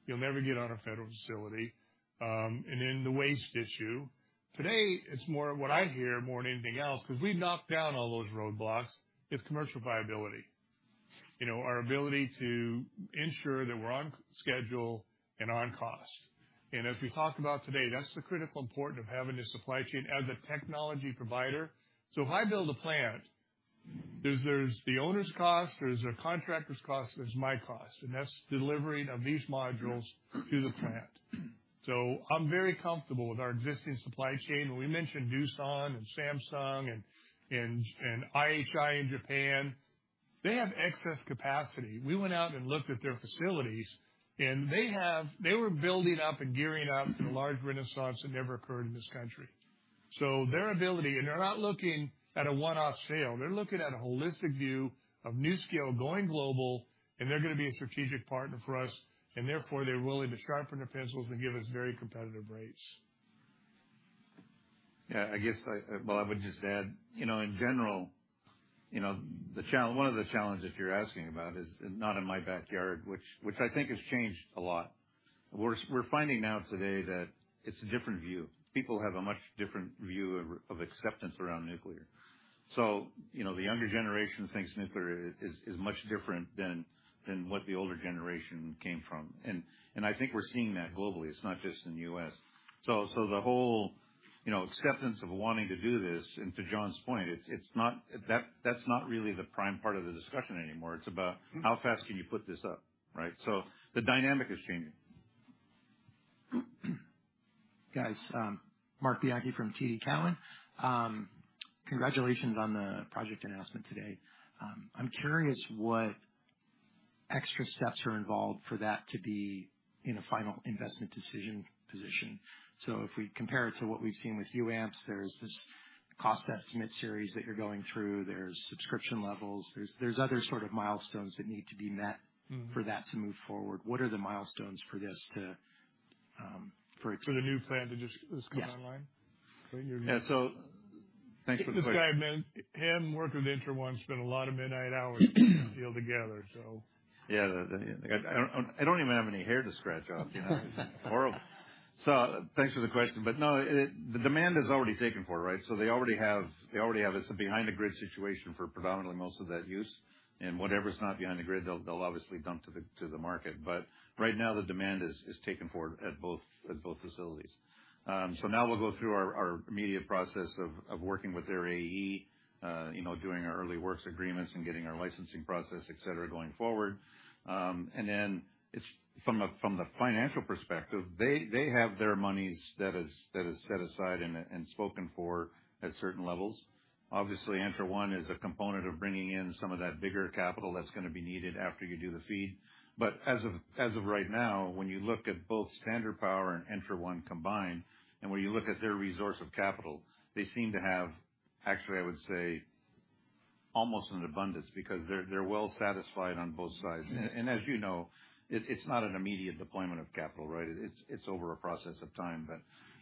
[SPEAKER 2] You'll never get on a federal facility." And then the waste issue. Today, it's more of what I hear more than anything else, because we've knocked down all those roadblocks, is commercial viability. You know, our ability to ensure that we're on schedule and on cost. And as we talked about today, that's the critical important of having a supply chain as a technology provider. If I build a plant, there's the owner's cost, there's the contractor's cost, there's my cost, and that's delivering of these modules to the plant. I'm very comfortable with our existing supply chain. We mentioned Doosan and Samsung and IHI in Japan. They have excess capacity. We went out and looked at their facilities, and they were building up and gearing up for the large renaissance that never occurred in this country. Their ability-- They're not looking at a one-off sale. They're looking at a holistic view of NuScale going global, and they're gonna be a strategic partner for us, and therefore, they're willing to sharpen their pencils and give us very competitive rates.
[SPEAKER 8] Yeah, I guess I... Well, I would just add, you know, in general, you know, the challenge-- one of the challenges if you're asking about is, Not In My Backyard, which, which I think has changed a lot. We're finding now today that it's a different view. People have a much different view of, of acceptance around nuclear. You know, the younger generation thinks nuclear is much different than, than what the older generation came from. And I think we're seeing that globally, it's not just in the U.S. The whole, you know, acceptance of wanting to do this, and to John's point, it's, it's not... That's not really the prime part of the discussion anymore. It's about how fast can you put this up, right? The dynamic is changing.
[SPEAKER 11] Guys, Marc Bianchi from TD Cowen. Congratulations on the project announcement today. I'm curious what extra steps are involved for that to be in a final investment decision position. So if we compare it to what we've seen with UAMPS, there's this cost estimate series that you're going through, there's subscription levels, there's, there's other sort of milestones that need to be met...
[SPEAKER 8] Mm-hmm.
[SPEAKER 11] For that to move forward. What are the milestones for this to, for..
[SPEAKER 2] For the new plant to just come online?
[SPEAKER 11] Yes.
[SPEAKER 8] Yeah, so thanks for the question.
[SPEAKER 2] This guy, man, him working with ENTRA1, spent a lot of midnight hours together, so.
[SPEAKER 8] Yeah, I don't even have any hair to scratch off, you know? It's horrible. So thanks for the question. But no, the demand is already taken for, right? So they already have... It's a behind the grid situation for predominantly most of that use. And whatever's not behind the grid, they'll obviously dump to the market. But right now, the demand is taken forward at both facilities. So now we'll go through our immediate process of working with their AE, you know, doing our early works agreements and getting our licensing process, et cetera, going forward. And then it's from the financial perspective, they have their monies that is set aside and spoken for at certain levels. Obviously, ENTRA1 is a component of bringing in some of that bigger capital that's gonna be needed after you do the feed. But as of, as of right now, when you look at both Standard Power and ENTRA1 combined, and when you look at their resource of capital, they seem to have actually, I would say, almost an abundance, because they're, they're well satisfied on both sides. And, and as you know, it, it's not an immediate deployment of capital, right? It's, it's over a process of time.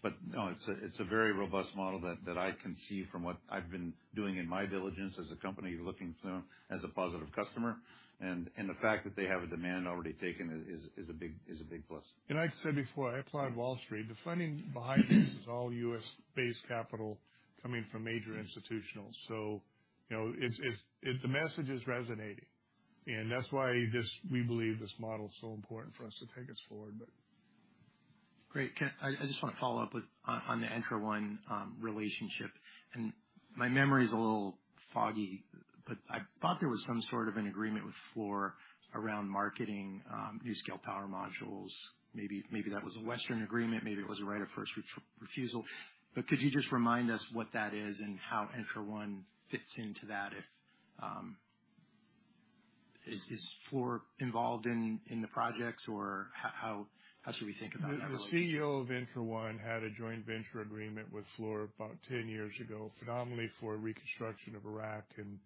[SPEAKER 8] But, but no, it's a, it's a very robust model that, that I can see from what I've been doing in my diligence as a company, looking from as a positive customer, and, and the fact that they have a demand already taken is, is a big, is a big plus.
[SPEAKER 2] I said before, I applied Wall Street. The funding behind this is all U.S.-based capital coming from major institutionals. You know, it's, it's... The message is resonating, and that's why this -- we believe this model is so important for us to take us forward, but.
[SPEAKER 11] Great. Can I just want to follow up with, on, on the ENTRA1 relationship, and my memory is a little foggy, but I thought there was some sort of an agreement with Fluor around marketing NuScale Power Modules. Maybe, maybe that was a Westinghouse agreement, maybe it was a right of first refusal. But could you just remind us what that is and how ENTRA1 fits into that? If is Fluor involved in the projects, or how should we think about that?
[SPEAKER 2] The CEO of ENTRA1 had a joint venture agreement with Fluor about 10 years ago, predominantly for reconstruction of Iraq and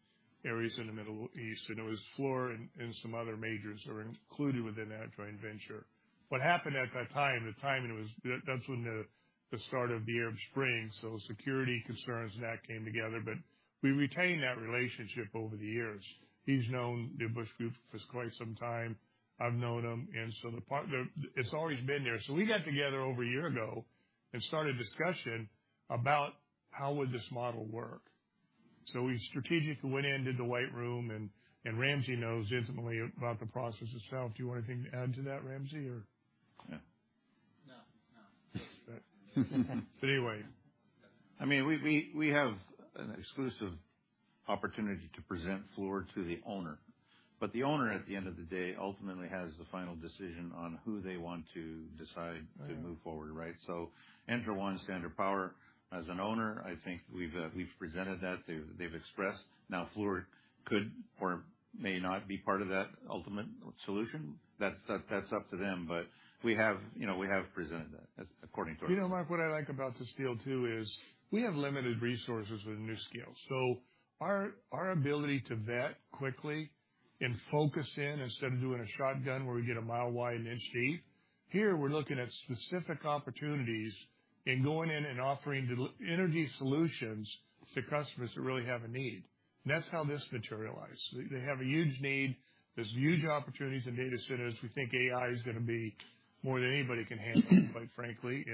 [SPEAKER 2] areas in the Middle East. It was Fluor and some other majors included within that joint venture. What happened at that time, the timing was, that's when the start of the Arab Spring, so security concerns and that came together. But we retained that relationship over the years. He's known the Fluor group for quite some time. I've known him, and so the part. The— It's always been there. So we got together over a year ago and started a discussion about how would this model work. So we strategically went in, did the white room, and Ramsey knows intimately about the process himself. Do you want anything to add to that, Ramsey, or?
[SPEAKER 12] Yeah.
[SPEAKER 1] No, no.
[SPEAKER 2] But anyway.
[SPEAKER 8] I mean, we have an exclusive opportunity to present Fluor to the owner, but the owner, at the end of the day, ultimately has the final decision on who they want to decide to move forward, right? So ENTRA1, Standard Power, as an owner, I think we've presented that. They've expressed. Now, Fluor could or may not be part of that ultimate solution. That's up to them, but we have, you know, we have presented that as according to our...
[SPEAKER 2] You know, Marc, what I like about this deal, too, is we have limited resources with NuScale, so our ability to vet quickly and focus in instead of doing a shotgun where we get a mile wide, an inch deep, here, we're looking at specific opportunities and going in and offering de... energy solutions to customers that really have a need. That's how this materialized. They have a huge need. There's huge opportunities in data centers. We think AI is gonna be more than anybody can handle, quite frankly.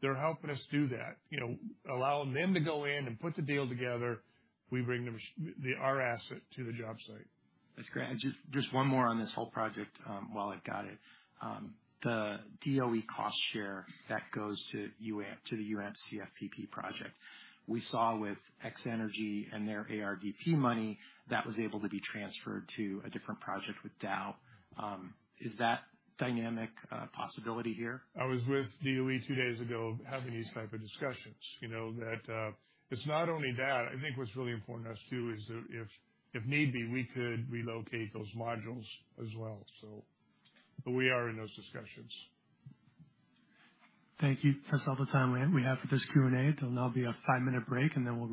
[SPEAKER 2] They're helping us do that, you know, allowing them to go in and put the deal together. We bring the ma- the, our asset to the job site.
[SPEAKER 11] That's great. Just, just one more on this whole project, while I've got it. The DOE cost share that goes to UA, to the UAM CFPP project, we saw with X-energy and their ARDP money that was able to be transferred to a different project with Dow. Is that dynamic possibility here?
[SPEAKER 2] I was with DOE two days ago, having these type of discussions. You know, that, it's not only that, I think what's really important to us, too, is that if need be, we could relocate those modules as well, so. But we are in those discussions.
[SPEAKER 1] Thank you. That's all the time we have, we have for this Q&A. There'll now be a five-minute break, and then we'll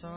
[SPEAKER 1] resume. Okay.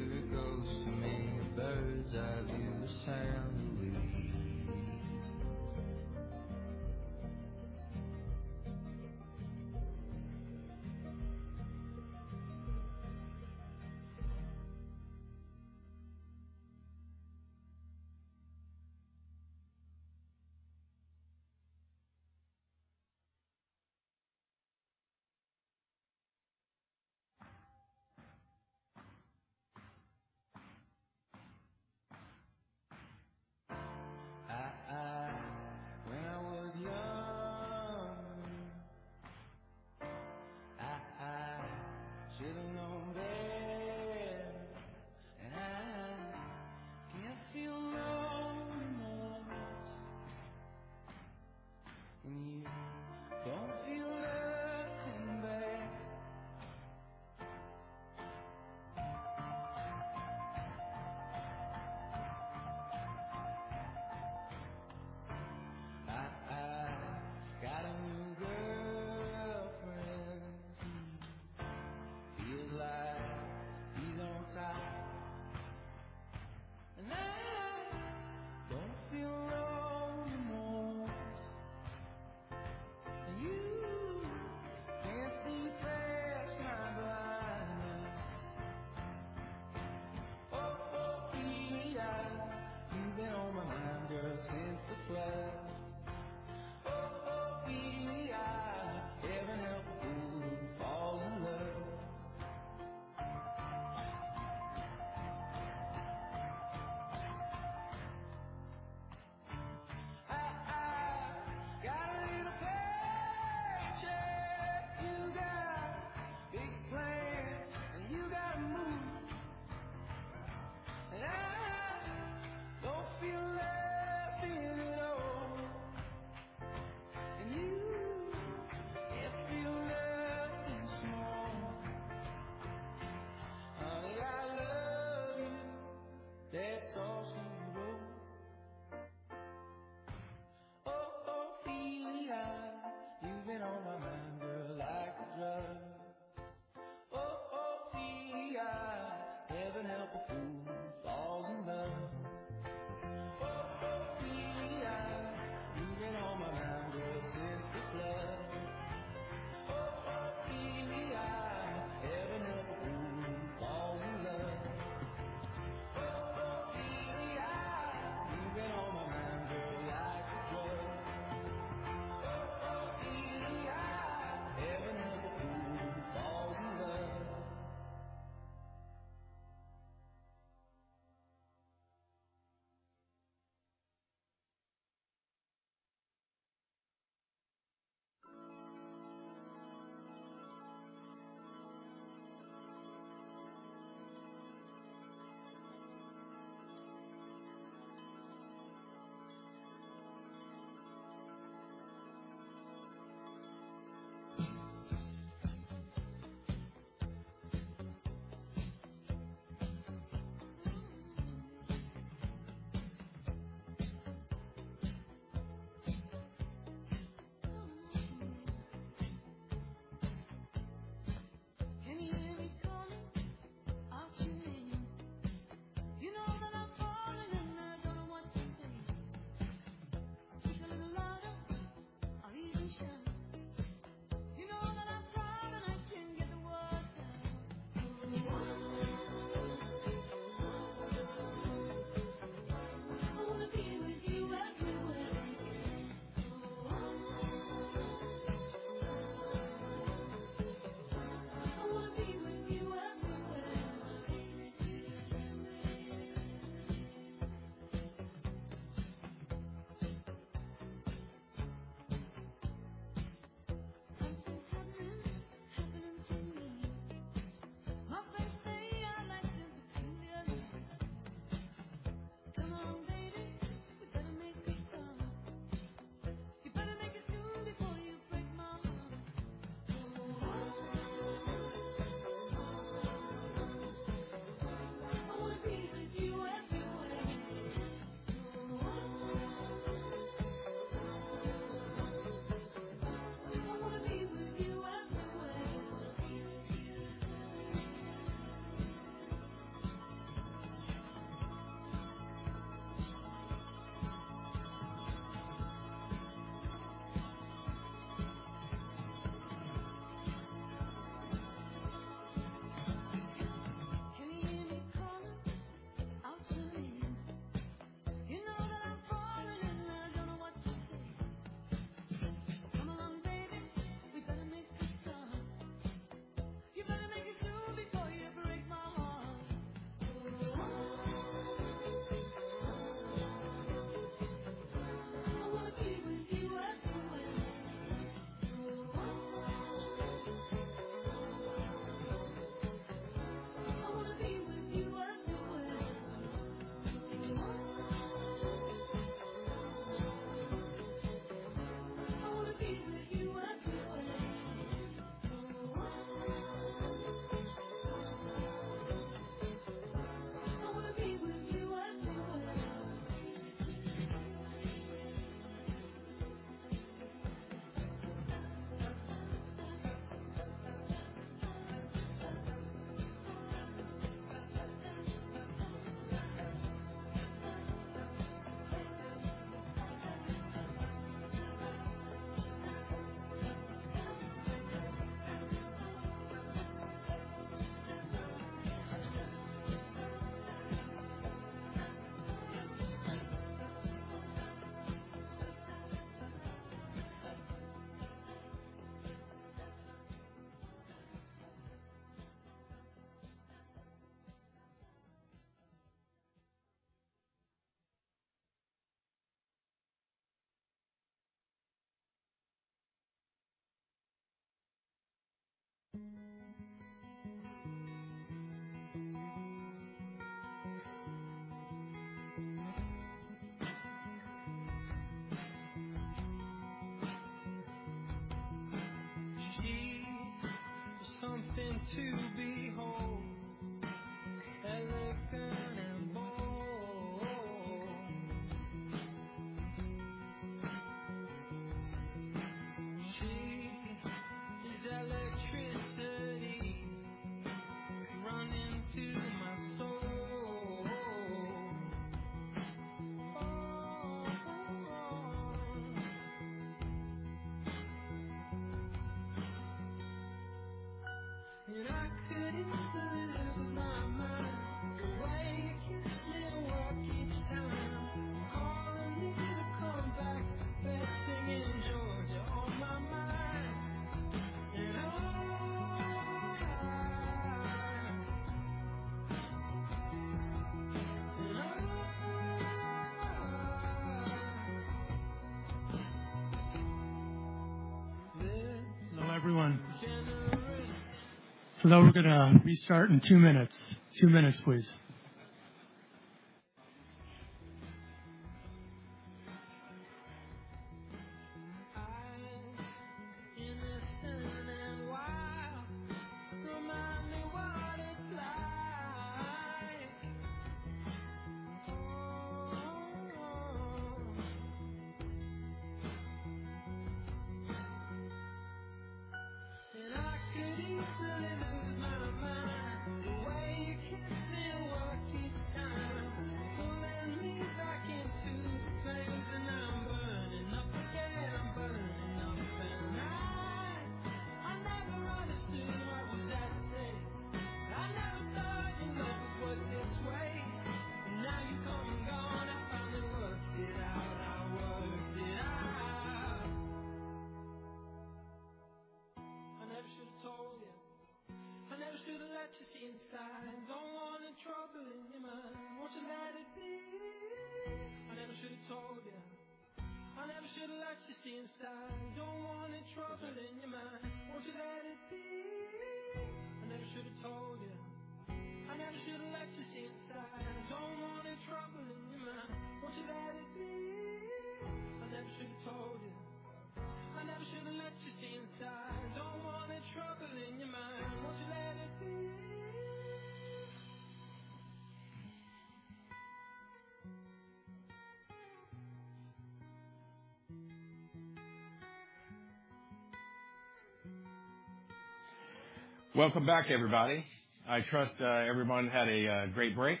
[SPEAKER 13] Welcome back, everybody. I trust everyone had a great break.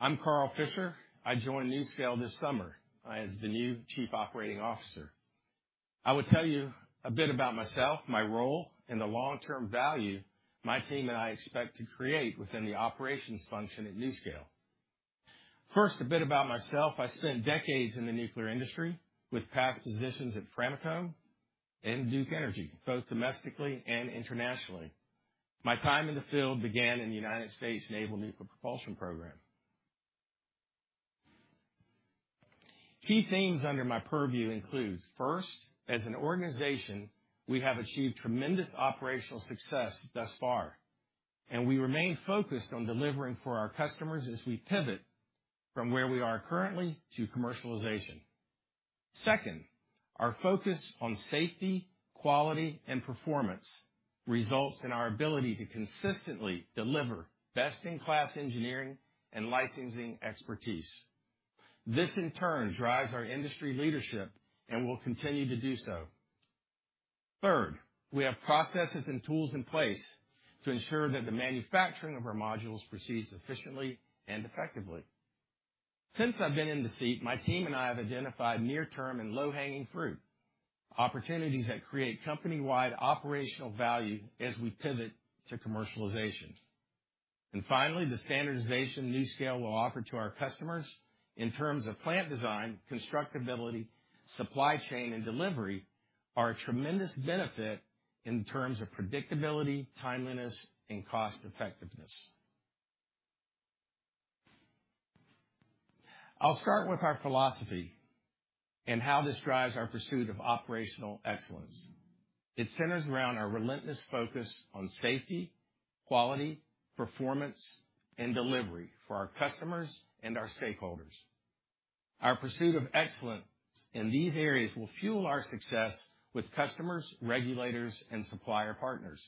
[SPEAKER 13] I'm Carl Fisher. I joined NuScale this summer as the new Chief Operating Officer. I will tell you a bit about myself, my role, and the long-term value my team and I expect to create within the operations function at NuScale. First, a bit about myself. I spent decades in the nuclear industry with past positions at Framatome and Duke Energy, both domestically and internationally. My time in the field began in the United States Naval Nuclear Propulsion Program. Key themes under my purview include, first, as an organization, we have achieved tremendous operational success thus far, and we remain focused on delivering for our customers as we pivot from where we are currently to commercialization. Second, our focus on safety, quality, and performance results in our ability to consistently deliver best-in-class engineering and licensing expertise. This, in turn, drives our industry leadership and will continue to do so. Third, we have processes and tools in place to ensure that the manufacturing of our modules proceeds efficiently and effectively. Since I've been in the seat, my team and I have identified near-term and low-hanging fruit, opportunities that create company-wide operational value as we pivot to commercialization. And finally, the standardization NuScale will offer to our customers in terms of plant design, constructability, supply chain, and delivery, are a tremendous benefit in terms of predictability, timeliness, and cost effectiveness. I'll start with our philosophy and how this drives our pursuit of operational excellence. It centers around our relentless focus on safety, quality, performance, and delivery for our customers and our stakeholders. Our pursuit of excellence in these areas will fuel our success with customers, regulators, and supplier partners.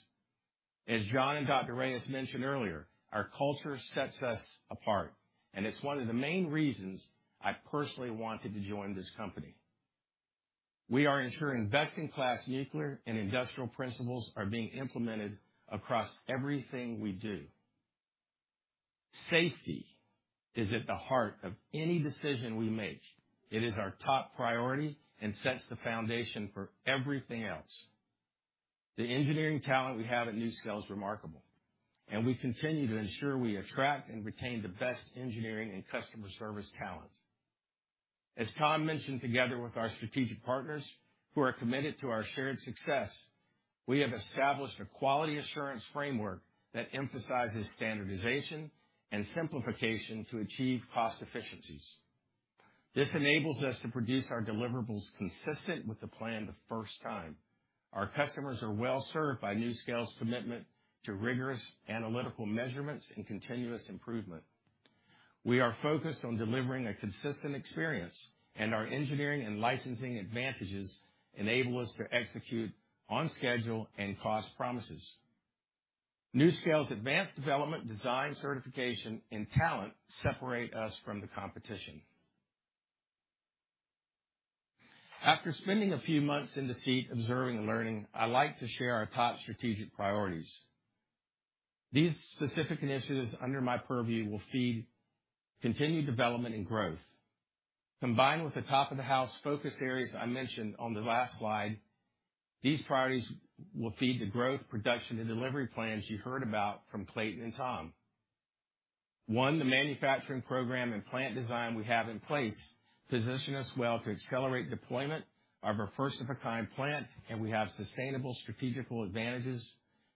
[SPEAKER 13] As John and Dr. Reyes mentioned earlier, our culture sets us apart, and it's one of the main reasons I personally wanted to join this company. We are ensuring best-in-class nuclear and industrial principles are being implemented across everything we do. Safety is at the heart of any decision we make. It is our top priority and sets the foundation for everything else. The engineering talent we have at NuScale is remarkable, and we continue to ensure we attract and retain the best engineering and customer service talents. As Tom mentioned, together with our strategic partners who are committed to our shared success, we have established a quality assurance framework that emphasizes standardization and simplification to achieve cost efficiencies. This enables us to produce our deliverables consistent with the plan the first time. Our customers are well served by NuScale's commitment to rigorous analytical measurements and continuous improvement. We are focused on delivering a consistent experience, and our engineering and licensing advantages enable us to execute on schedule and cost promises. NuScale's advanced development, design, certification, and talent separate us from the competition. After spending a few months in the seat observing and learning, I'd like to share our top strategic priorities. These specific initiatives under my purview will feed continued development and growth. Combined with the top-of-the-house focus areas I mentioned on the last slide, these priorities will feed the growth, production, and delivery plans you heard about from Clayton and Tom. One, the manufacturing program and plant design we have in place position us well to accelerate deployment of our first-of-a-kind plant, and we have sustainable strategical advantages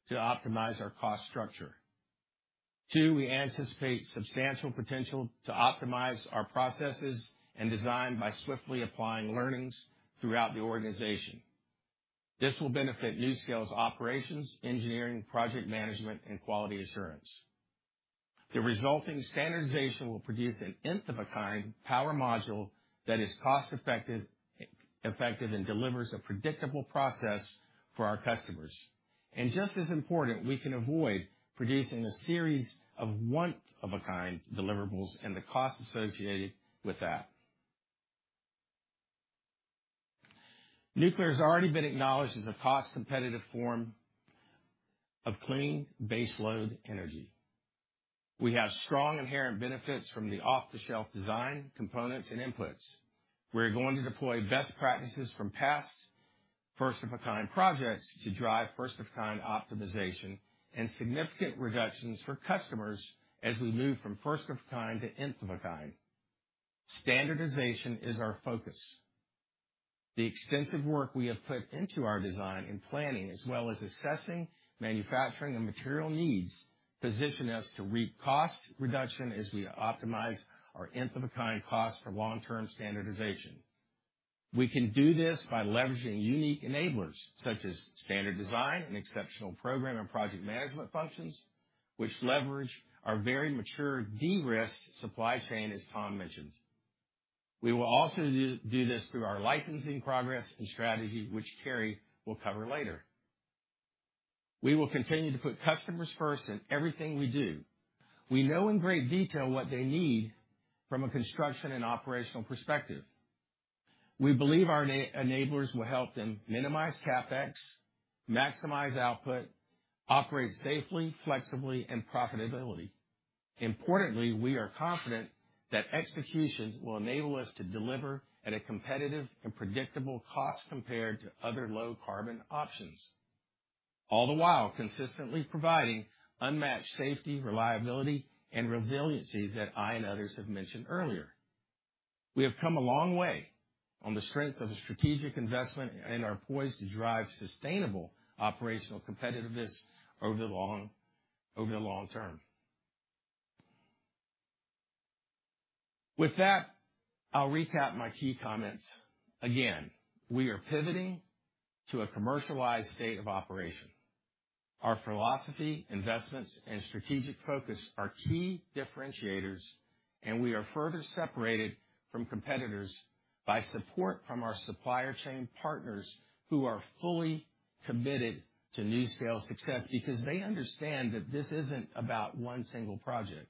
[SPEAKER 13] to optimize our cost structure. Two, we anticipate substantial potential to optimize our processes and design by swiftly applying learnings throughout the organization. This will benefit NuScale's operations, engineering, project management, and quality assurance. The resulting standardization will produce an Nth-of-a-kind power module that is cost-effective, effective, and delivers a predictable process for our customers. And just as important, we can avoid producing a series of one-of-a-kind deliverables and the cost associated with that. Nuclear has already been acknowledged as a cost-competitive form of clean baseload energy. We have strong inherent benefits from the off-the-shelf design, components, and inputs. We're going to deploy best practices from past first-of-a-kind projects to drive first-of-a-kind optimization and significant reductions for customers as we move from first-of-a-kind to Nth-of-a-kind. Standardization is our focus. The extensive work we have put into our design and planning, as well as assessing, manufacturing, and material needs, position us to reap cost reduction as we optimize our Nth-of-a-kind costs for long-term standardization. We can do this by leveraging unique enablers such as standard design and exceptional program and project management functions, which leverage our very mature, de-risked supply chain, as Tom mentioned. We will also do this through our licensing progress and strategy, which Carrie will cover later. We will continue to put customers first in everything we do. We know in great detail what they need from a construction and operational perspective. We believe our enablers will help them minimize CapEx, maximize output, operate safely, flexibly, and profitability. Importantly, we are confident that execution will enable us to deliver at a competitive and predictable cost compared to other low-carbon options, all the while consistently providing unmatched safety, reliability, and resiliency that I and others have mentioned earlier. We have come a long way on the strength of a strategic investment and are poised to drive sustainable operational competitiveness over the long, over the long term. With that, I'll recap my key comments. Again, we are pivoting to a commercialized state of operation. Our philosophy, investments, and strategic focus are key differentiators, and we are further separated from competitors by support from our supplier chain partners, who are fully committed to NuScale's success because they understand that this isn't about one single project,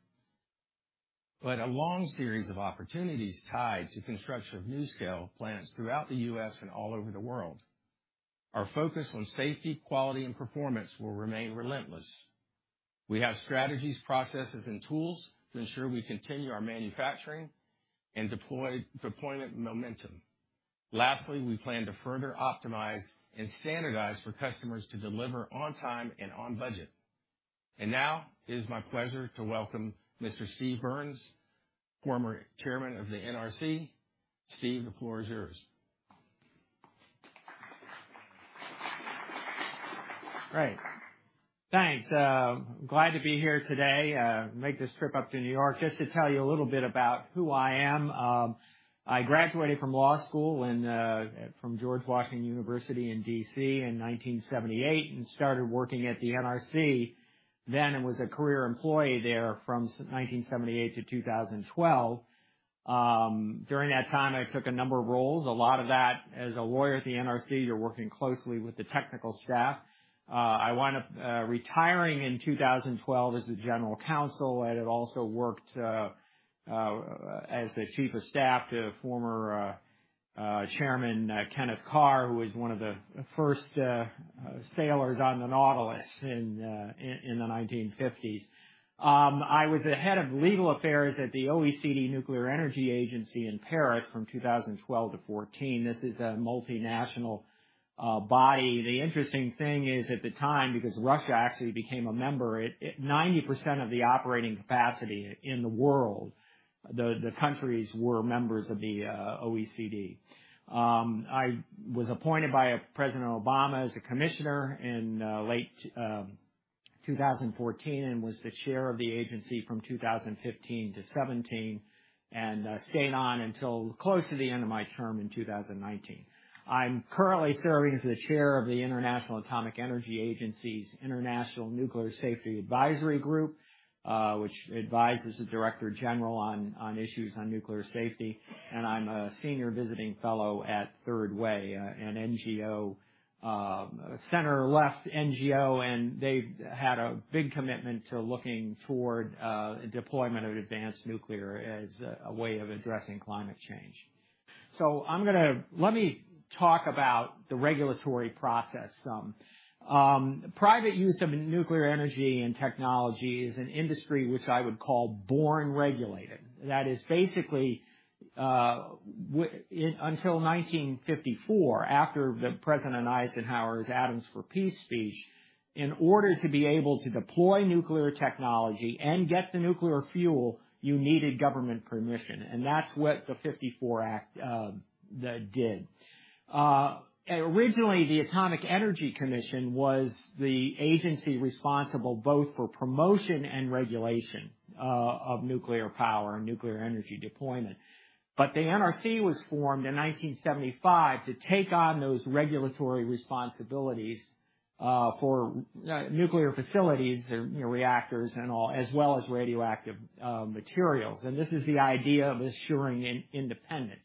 [SPEAKER 13] but a long series of opportunities tied to construction of NuScale plants throughout the U.S. and all over the world. Our focus on safety, quality, and performance will remain relentless. We have strategies, processes, and tools to ensure we continue our manufacturing and deployment momentum. Lastly, we plan to further optimize and standardize for customers to deliver on time and on budget. Now it is my pleasure to welcome Mr. Steve Burns, former chairman of the NRC. Steve, the floor is yours.
[SPEAKER 14] Great. Thanks. Glad to be here today, make this trip up to New York. Just to tell you a little bit about who I am, I graduated from law school from George Washington University in D.C. in 1978 and started working at the NRC then, and was a career employee there from 1978 to 2012. During that time, I took a number of roles, a lot of that as a lawyer at the NRC. You're working closely with the technical staff. I wound up retiring in 2012 as the General Counsel, and had also worked as the Chief of Staff to former Chairman Kenneth Carr, who was one of the first sailors on the Nautilus in the 1950s. I was the head of legal affairs at the OECD Nuclear Energy Agency in Paris from 2012 to 2014. This is a multinational body. The interesting thing is, at the time, because Russia actually became a member, it, 90% of the operating capacity in the world, the countries were members of the OECD. I was appointed by President Obama as a commissioner in late 2014, and was the chair of the agency from 2015 to 2017, and stayed on until close to the end of my term in 2019. I'm currently serving as the chair of the International Atomic Energy Agency's International Nuclear Safety Advisory Group, which advises the director general on issues on nuclear safety. I'm a senior visiting fellow at Third Way, an NGO, center-left NGO, and they've had a big commitment to looking toward deployment of advanced nuclear as a way of addressing climate change. I'm gonna... Let me talk about the regulatory process some. Private use of nuclear energy and technology is an industry which I would call born regulated. That is basically, until 1954, after President Eisenhower's Atoms for Peace speech, in order to be able to deploy nuclear technology and get the nuclear fuel, you needed government permission, and that's what the 1954 act did. Originally, the Atomic Energy Commission was the agency responsible both for promotion and regulation of nuclear power and nuclear energy deployment. But the NRC was formed in 1975 to take on those regulatory responsibilities, for nuclear facilities, you know, reactors and all, as well as radioactive materials. And this is the idea of ensuring independence.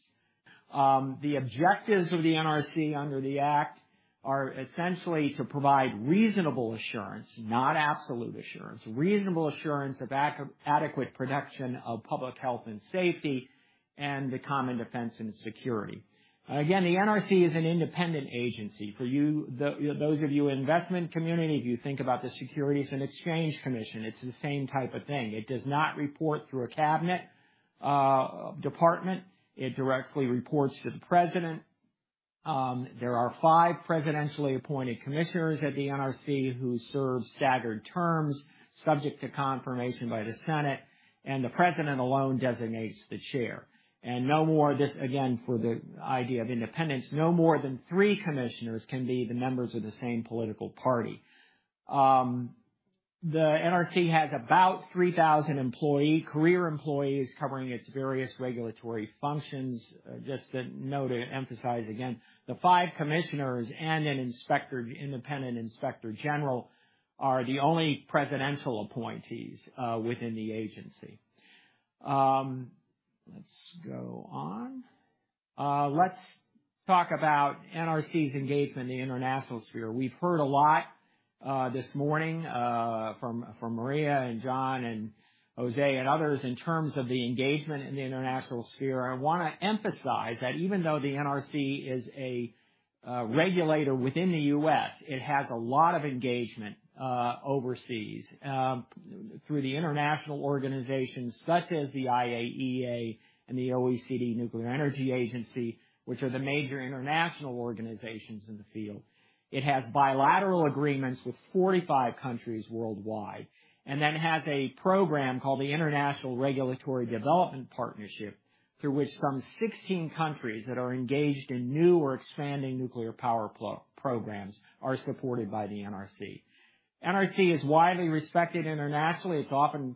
[SPEAKER 14] The objectives of the NRC under the Act are essentially to provide reasonable assurance, not absolute assurance, reasonable assurance of adequate protection of public health and safety, and the common defense and security. Again, the NRC is an independent agency. For you, those of you in investment community, if you think about the Securities and Exchange Commission, it's the same type of thing. It does not report through a cabinet department. It directly reports to the president. There are five presidentially appointed commissioners at the NRC who serve staggered terms, subject to confirmation by the Senate, and the president alone designates the chair. And no more... This, again, for the idea of independence, no more than three commissioners can be the members of the same political party. The NRC has about 3,000 employees, career employees, covering its various regulatory functions. Just a note to emphasize again, the five commissioners and an independent Inspector General are the only presidential appointees within the agency. Let's go on. Let's talk about NRC's engagement in the international sphere. We've heard a lot this morning from Maria and John and Jose and others, in terms of the engagement in the international sphere. I wanna emphasize that even though the NRC is a regulator within the U.S., it has a lot of engagement overseas through the international organizations such as the IAEA and the OECD Nuclear Energy Agency, which are the major international organizations in the field. It has bilateral agreements with 45 countries worldwide, and then has a program called the International Regulatory Development Partnership, through which some 16 countries that are engaged in new or expanding nuclear power programs are supported by the NRC. NRC is widely respected internationally. It's often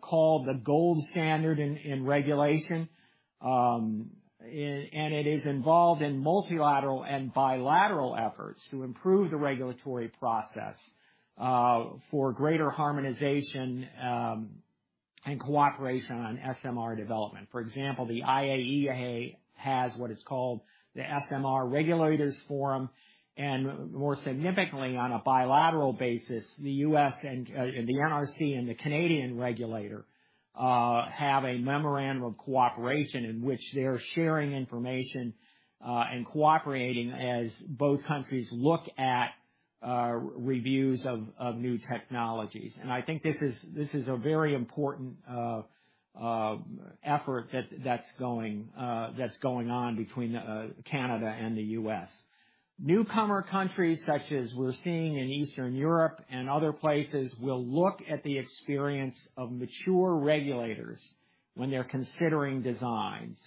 [SPEAKER 14] called the gold standard in regulation. It's involved in multilateral and bilateral efforts to improve the regulatory process for greater harmonization and cooperation on SMR development. For example, the IAEA has what is called the SMR Regulators Forum, and more significantly, on a bilateral basis, the U.S. and the NRC and the Canadian regulator have a memorandum of cooperation in which they're sharing information and cooperating as both countries look at reviews of new technologies. I think this is a very important effort that's going on between Canada and the U.S. Newcomer countries, such as we're seeing in Eastern Europe and other places, will look at the experience of mature regulators when they're considering designs.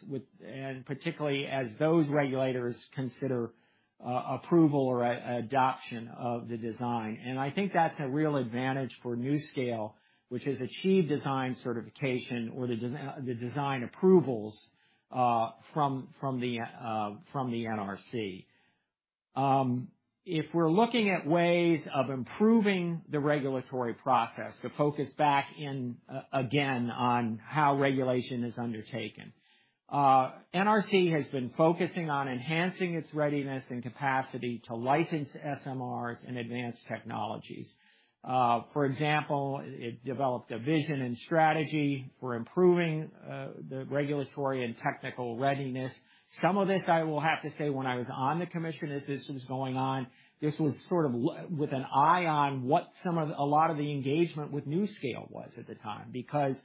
[SPEAKER 14] And particularly as those regulators consider approval or adoption of the design. And I think that's a real advantage for NuScale, which has achieved design certification or the design approvals from the NRC. If we're looking at ways of improving the regulatory process, to focus back in again on how regulation is undertaken, NRC has been focusing on enhancing its readiness and capacity to license SMRs and advanced technologies. For example, it developed a vision and strategy for improving the regulatory and technical readiness. Some of this, I will have to say, when I was on the commission, as this was going on, this was sort of with an eye on what some of the—a lot of the engagement with NuScale was at the time, because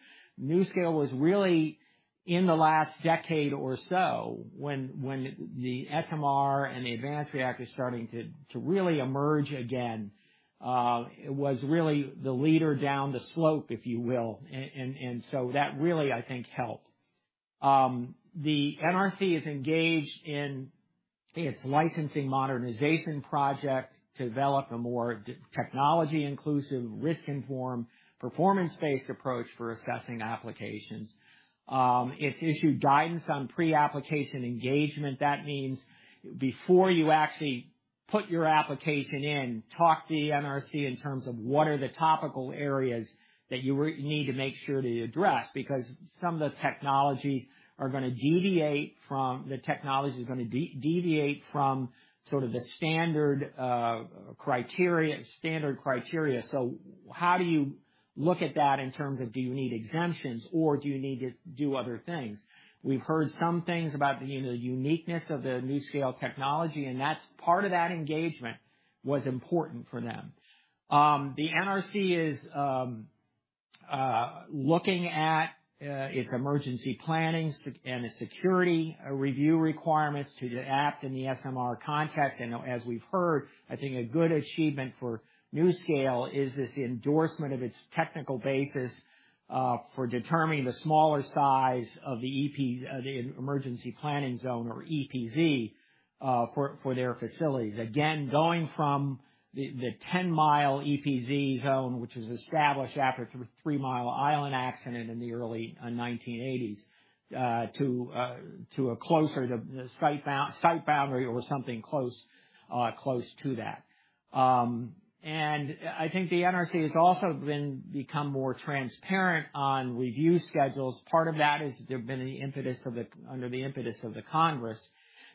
[SPEAKER 14] NuScale was really, in the last decade or so, when the SMR and the advanced reactors starting to really emerge again, it was really the leader down the slope, if you will. That really, I think, helped. The NRC is engaged in its licensing modernization project to develop a more technology-inclusive, risk-informed, performance-based approach for assessing applications. It's issued guidance on pre-application engagement. That means before you actually put your application in, talk to the NRC in terms of what are the topical areas that you need to make sure to address, because some of the technologies are gonna deviate from... The technology is gonna deviate from sort of the standard criteria, standard criteria. How do you look at that in terms of do you need exemptions or do you need to do other things? We've heard some things about the, you know, uniqueness of the NuScale technology, and that's, part of that engagement was important for them. The NRC is looking at its emergency planning sec- and its security review requirements to the Act in the SMR context. As we've heard, I think a good achievement for NuScale is this endorsement of its technical basis for determining the smaller size of the EP, the Emergency Planning Zone, or EPZ, for their facilities. Again, going from the 10-mile EPZ zone, which was established after the Three Mile Island accident in the early 1980s, to a closer to the site boundary or something close to that. And I think the NRC has also been become more transparent on review schedules. Part of that is there have been the impetus of the... under the impetus of the Congress.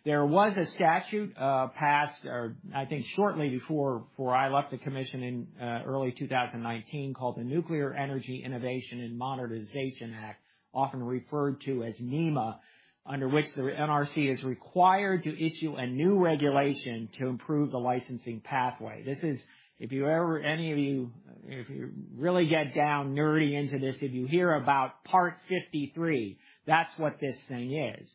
[SPEAKER 14] There was a statute passed, I think shortly before I left the commission in early 2019, called the Nuclear Energy Innovation and Modernization Act, often referred to as NEIMA, under which the NRC is required to issue a new regulation to improve the licensing pathway. This is, if you ever, any of you, if you really get down nerdy into this, if you hear about Part 53, that's what this thing is....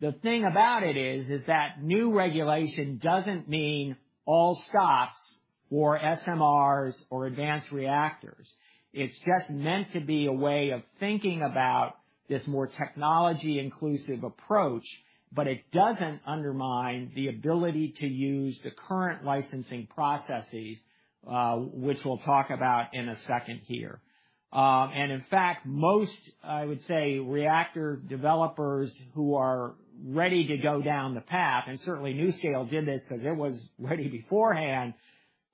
[SPEAKER 14] The thing about it is that new regulation doesn't mean all stops for SMRs or advanced reactors. It's just meant to be a way of thinking about this more technology-inclusive approach, but it doesn't undermine the ability to use the current licensing processes, which we'll talk about in a second here. In fact, most, I would say, reactor developers who are ready to go down the path, and certainly NuScale did this because it was ready beforehand,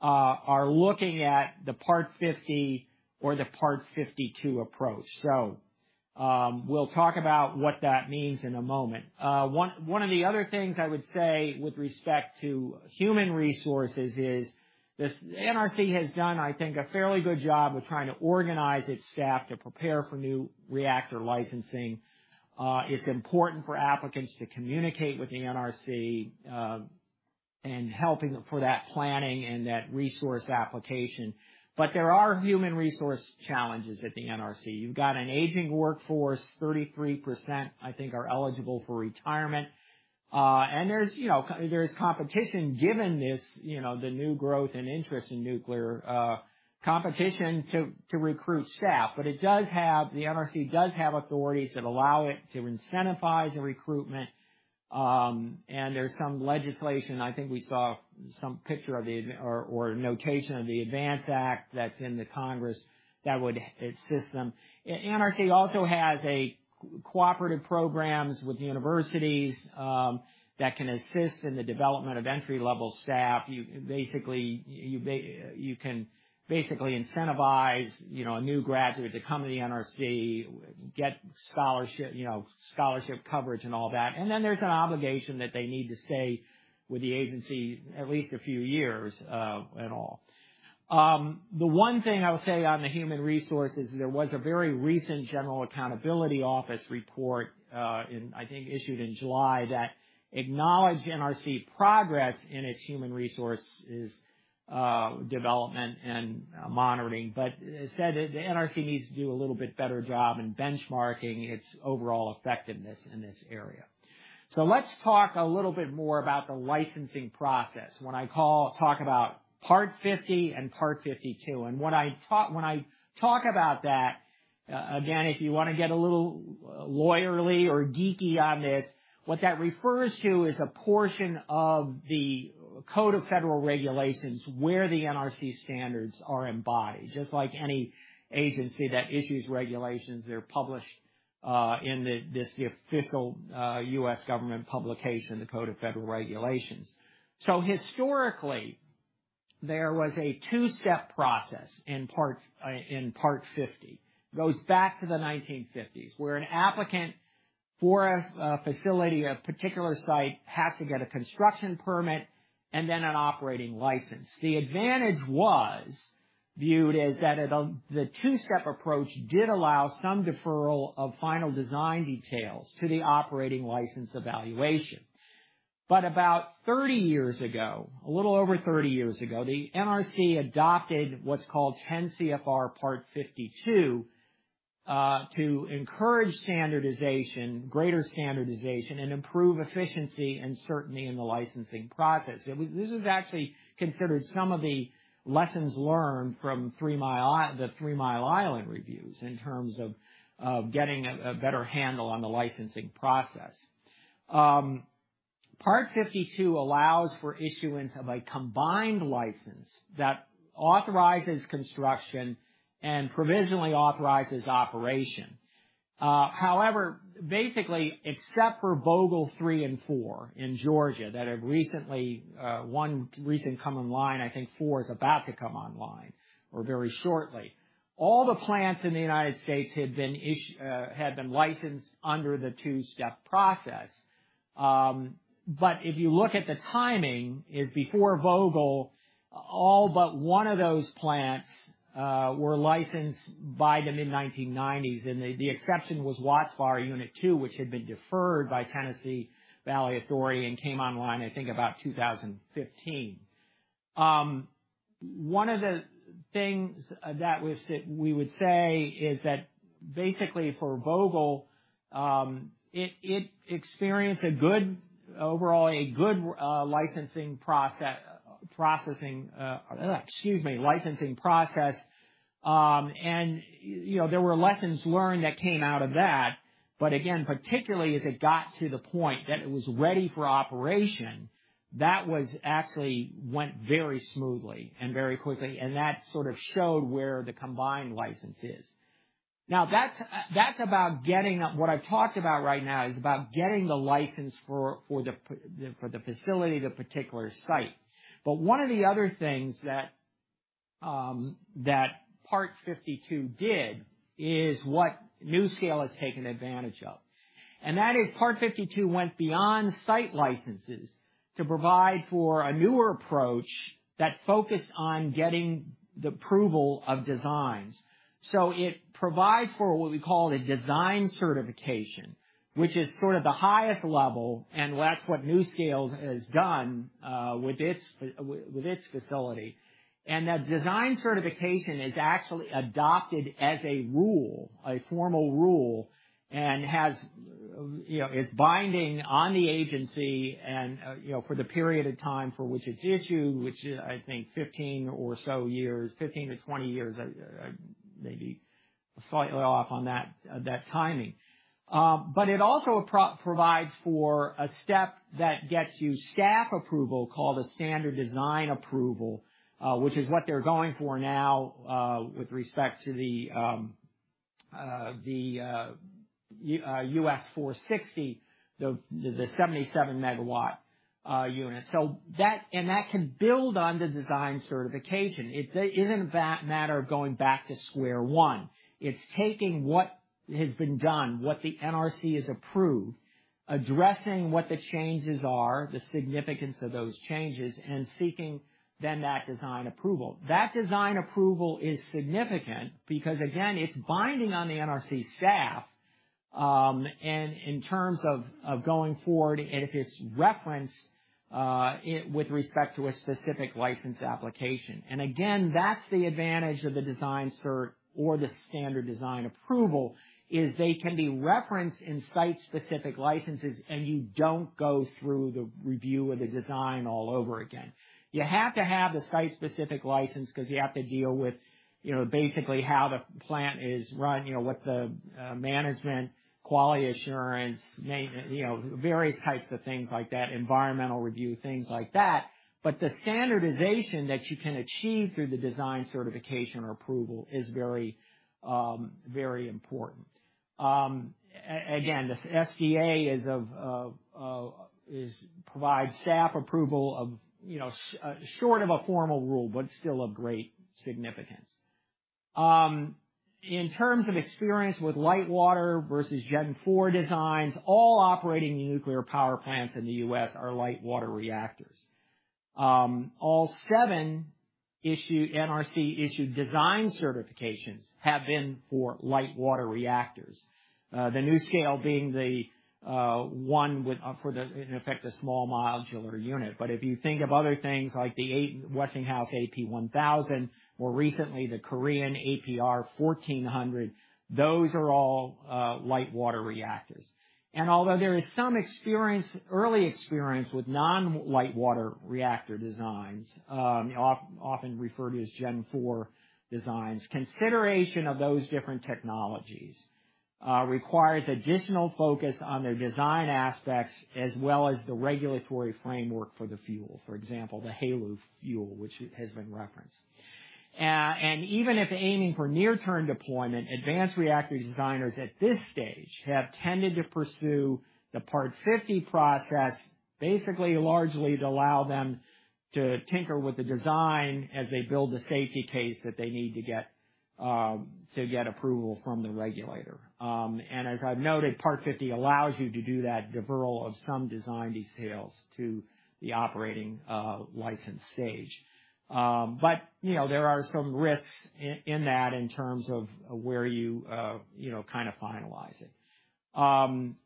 [SPEAKER 14] are looking at the Part 50 or the Part 52 approach. So, we'll talk about what that means in a moment. One of the other things I would say with respect to human resources is this, the NRC has done, I think, a fairly good job of trying to organize its staff to prepare for new reactor licensing. It's important for applicants to communicate with the NRC, and helping for that planning and that resource application. But there are human resource challenges at the NRC. You've got an aging workforce. 33%, I think, are eligible for retirement. There's, you know, there's competition, given this, you know, the new growth and interest in nuclear, competition to recruit staff. It does have—the NRC does have authorities that allow it to incentivize the recruitment. There's some legislation, I think we saw some picture of the ad or a notation of the ADVANCE Act that's in the Congress that would assist them. NRC also has cooperative programs with universities that can assist in the development of entry-level staff. You basically, you can basically incentivize, you know, a new graduate to come to the NRC, get scholarship, you know, scholarship coverage and all that. Then there's an obligation that they need to stay with the agency at least a few years, and all. The one thing I will say on the human resources, there was a very recent Government Accountability Office report, in, I think, issued in July, that acknowledged NRC progress in its human resources, development and monitoring, but it said that the NRC needs to do a little bit better job in benchmarking its overall effectiveness in this area. So let's talk a little bit more about the licensing process. When I talk about Part 50 and Part 52, and when I talk about that, again, if you wanna get a little lawyerly or geeky on this, what that refers to is a portion of the Code of Federal Regulations, where the NRC standards are embodied. Just like any agency that issues regulations, they're published in the official U.S. government publication, the Code of Federal Regulations. So historically, there was a two-step process in Part 50. It goes back to the 1950s, where an applicant for a facility, a particular site, has to get a construction permit and then an operating license. The advantage was viewed as that the two-step approach did allow some deferral of final design details to the operating license evaluation. But about 30 years ago, a little over 30 years ago, the NRC adopted what's called 10 CFR Part 52 to encourage standardization, greater standardization, and improve efficiency and certainty in the licensing process. And this is actually considered some of the lessons learned from Three Mile Island reviews in terms of getting a better handle on the licensing process. Part 52 allows for issuance of a combined license that authorizes construction and provisionally authorizes operation. However, basically, except for Vogtle Unit 3 and Unit 4 in Georgia, that have recently, one recent come online, I think 4 is about to come online or very shortly. All the plants in the United States had been licensed under the two-step process. But if you look at the timing, is before Vogtle, all but one of those plants, were licensed by the mid-1990s, and the, the exception was Watts Bar Unit 2, which had been deferred by Tennessee Valley Authority and came online, I think, about 2015. One of the things that we would say is that basically for Vogtle, it, it experienced a good overall, a good, licensing process, excuse me, licensing process. And, you know, there were lessons learned that came out of that. But again, particularly as it got to the point that it was ready for operation, that actually went very smoothly and very quickly, and that sort of showed where the combined license is. Now, that's about getting what I've talked about right now is about getting the license for the facility, the particular site. But one of the other things that Part 52 did is what NuScale has taken advantage of. And that is, Part 52 went beyond site licenses to provide for a newer approach that focused on getting the approval of designs. So it provides for what we call a design certification, which is sort of the highest level, and that's what NuScale has done with its facility. And that design certification is actually adopted as a rule, a formal rule, and has, you know, is binding on the agency and, you know, for the period of time for which it's issued, which is, I think, 15 or so years, 15-20 years, I, I, maybe.... Slightly off on that, that timing. But it also provides for a step that gets you staff approval, called a Standard Design Approval, which is what they're going for now, with respect to the, the, the, US460, the, the 77-MW, unit. So that-- And that can build on the design certification. It, it isn't that matter of going back to square one. It's taking what has been done, what the NRC has approved, addressing what the changes are, the significance of those changes, and seeking then that design approval. That design approval is significant because, again, it's binding on the NRC staff, and in terms of, of going forward, and if it's referenced, it with respect to a specific license application. And again, that's the advantage of the design cert or the Standard Design Approval, is they can be referenced in site-specific licenses, and you don't go through the review of the design all over again. You have to have the site-specific license because you have to deal with, you know, basically how the plant is run, you know, what the, management, quality assurance, you know, various types of things like that, environmental review, things like that. But the standardization that you can achieve through the design certification or approval is very, very important. Again, the SDA is provide staff approval of, you know, short of a formal rule, but still of great significance. In terms of experience with light-water versus Gen IV designs, all operating nuclear power plants in the U.S. are light-water reactors. All 7 NRC-issued design certifications have been for light-water reactors. The NuScale being the one with for the, in effect, a small modular unit. But if you think of other things like the Westinghouse AP1000, more recently, the Korean APR1400, those are all light-water reactors. Although there is some experience, early experience with non-light-water reactor designs, often referred to as Gen IV designs, consideration of those different technologies requires additional focus on their design aspects as well as the regulatory framework for the fuel, for example, the HALEU fuel, which has been referenced. Even if aiming for near-term deployment, advanced reactor designers at this stage have tended to pursue the Part 50 process, basically largely to allow them to tinker with the design as they build the safety case that they need to get approval from the regulator. As I've noted, Part 50 allows you to do that deferral of some design details to the operating license stage. You know, there are some risks in that, in terms of where you, you know, kind of finalize it.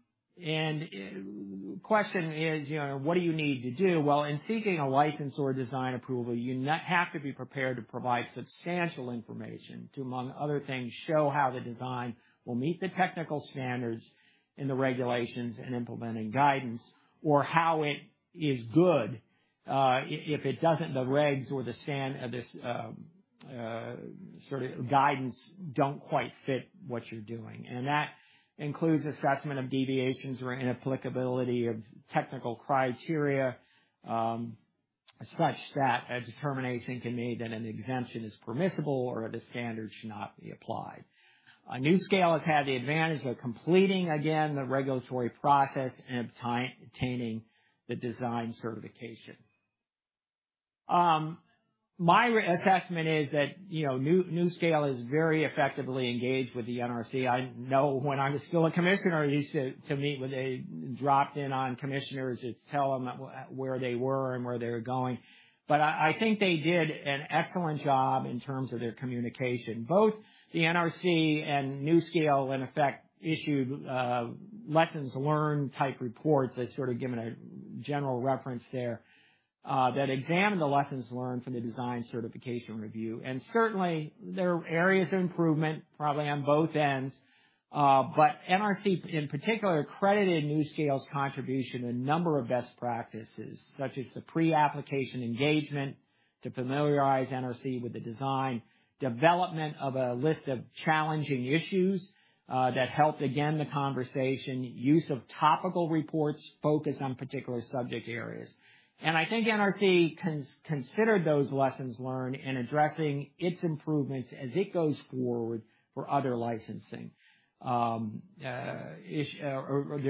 [SPEAKER 14] Question is, you know, what do you need to do? Well, in seeking a license or design approval, you have to be prepared to provide substantial information to, among other things, show how the design will meet the technical standards in the regulations and implementing guidance, or how it is good if it doesn't, the regs or the standards of this sort of guidance don't quite fit what you're doing. And that includes assessment of deviations or inapplicability of technical criteria, such that a determination can be made that an exemption is permissible or the standard should not be applied. NuScale has had the advantage of completing, again, the regulatory process and obtaining the design certification. My assessment is that, you know, NuScale is very effectively engaged with the NRC. I know when I was still a commissioner, I used to meet with—they dropped in on commissioners to tell them where they were and where they were going. I think they did an excellent job in terms of their communication. Both the NRC and NuScale, in effect, issued lessons learned type reports. That's sort of given a general reference there that examined the lessons learned from the design certification review. Certainly, there are areas of improvement, probably on both ends. NRC, in particular, credited NuScale's contribution to a number of best practices, such as the pre-application engagement to familiarize NRC with the design, development of a list of challenging issues that helped again, the conversation, use of topical reports focused on particular subject areas. I think the NRC considered those lessons learned in addressing its improvements as it goes forward for other licensing, or the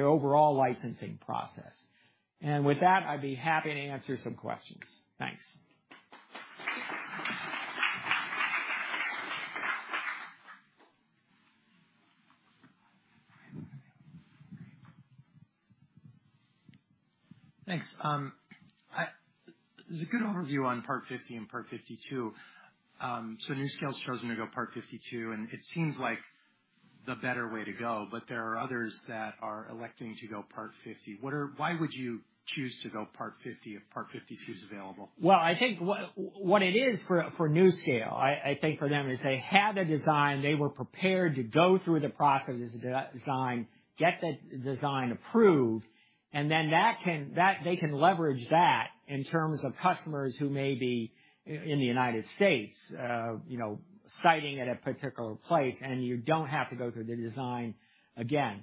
[SPEAKER 14] overall licensing process. With that, I'd be happy to answer some questions. Thanks.
[SPEAKER 1] Thanks. There's a good overview on Part 50 and Part 52. So NuScale's chosen to go Part 52, and it seems like- ...the better way to go, but there are others that are electing to go Part 50. Why would you choose to go Part 50 if Part 52 is available?
[SPEAKER 14] Well, I think what it is for NuScale, I think for them, is they had the design. They were prepared to go through the process of design, get the design approved, and then that can—that, they can leverage that in terms of customers who may be in the United States, you know, siting at a particular place, and you don't have to go through the design again.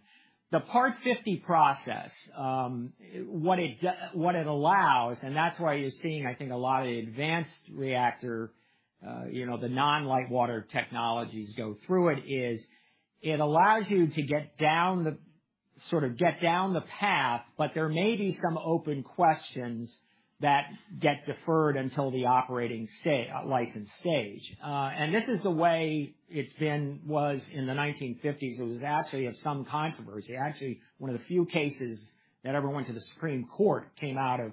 [SPEAKER 14] The Part 50 process, what it allows, and that's why you're seeing, I think, a lot of the advanced reactor, you know, the non-light-water technologies go through it, is it allows you to get down the, sort of, get down the path, but there may be some open questions that get deferred until the operating license stage. And this is the way it's been, was in the 1950s. It was actually of some controversy. Actually, one of the few cases that ever went to the Supreme Court came out of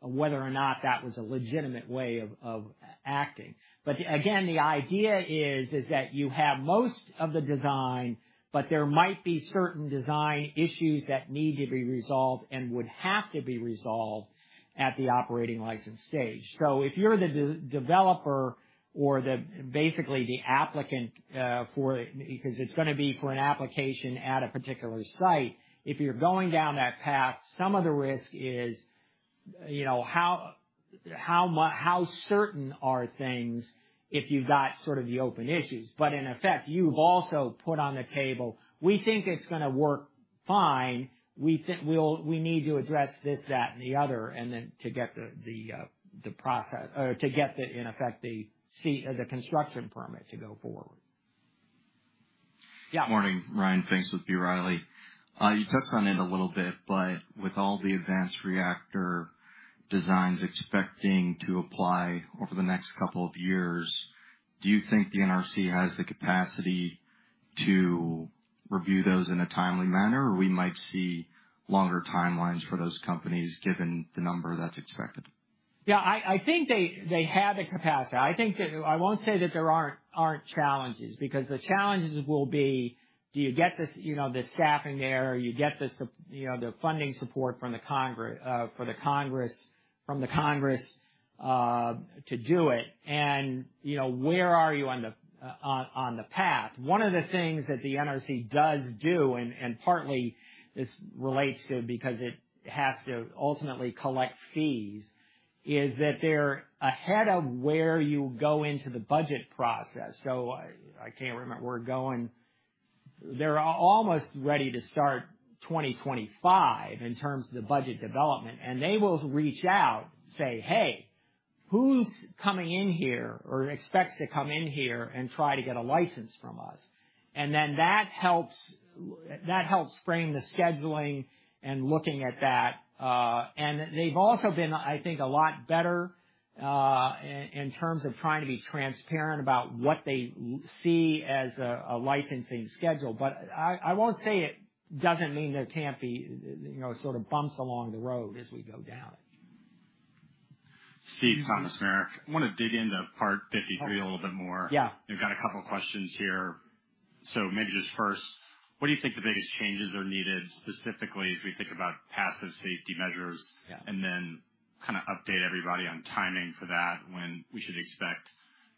[SPEAKER 14] whether or not that was a legitimate way of acting. But again, the idea is that you have most of the design, but there might be certain design issues that need to be resolved and would have to be resolved at the operating license stage. So if you're the developer or basically the applicant for, because it's gonna be for an application at a particular site, if you're going down that path, some of the risk is, you know, how certain are things if you've got sort of the open issues? But in effect, you've also put on the table, we think it's gonna work fine. We think we'll need to address this, that, and the other, and then to get the process... Or to get, in effect, the construction permit to go forward. Yeah.
[SPEAKER 15] Good morning, Ryan Pfingst with B. Riley. You touched on it a little bit, but with all the advanced reactor designs expecting to apply over the next couple of years, do you think the NRC has the capacity to review those in a timely manner? Or we might see longer timelines for those companies, given the number that's expected?
[SPEAKER 14] Yeah, I think they have the capacity. I think that I won't say that there aren't challenges, because the challenges will be: Do you get this, you know, the staffing there, you get the, you know, the funding support from the Congress, from the Congress, to do it? And, you know, where are you on the path? One of the things that the NRC does do, and partly this relates to, because it has to ultimately collect fees, is that they're ahead of where you go into the budget process. So I can't remember where we're going. They're almost ready to start 2025 in terms of the budget development, and they will reach out and say, "Hey, who's coming in here or expects to come in here and try to get a license from us?" And then that helps, that helps frame the scheduling and looking at that. And they've also been, I think, a lot better in terms of trying to be transparent about what they see as a licensing schedule. But I won't say it doesn't mean there can't be, you know, sort of, bumps along the road as we go down it.
[SPEAKER 7] Steve, Thomas Meric. I wanna dig into Part 53 a little bit more.
[SPEAKER 14] Yeah.
[SPEAKER 7] I've got a couple questions here. So maybe just first, what do you think the biggest changes are needed, specifically as we think about passive safety measures?
[SPEAKER 14] Yeah.
[SPEAKER 7] And then kind of update everybody on timing for that, when we should expect,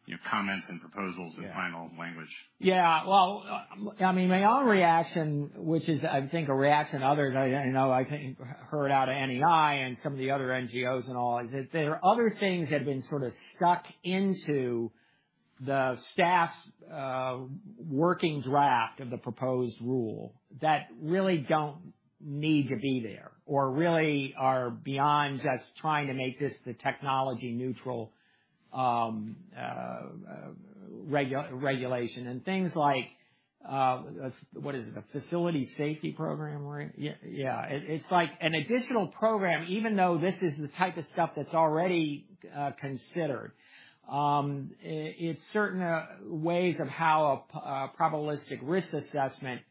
[SPEAKER 7] you know, comments and proposals...
[SPEAKER 14] Yeah.
[SPEAKER 7] And final language.
[SPEAKER 14] Yeah. Well, I mean, my own reaction, which is, I think a reaction others I know think heard out of NEI and some of the other NGOs and all, is that there are other things that have been sort of stuck into the staff's working draft of the proposed rule that really don't need to be there, or really are beyond just trying to make this the technology neutral regulation. And things like, what is it? The facility safety program, right? Yeah. It's like an additional program, even though this is the type of stuff that's already considered. It's certain ways of how a probabilistic risk assessment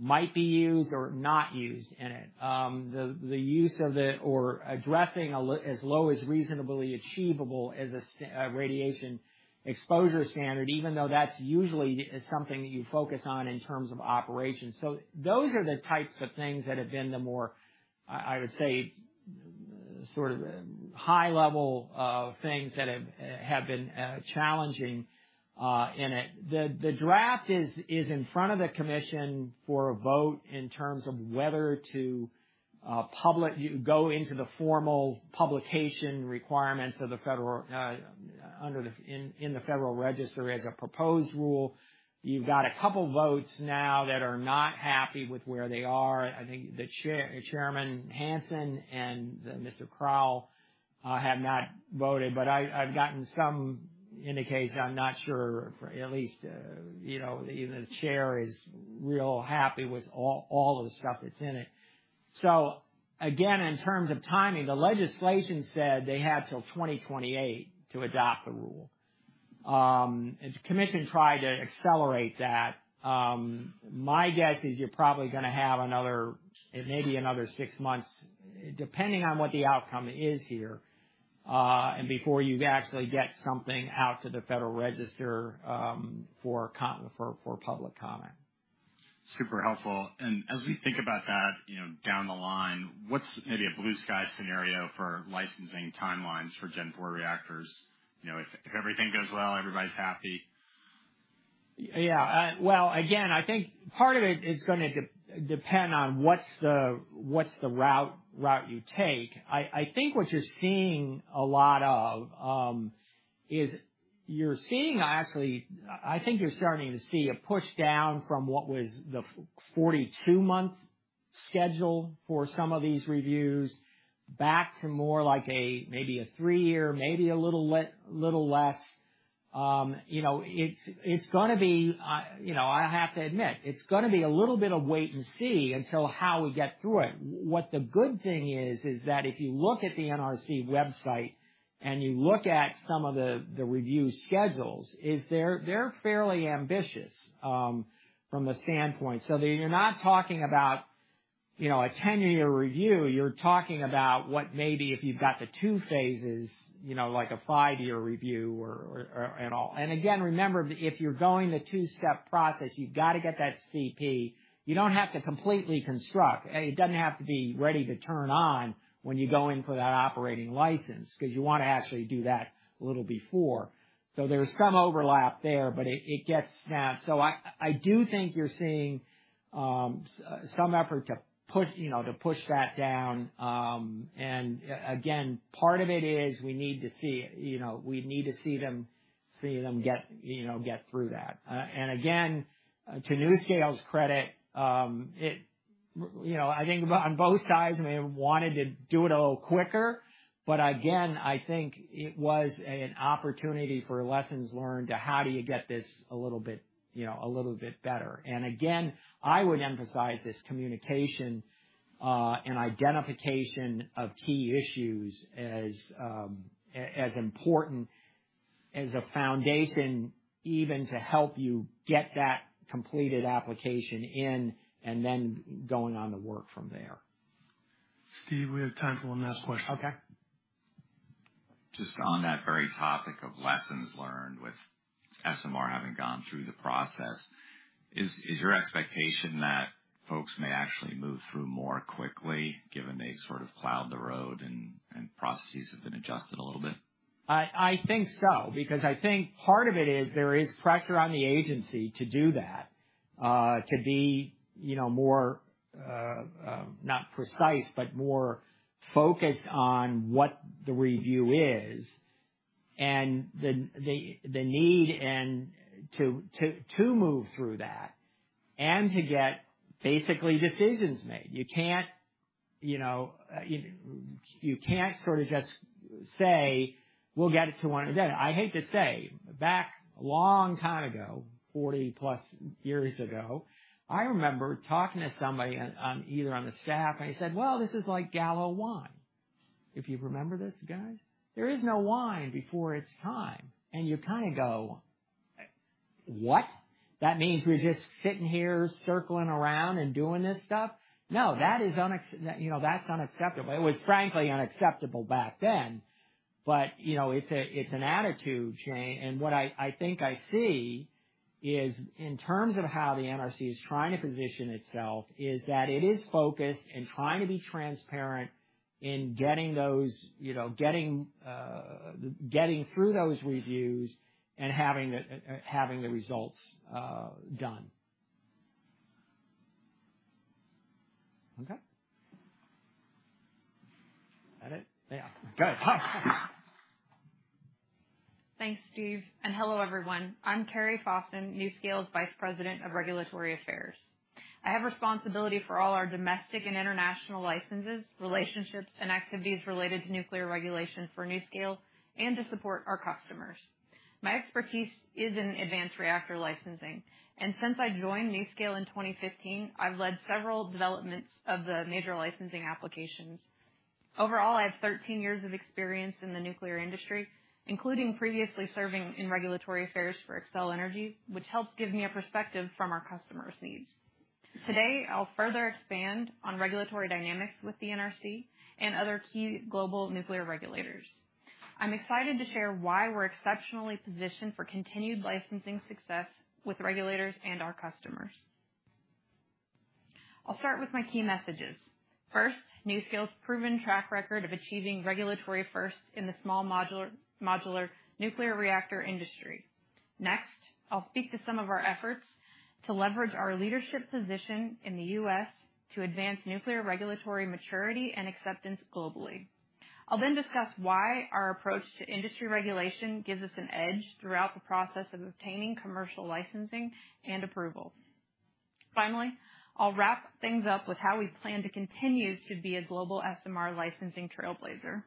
[SPEAKER 14] might be used or not used in it. The use of the... or addressing as low as reasonably achievable as a standard radiation exposure standard, even though that's usually something that you focus on in terms of operations. So those are the types of things that have been the more, I, I would say, sort of, high level things that have been challenging in it. The draft is in front of the commission for a vote in terms of whether to go into the formal publication requirements of the federal, under the, in, in the Federal Register as a proposed rule. You've got a couple votes now that are not happy with where they are. I think the Chairman Hanson and Mr. Crowell have not voted, but I, I've gotten some indication. I'm not sure for at least, you know, the chair is real happy with all of the stuff that's in it. So again, in terms of timing, the legislation said they had till 2028 to adopt the rule. And the commission tried to accelerate that. My guess is you're probably gonna have another, maybe another 6 months, depending on what the outcome is here. And before you actually get something out to the Federal Register, for public comment.
[SPEAKER 7] Super helpful. As we think about that, you know, down the line, what's maybe a blue sky scenario for licensing timelines for Gen IV reactors? You know, if everything goes well, everybody's happy.
[SPEAKER 14] Yeah, well, again, I think part of it is gonna depend on what's the route you take. I think what you're seeing a lot of is you're seeing actually... I think you're starting to see a push down from what was the 42-month schedule for some of these reviews, back to more like maybe a 3-year, maybe a little less. You know, it's gonna be, you know, I have to admit, it's gonna be a little bit of wait and see until how we get through it. What the good thing is, is that if you look at the NRC website, and you look at some of the review schedules, is they're fairly ambitious from the standpoint. So you're not talking about, you know, a 10-year review. You're talking about what maybe if you've got the two phases, you know, like a five-year review or at all. And again, remember, if you're going the two-step process, you've got to get that CP. You don't have to completely construct; it doesn't have to be ready to turn on when you go in for that operating license, 'cause you wanna actually do that a little before. So there's some overlap there, but it gets snapped. So I do think you're seeing some effort to put you know, to push that down. And again, part of it is we need to see, you know, we need to see them get through that. And again, to NuScale's credit, it, you know, I think on both sides may have wanted to do it a little quicker, but again, I think it was an opportunity for lessons learned to how do you get this a little bit, you know, a little bit better. And again, I would emphasize this communication and identification of key issues as important as a foundation, even to help you get that completed application in and then going on to work from there.
[SPEAKER 1] Steve, we have time for one last question.
[SPEAKER 14] Okay.
[SPEAKER 6] Just on that very topic of lessons learned, with SMR having gone through the process, is your expectation that folks may actually move through more quickly, given they sort of plowed the road and processes have been adjusted a little bit?
[SPEAKER 14] I think so, because I think part of it is there is pressure on the agency to do that, to be, you know, more not precise, but more focused on what the review is and the need and to move through that and to get basically decisions made. You can't, you know, you can't sort of just say, "We'll get it to one again." I hate to say, back a long time ago, 40+ years ago, I remember talking to somebody on either on the staff, and he said, "Well, this is like Gallo wine." If you remember this, guys, there is no wine before it's time, and you kind of go, "What? That means we're just sitting here circling around and doing this stuff?" No, that is unacceptable. You know, that's unacceptable. It was frankly unacceptable back then, but, you know, it's a, it's an attitude change. And what I think I see is, in terms of how the NRC is trying to position itself, is that it is focused in trying to be transparent in getting those, you know, getting through those reviews and having the results done. Okay? Is that it? Yeah. Go.
[SPEAKER 16] Thanks, Steve, and hello, everyone. I'm Carrie Fosaaen, NuScale's Vice President of Regulatory Affairs. I have responsibility for all our domestic and international licenses, relationships, and activities related to nuclear regulation for NuScale and to support our customers. My expertise is in advanced reactor licensing, and since I joined NuScale in 2015, I've led several developments of the major licensing applications. Overall, I have 13 years of experience in the nuclear industry, including previously serving in regulatory affairs for Xcel Energy, which helps give me a perspective from our customers' needs. Today, I'll further expand on regulatory dynamics with the NRC and other key global nuclear regulators. I'm excited to share why we're exceptionally positioned for continued licensing success with regulators and our customers. I'll start with my key messages. First, NuScale's proven track record of achieving regulatory firsts in the small modular, modular nuclear reactor industry. Next, I'll speak to some of our efforts to leverage our leadership position in the U.S. to advance nuclear regulatory maturity and acceptance globally. I'll then discuss why our approach to industry regulation gives us an edge throughout the process of obtaining commercial licensing and approval. Finally, I'll wrap things up with how we plan to continue to be a global SMR licensing trailblazer.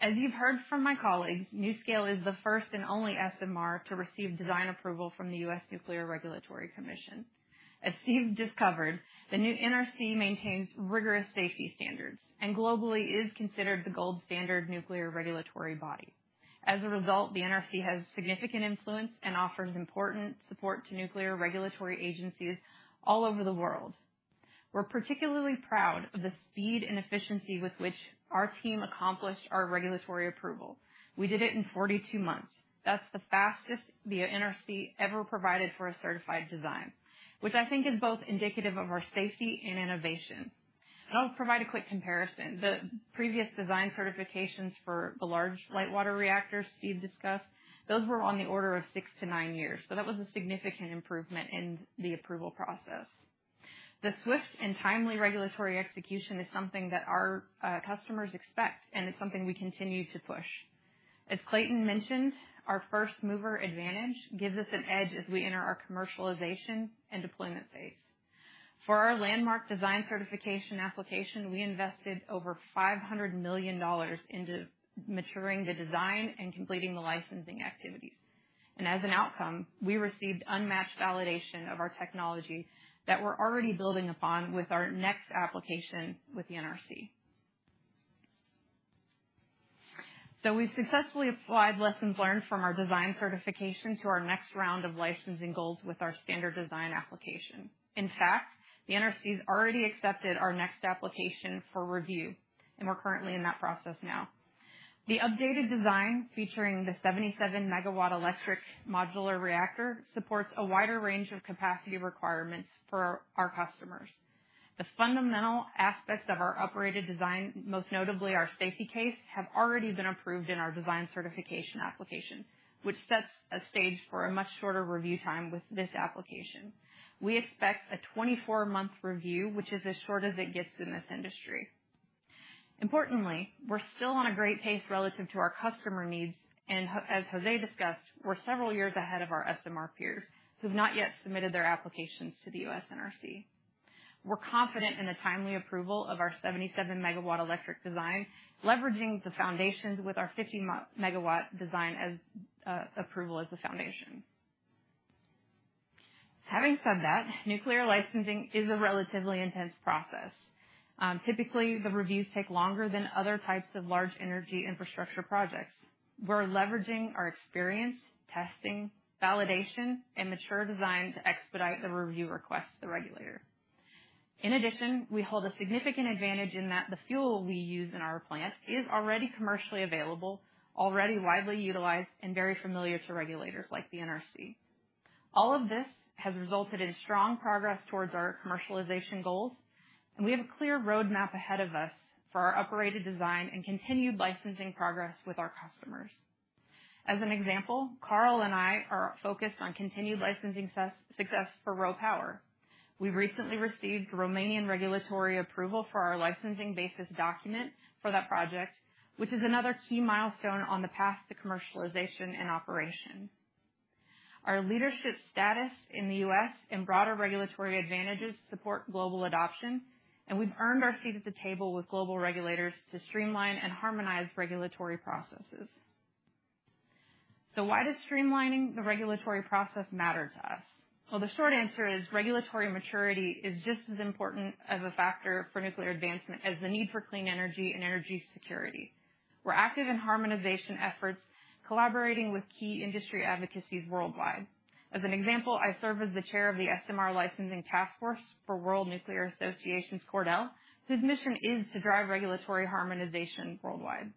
[SPEAKER 16] As you've heard from my colleagues, NuScale is the first and only SMR to receive design approval from the U.S. Nuclear Regulatory Commission. As Steve discovered, the new NRC maintains rigorous safety standards and globally is considered the gold standard nuclear regulatory body. As a result, the NRC has significant influence and offers important support to nuclear regulatory agencies all over the world. We're particularly proud of the speed and efficiency with which our team accomplished our regulatory approval. We did it in 42 months. That's the fastest the NRC ever provided for a certified design, which I think is both indicative of our safety and innovation. I'll provide a quick comparison. The previous design certifications for the large light-water reactors Steve discussed, those were on the order of 6-9 years, so that was a significant improvement in the approval process. The swift and timely regulatory execution is something that our customers expect, and it's something we continue to push. As Clayton mentioned, our first mover advantage gives us an edge as we enter our commercialization and deployment phase. For our landmark design certification application, we invested over $500 million into maturing the design and completing the licensing activities. As an outcome, we received unmatched validation of our technology that we're already building upon with our next application with the NRC. So we've successfully applied lessons learned from our design certification to our next round of licensing goals with our standard design application. In fact, the NRC's already accepted our next application for review, and we're currently in that process now. The updated design, featuring the 77-MW electric modular reactor, supports a wider range of capacity requirements for our customers. The fundamental aspects of our uprated design, most notably our safety case, have already been approved in our design certification application, which sets a stage for a much shorter review time with this application. We expect a 24-month review, which is as short as it gets in this industry. Importantly, we're still on a great pace relative to our customer needs, and, as José discussed, we're several years ahead of our SMR peers, who've not yet submitted their applications to the U.S. NRC. We're confident in the timely approval of our 77-MW electric design, leveraging the foundations with our 50-MW design as approval as the foundation. Having said that, nuclear licensing is a relatively intense process. Typically, the reviews take longer than other types of large energy infrastructure projects. We're leveraging our experience, testing, validation, and mature design to expedite the review requests to the regulator. In addition, we hold a significant advantage in that the fuel we use in our plant is already commercially available, already widely utilized, and very familiar to regulators like the NRC. All of this has resulted in strong progress towards our commercialization goals, and we have a clear roadmap ahead of us for our uprated design and continued licensing progress with our customers. As an example, Carl and I are focused on continued licensing success for RoPower. We recently received Romanian regulatory approval for our licensing basis document for that project, which is another key milestone on the path to commercialization and operation. Our leadership status in the U.S. and broader regulatory advantages support global adoption, and we've earned our seat at the table with global regulators to streamline and harmonize regulatory processes. So why does streamlining the regulatory process matter to us? Well, the short answer is: regulatory maturity is just as important of a factor for nuclear advancement as the need for clean energy and energy security. We're active in harmonization efforts, collaborating with key industry advocacies worldwide. As an example, I serve as the chair of the SMR Licensing Task Force for World Nuclear Association's CORDEL, whose mission is to drive regulatory harmonization worldwide.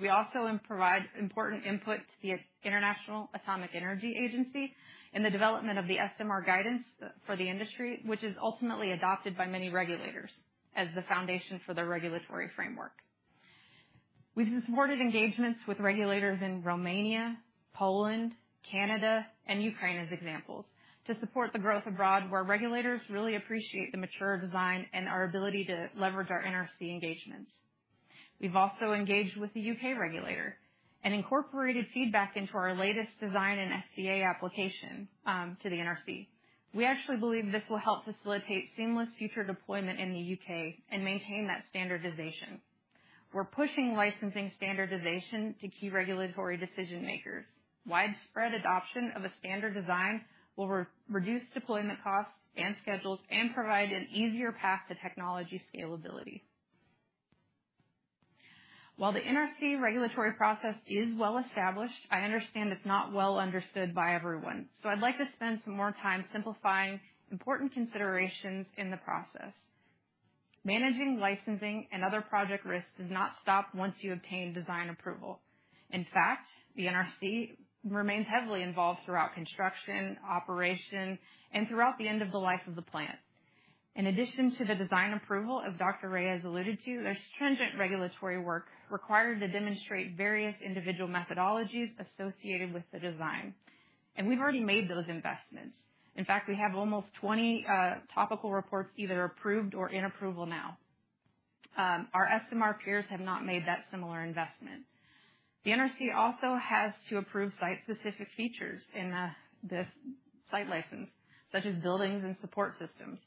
[SPEAKER 16] We also provide important input to the International Atomic Energy Agency in the development of the SMR guidance for the industry, which is ultimately adopted by many regulators as the foundation for their regulatory framework. We've supported engagements with regulators in Romania, Poland, Canada, and Ukraine as examples, to support the growth abroad, where regulators really appreciate the mature design and our ability to leverage our NRC engagements. We've also engaged with the U.K. regulator and incorporated feedback into our latest design and SDA application to the NRC. We actually believe this will help facilitate seamless future deployment in the U.K. and maintain that standardization. We're pushing licensing standardization to key regulatory decision makers. Widespread adoption of a standard design will reduce deployment costs and schedules and provide an easier path to technology scalability. While the NRC regulatory process is well-established, I understand it's not well understood by everyone, so I'd like to spend some more time simplifying important considerations in the process. Managing licensing and other project risks does not stop once you obtain design approval. In fact, the NRC remains heavily involved throughout construction, operation, and throughout the end of the life of the plant. In addition to the design approval, as Dr. Reyes alluded to, there's stringent regulatory work required to demonstrate various individual methodologies associated with the design, and we've already made those investments. In fact, we have almost 20 Topical Reports either approved or in approval now. Our SMR peers have not made that similar investment. The NRC also has to approve site-specific features in the site license, such as buildings and support systems.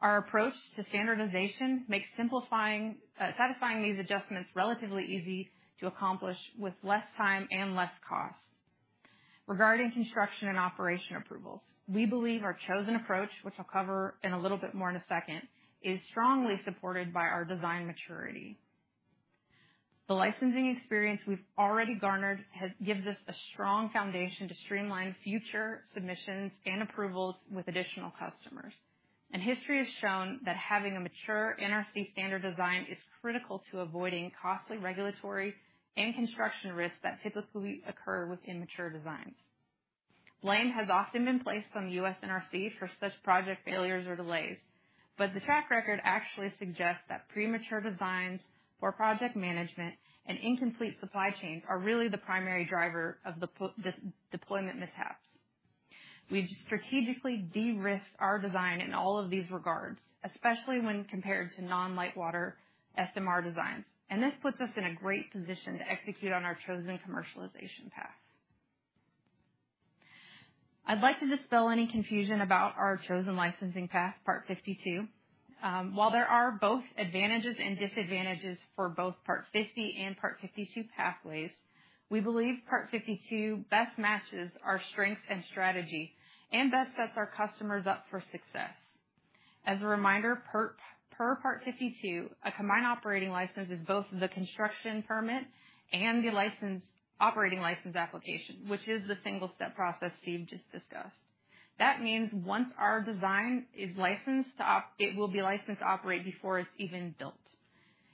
[SPEAKER 16] Our approach to standardization makes simplifying, satisfying these adjustments relatively easy to accomplish with less time and less cost. Regarding construction and operation approvals, we believe our chosen approach, which I'll cover in a little bit more in a second, is strongly supported by our design maturity. The licensing experience we've already garnered gives us a strong foundation to streamline future submissions and approvals with additional customers. And history has shown that having a mature NRC standard design is critical to avoiding costly regulatory and construction risks that typically occur with immature designs. Blame has often been placed on the U.S. NRC for such project failures or delays, but the track record actually suggests that premature designs for project management and incomplete supply chains are really the primary driver of this deployment mishaps. We've strategically de-risked our design in all of these regards, especially when compared to non-light-water SMR designs, and this puts us in a great position to execute on our chosen commercialization path. I'd like to dispel any confusion about our chosen licensing path, Part 52. While there are both advantages and disadvantages for both Part 50 and Part 52 pathways, we believe Part 52 best matches our strengths and strategy and best sets our customers up for success. As a reminder, per Part 52, a combined operating license is both the construction permit and the operating license application, which is the single-step process Steve just discussed. That means once our design is licensed to operate, it will be licensed to operate before it's even built.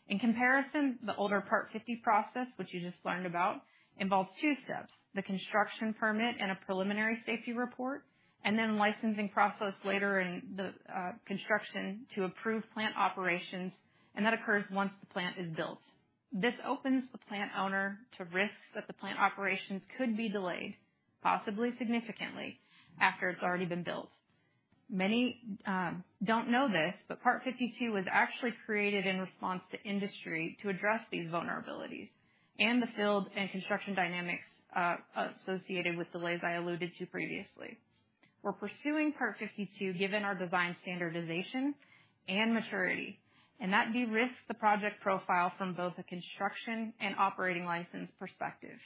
[SPEAKER 16] In comparison, the older Part 50 process, which you just learned about, involves two steps: the construction permit and a preliminary safety report, and then licensing process later in the construction to approve plant operations, and that occurs once the plant is built. This opens the plant owner to risks that the plant operations could be delayed, possibly significantly, after it's already been built. Many don't know this, but Part 52 was actually created in response to industry to address these vulnerabilities and the field and construction dynamics associated with delays I alluded to previously. We're pursuing Part 52, given our design standardization and maturity, and that de-risks the project profile from both a construction and operating license perspective.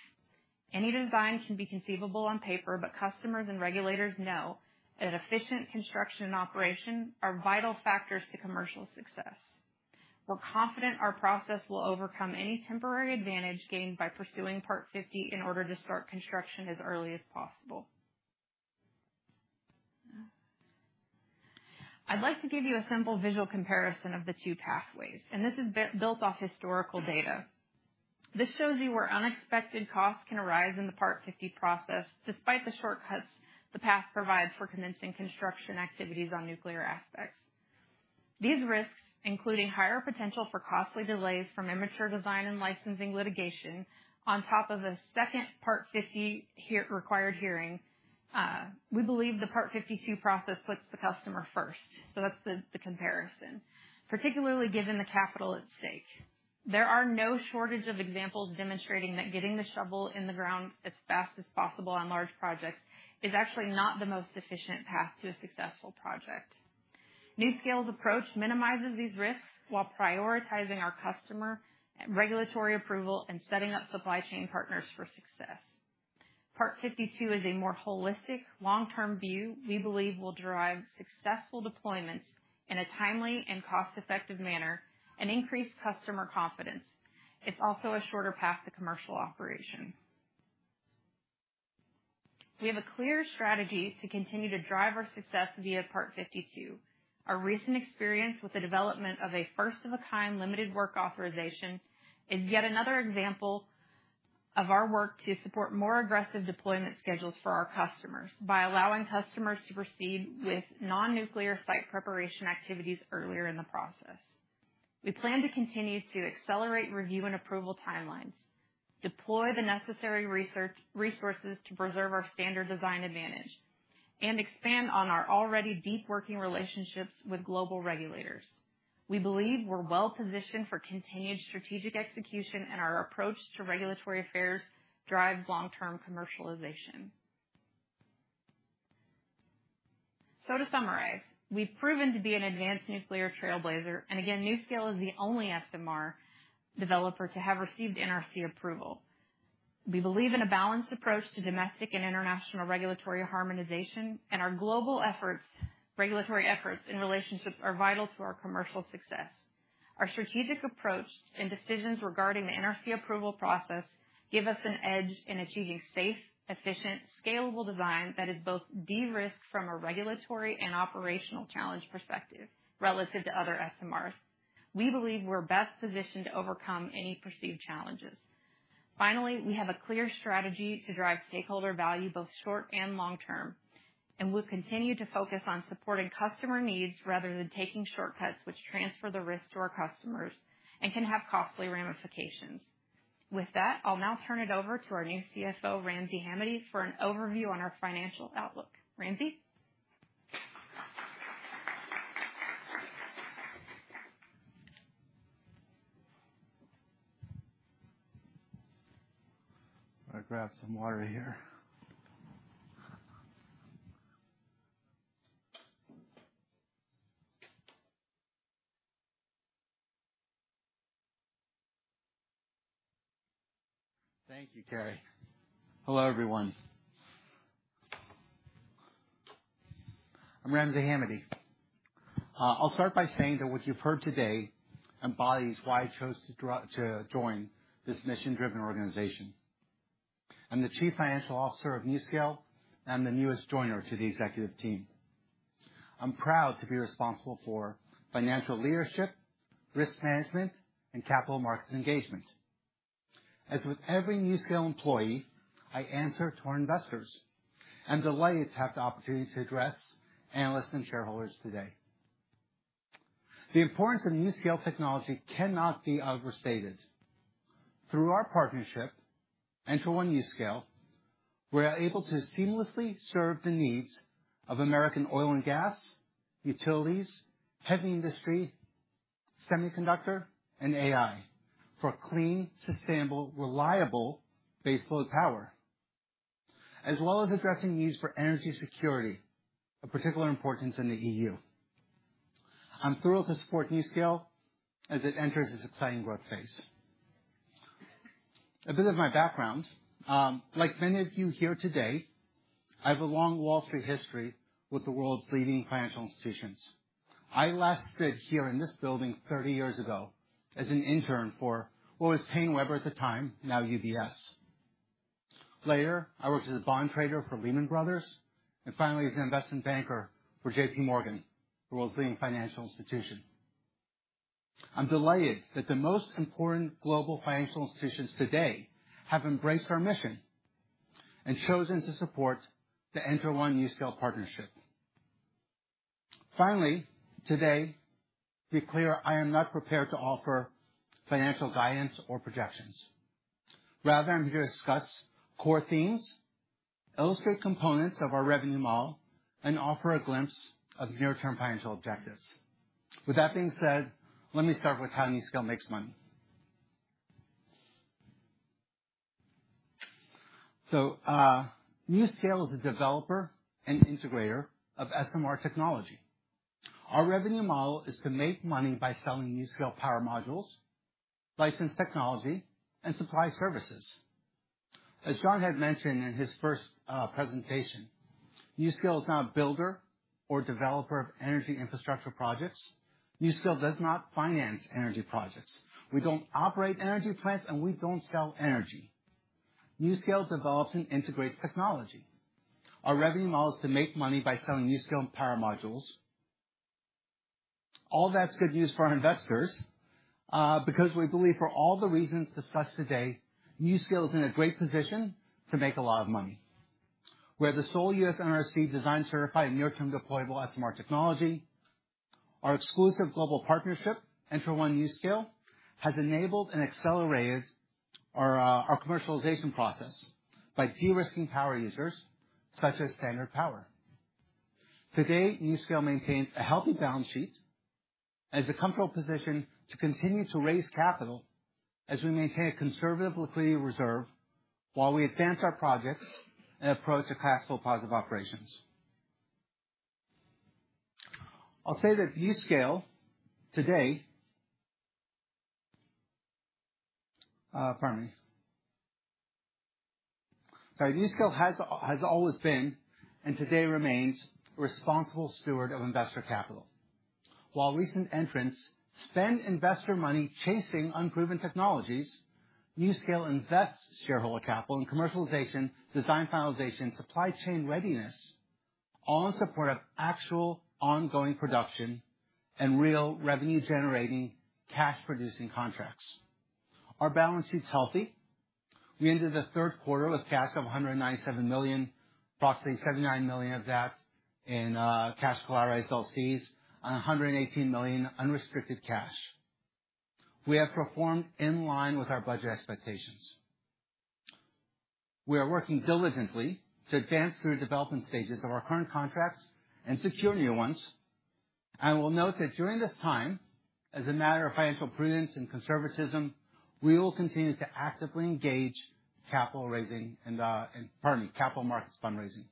[SPEAKER 16] Any design can be conceivable on paper, but customers and regulators know that efficient construction and operation are vital factors to commercial success. We're confident our process will overcome any temporary advantage gained by pursuing Part 50 in order to start construction as early as possible. I'd like to give you a simple visual comparison of the two pathways, and this is built off historical data. This shows you where unexpected costs can arise in the Part 50 process, despite the shortcuts the path provides for commencing construction activities on nuclear aspects. These risks, including higher potential for costly delays from immature design and licensing litigation, on top of a second Part 50 required hearing, we believe the Part 52 process puts the customer first. So that's the comparison, particularly given the capital at stake. There are no shortage of examples demonstrating that getting the shovel in the ground as fast as possible on large projects is actually not the most efficient path to a successful project. NuScale's approach minimizes these risks while prioritizing our customer, regulatory approval, and setting up supply chain partners for success. Part 52 is a more holistic, long-term view we believe will derive successful deployments in a timely and cost-effective manner and increase customer confidence. It's also a shorter path to commercial operation. We have a clear strategy to continue to drive our success via Part 52. Our recent experience with the development of a first-of-a-kind limited work authorization is yet another example of our work to support more aggressive deployment schedules for our customers by allowing customers to proceed with non-nuclear site preparation activities earlier in the process. We plan to continue to accelerate review and approval timelines, deploy the necessary research resources to preserve our standard design advantage, and expand on our already deep working relationships with global regulators. We believe we're well positioned for continued strategic execution, and our approach to regulatory affairs drives long-term commercialization. So to summarize, we've proven to be an advanced nuclear trailblazer, and again, NuScale is the only SMR developer to have received NRC approval. We believe in a balanced approach to domestic and international regulatory harmonization, and our global efforts, regulatory efforts and relationships are vital to our commercial success. Our strategic approach and decisions regarding the NRC approval process give us an edge in achieving safe, efficient, scalable design that is both de-risked from a regulatory and operational challenge perspective relative to other SMRs. We believe we're best positioned to overcome any perceived challenges. Finally, we have a clear strategy to drive stakeholder value, both short and long term, and we've continued to focus on supporting customer needs rather than taking shortcuts which transfer the risk to our customers and can have costly ramifications. With that, I'll now turn it over to our new CFO, Ramsey Hamady, for an overview on our financial outlook. Ramsey?
[SPEAKER 12] I'm gonna grab some water here. Thank you, Carrie. Hello, everyone. I'm Ramsey Hamady. I'll start by saying that what you've heard today embodies why I chose to join this mission-driven organization. I'm the Chief Financial Officer of NuScale, and the newest joiner to the executive team. I'm proud to be responsible for financial leadership, risk management, and capital markets engagement. As with every NuScale employee, I answer to our investors. I'm delighted to have the opportunity to address analysts and shareholders today. The importance of NuScale technology cannot be overstated. Through our partnership, ENTRA1 NuScale, we are able to seamlessly serve the needs of American oil and gas, utilities, heavy industry, semiconductor, and AI, for clean, sustainable, reliable baseload power, as well as addressing the needs for energy security, of particular importance in the EU. I'm thrilled to support NuScale as it enters this exciting growth phase. A bit of my background. Like many of you here today, I have a long Wall Street history with the world's leading financial institutions. I last stood here in this building 30 years ago as an intern for what was PaineWebber at the time, now UBS. Later, I worked as a bond trader for Lehman Brothers, and finally, as an investment banker for JP Morgan, the world's leading financial institution. I'm delighted that the most important global financial institutions today have embraced our mission and chosen to support the ENTRA1 NuScale partnership. Finally, today, be clear, I am not prepared to offer financial guidance or projections. Rather, I'm here to discuss core themes, illustrate components of our revenue model, and offer a glimpse of near-term financial objectives. With that being said, let me start with how NuScale makes money. So, NuScale is a developer and integrator of SMR technology. Our revenue model is to make money by selling NuScale Power Modules, licensed technology, and supply services. As John had mentioned in his first presentation, NuScale is not a builder or developer of energy infrastructure projects. NuScale does not finance energy projects. We don't operate energy plants, and we don't sell energy. NuScale develops and integrates technology. Our revenue model is to make money by selling NuScale Power Modules. All that's good news for our investors, because we believe for all the reasons discussed today, NuScale is in a great position to make a lot of money. We're the sole U.S. NRC design-certified, near-term deployable SMR technology. Our exclusive global partnership, ENTRA1 NuScale, has enabled and accelerated our, our commercialization process by de-risking power users, such as Standard Power. Today, NuScale maintains a healthy balance sheet and is in a comfortable position to continue to raise capital as we maintain a conservative liquidity reserve while we advance our projects and approach the cash flow positive operations. I'll say that NuScale today has always been, and today remains, a responsible steward of investor capital. While recent entrants spend investor money chasing unproven technologies, NuScale invests shareholder capital in commercialization, design finalization, supply chain readiness, all in support of actual ongoing production and real revenue-generating, cash-producing contracts. Our balance sheet's healthy. We ended the third quarter with cash of $197 million, approximately $79 million of that in cash flow LCs, and $118 million unrestricted cash. We have performed in line with our budget expectations. We are working diligently to advance through development stages of our current contracts and secure new ones, and will note that during this time, as a matter of financial prudence and conservatism, we will continue to actively engage capital raising and, pardon me, capital markets fundraising.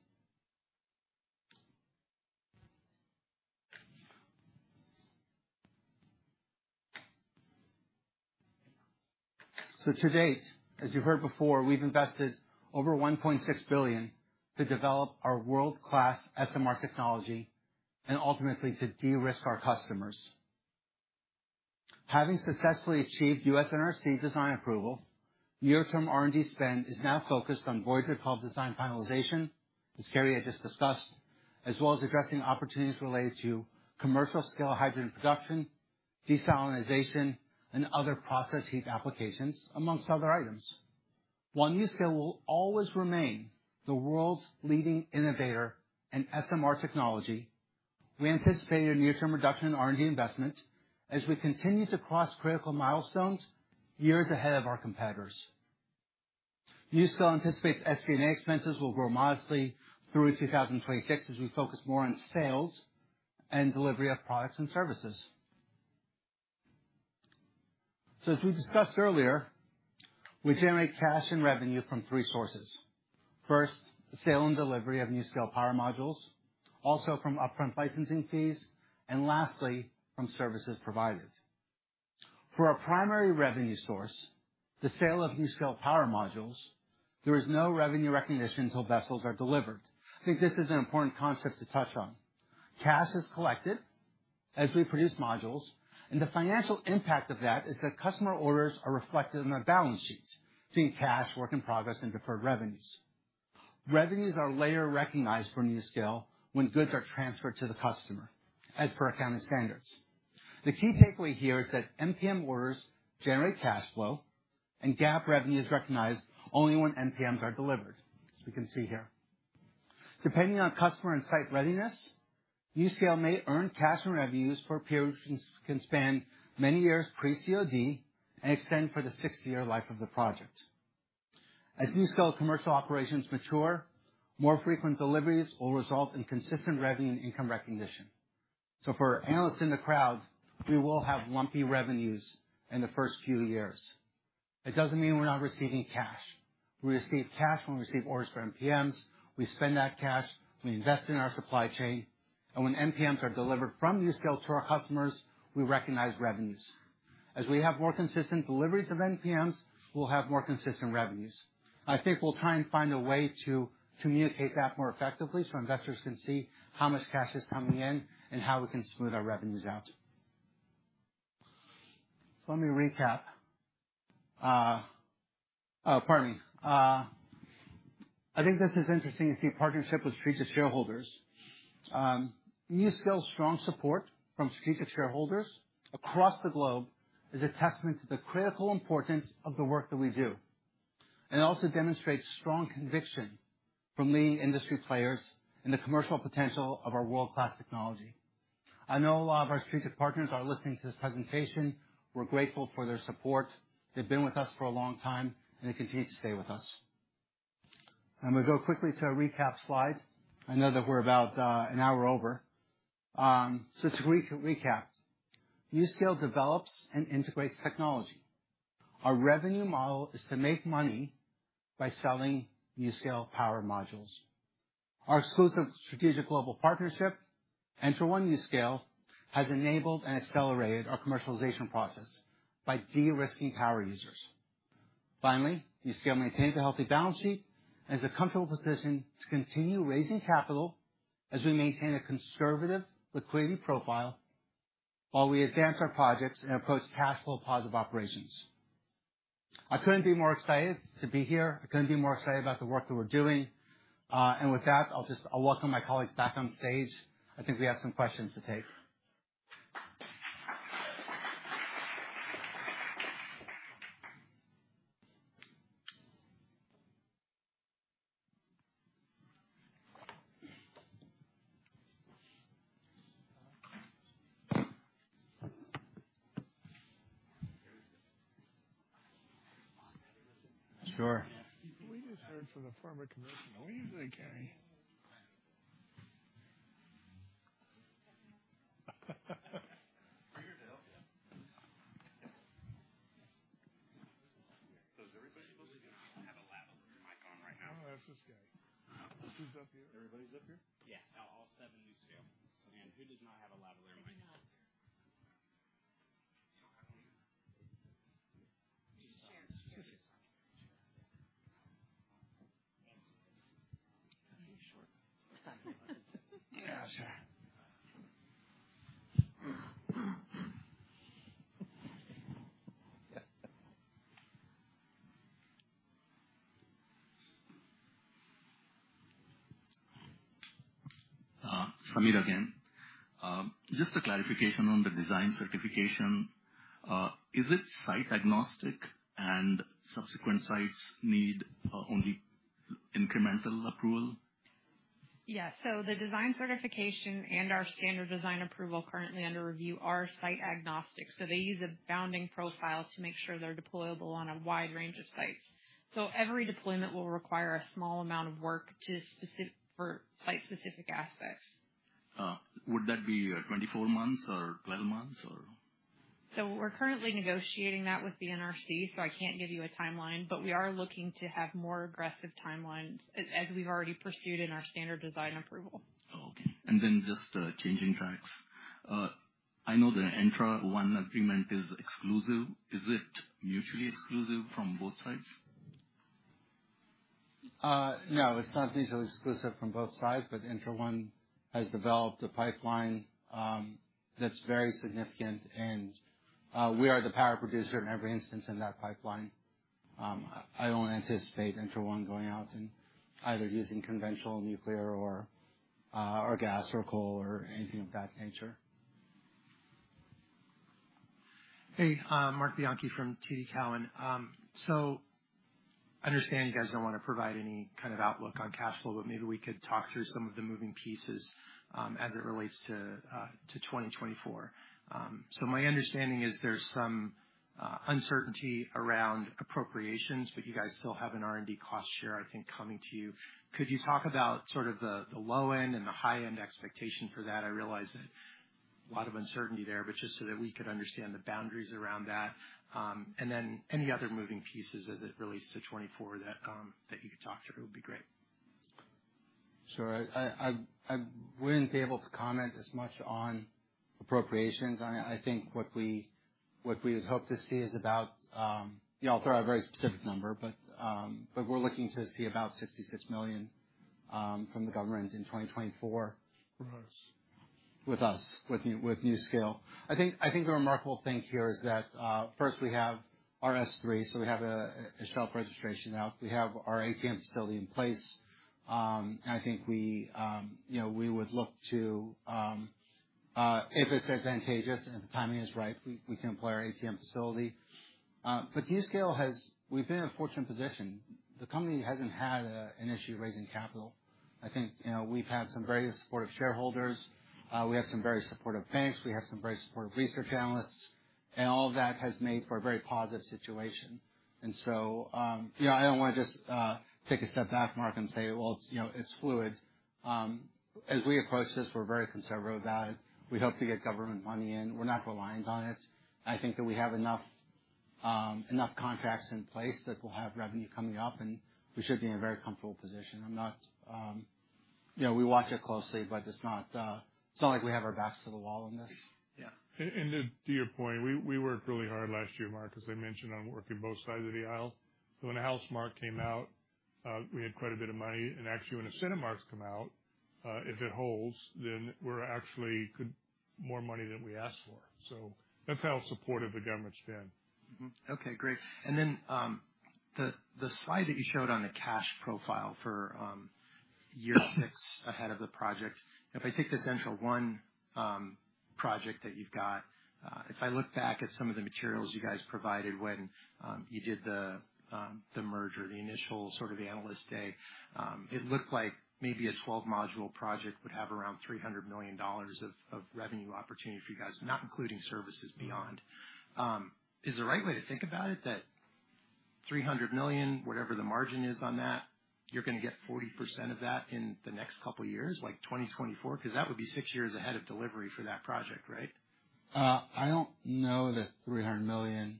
[SPEAKER 12] So to date, as you've heard before, we've invested over $1.6 billion to develop our world-class SMR technology and ultimately to de-risk our customers. Having successfully achieved U.S. NRC design approval, near-term R&D spend is now focused on VOYGR plant design finalization, as Carrie has just discussed, as well as addressing opportunities related to commercial-scale hydrogen production, desalination, and other process heat applications, among other items. While NuScale will always remain the world's leading innovator in SMR technology, we anticipate a near-term reduction in R&D investment as we continue to cross critical milestones years ahead of our competitors. NuScale anticipates SG&A expenses will grow modestly through to 2026, as we focus more on sales and delivery of products and services. So as we discussed earlier, we generate cash and revenue from three sources. First, the sale and delivery of NuScale Power Modules, also from upfront licensing fees, and lastly, from services provided. For our primary revenue source, the sale of NuScale Power Modules, there is no revenue recognition until vessels are delivered. I think this is an important concept to touch on. Cash is collected as we produce modules, and the financial impact of that is that customer orders are reflected in our balance sheet between cash, work in progress, and deferred revenues. Revenues are later recognized for NuScale when goods are transferred to the customer, as per accounting standards. The key takeaway here is that NPM orders generate cash flow and GAAP revenue is recognized only when NPMs are delivered, as we can see here. Depending on customer and site readiness, NuScale may earn cash and revenues for periods which can span many years pre-COD and extend for the 60-year life of the project. As NuScale commercial operations mature, more frequent deliveries will result in consistent revenue and income recognition. So for analysts in the crowd, we will have lumpy revenues in the first few years. It doesn't mean we're not receiving cash. We receive cash when we receive orders for NPMs. We spend that cash, we invest in our supply chain, and when NPMs are delivered from NuScale to our customers, we recognize revenues. As we have more consistent deliveries of NPMs, we'll have more consistent revenues. I think we'll try and find a way to communicate that more effectively so investors can see how much cash is coming in and how we can smooth our revenues out. So let me recap. I think this is interesting to see partnership with strategic shareholders. NuScale's strong support from strategic shareholders across the globe is a testament to the critical importance of the work that we do, and it also demonstrates strong conviction from leading industry players in the commercial potential of our world-class technology. I know a lot of our strategic partners are listening to this presentation. We're grateful for their support. They've been with us for a long time, and they continue to stay with us. I'm going to go quickly to a recap slide. I know that we're about an hour over. To recap, NuScale develops and integrates technology. Our revenue model is to make money by selling NuScale Power Modules. Our exclusive strategic global partnership, ENTRA1 NuScale, has enabled and accelerated our commercialization process by de-risking power users. Finally, NuScale maintains a healthy balance sheet and is in a comfortable position to continue raising capital as we maintain a conservative liquidity profile while we advance our projects and approach cash flow positive operations. I couldn't be more excited to be here. I couldn't be more excited about the work that we're doing. And with that, I'll welcome my colleagues back on stage. I think we have some questions to take. Sure.
[SPEAKER 17] We just heard from a former commissioner. What do you think, Carrie? We're here to help you. Does everybody supposed to have a lavalier mic on right now? I'm going to ask this guy. Who's up here? Everybody's up here? Yeah, all, all seven NuScale. And who does not have a lavalier mic on?
[SPEAKER 16] He's short.
[SPEAKER 12] Yeah, sure.
[SPEAKER 10] Sameer again. Just a clarification on the Design Certification. Is it site agnostic and subsequent sites need only incremental approval?
[SPEAKER 16] Yeah. So the design certification and our Standard Design Approval currently under review are site agnostic, so they use a bounding profile to make sure they're deployable on a wide range of sites. So every deployment will require a small amount of work for site-specific aspects.
[SPEAKER 10] Would that be 24 months or 12 months, or?
[SPEAKER 16] So we're currently negotiating that with the NRC, so I can't give you a timeline, but we are looking to have more aggressive timelines as we've already pursued in our Standard Design Approval.
[SPEAKER 10] Oh, okay. And then just changing tracks. I know the ENTRA1 agreement is exclusive. Is it mutually exclusive from both sides?
[SPEAKER 12] No, it's not mutually exclusive from both sides, but ENTRA1 has developed a pipeline that's very significant, and we are the power producer in every instance in that pipeline. I don't anticipate ENTRA1 going out and either using conventional nuclear or gas or coal or anything of that nature.
[SPEAKER 11] Hey, Marc Bianchi from TD Cowen. So I understand you guys don't want to provide any kind of outlook on cash flow, but maybe we could talk through some of the moving pieces, as it relates to 2024. So my understanding is there's some uncertainty around appropriations, but you guys still have an R&D cost share, I think, coming to you. Could you talk about sort of the low end and the high-end expectation for that? I realize that a lot of uncertainty there, but just so that we could understand the boundaries around that, and then any other moving pieces as it relates to 2024 that you could talk through would be great.
[SPEAKER 12] Sure. I wouldn't be able to comment as much on appropriations. I think what we would hope to see is about. I'll throw out a very specific number, but we're looking to see about $66 million from the government in 2024.
[SPEAKER 2] With us.
[SPEAKER 12] With us, with Nu, with NuScale. I think the remarkable thing here is that first we have our S-3, so we have a shelf registration now. We have our ATM facility in place, and I think you know we would look to if it's advantageous and the timing is right, we can employ our ATM facility. But NuScale has. We've been in a fortunate position. The company hasn't had an issue raising capital. I think you know we've had some very supportive shareholders, we have some very supportive banks, we have some very supportive research analysts, and all of that has made for a very positive situation. You know, I don't wanna just take a step back, Marc, and say, "Well, it's, you know, it's fluid." As we approach this, we're very conservative about it. We hope to get government money in. We're not reliant on it. I think that we have enough contracts in place that we'll have revenue coming up, and we should be in a very comfortable position. I'm not... You know, we watch it closely, but it's not like we have our backs to the wall on this. Yeah.
[SPEAKER 2] To your point, we worked really hard last year, Marc, as I mentioned, on working both sides of the aisle. So when the House mark came out, we had quite a bit of money, and actually, when the Senate marks come out, if it holds, then we could actually have more money than we asked for. So that's how supportive the government's been.
[SPEAKER 11] Mm-hmm. Okay, great. And then, the slide that you showed on the cash profile for year 6 ahead of the project, if I take the Central 1 project that you've got, if I look back at some of the materials you guys provided when you did the merger, the initial sort of analyst day, it looked like maybe a 12-module project would have around $300 million of revenue opportunity for you guys, not including services beyond. Is the right way to think about it that $300 million, whatever the margin is on that, you're gonna get 40% of that in the next couple of years, like 2024? 'Cause that would be 6 years ahead of delivery for that project, right?
[SPEAKER 12] I don't know that $300 million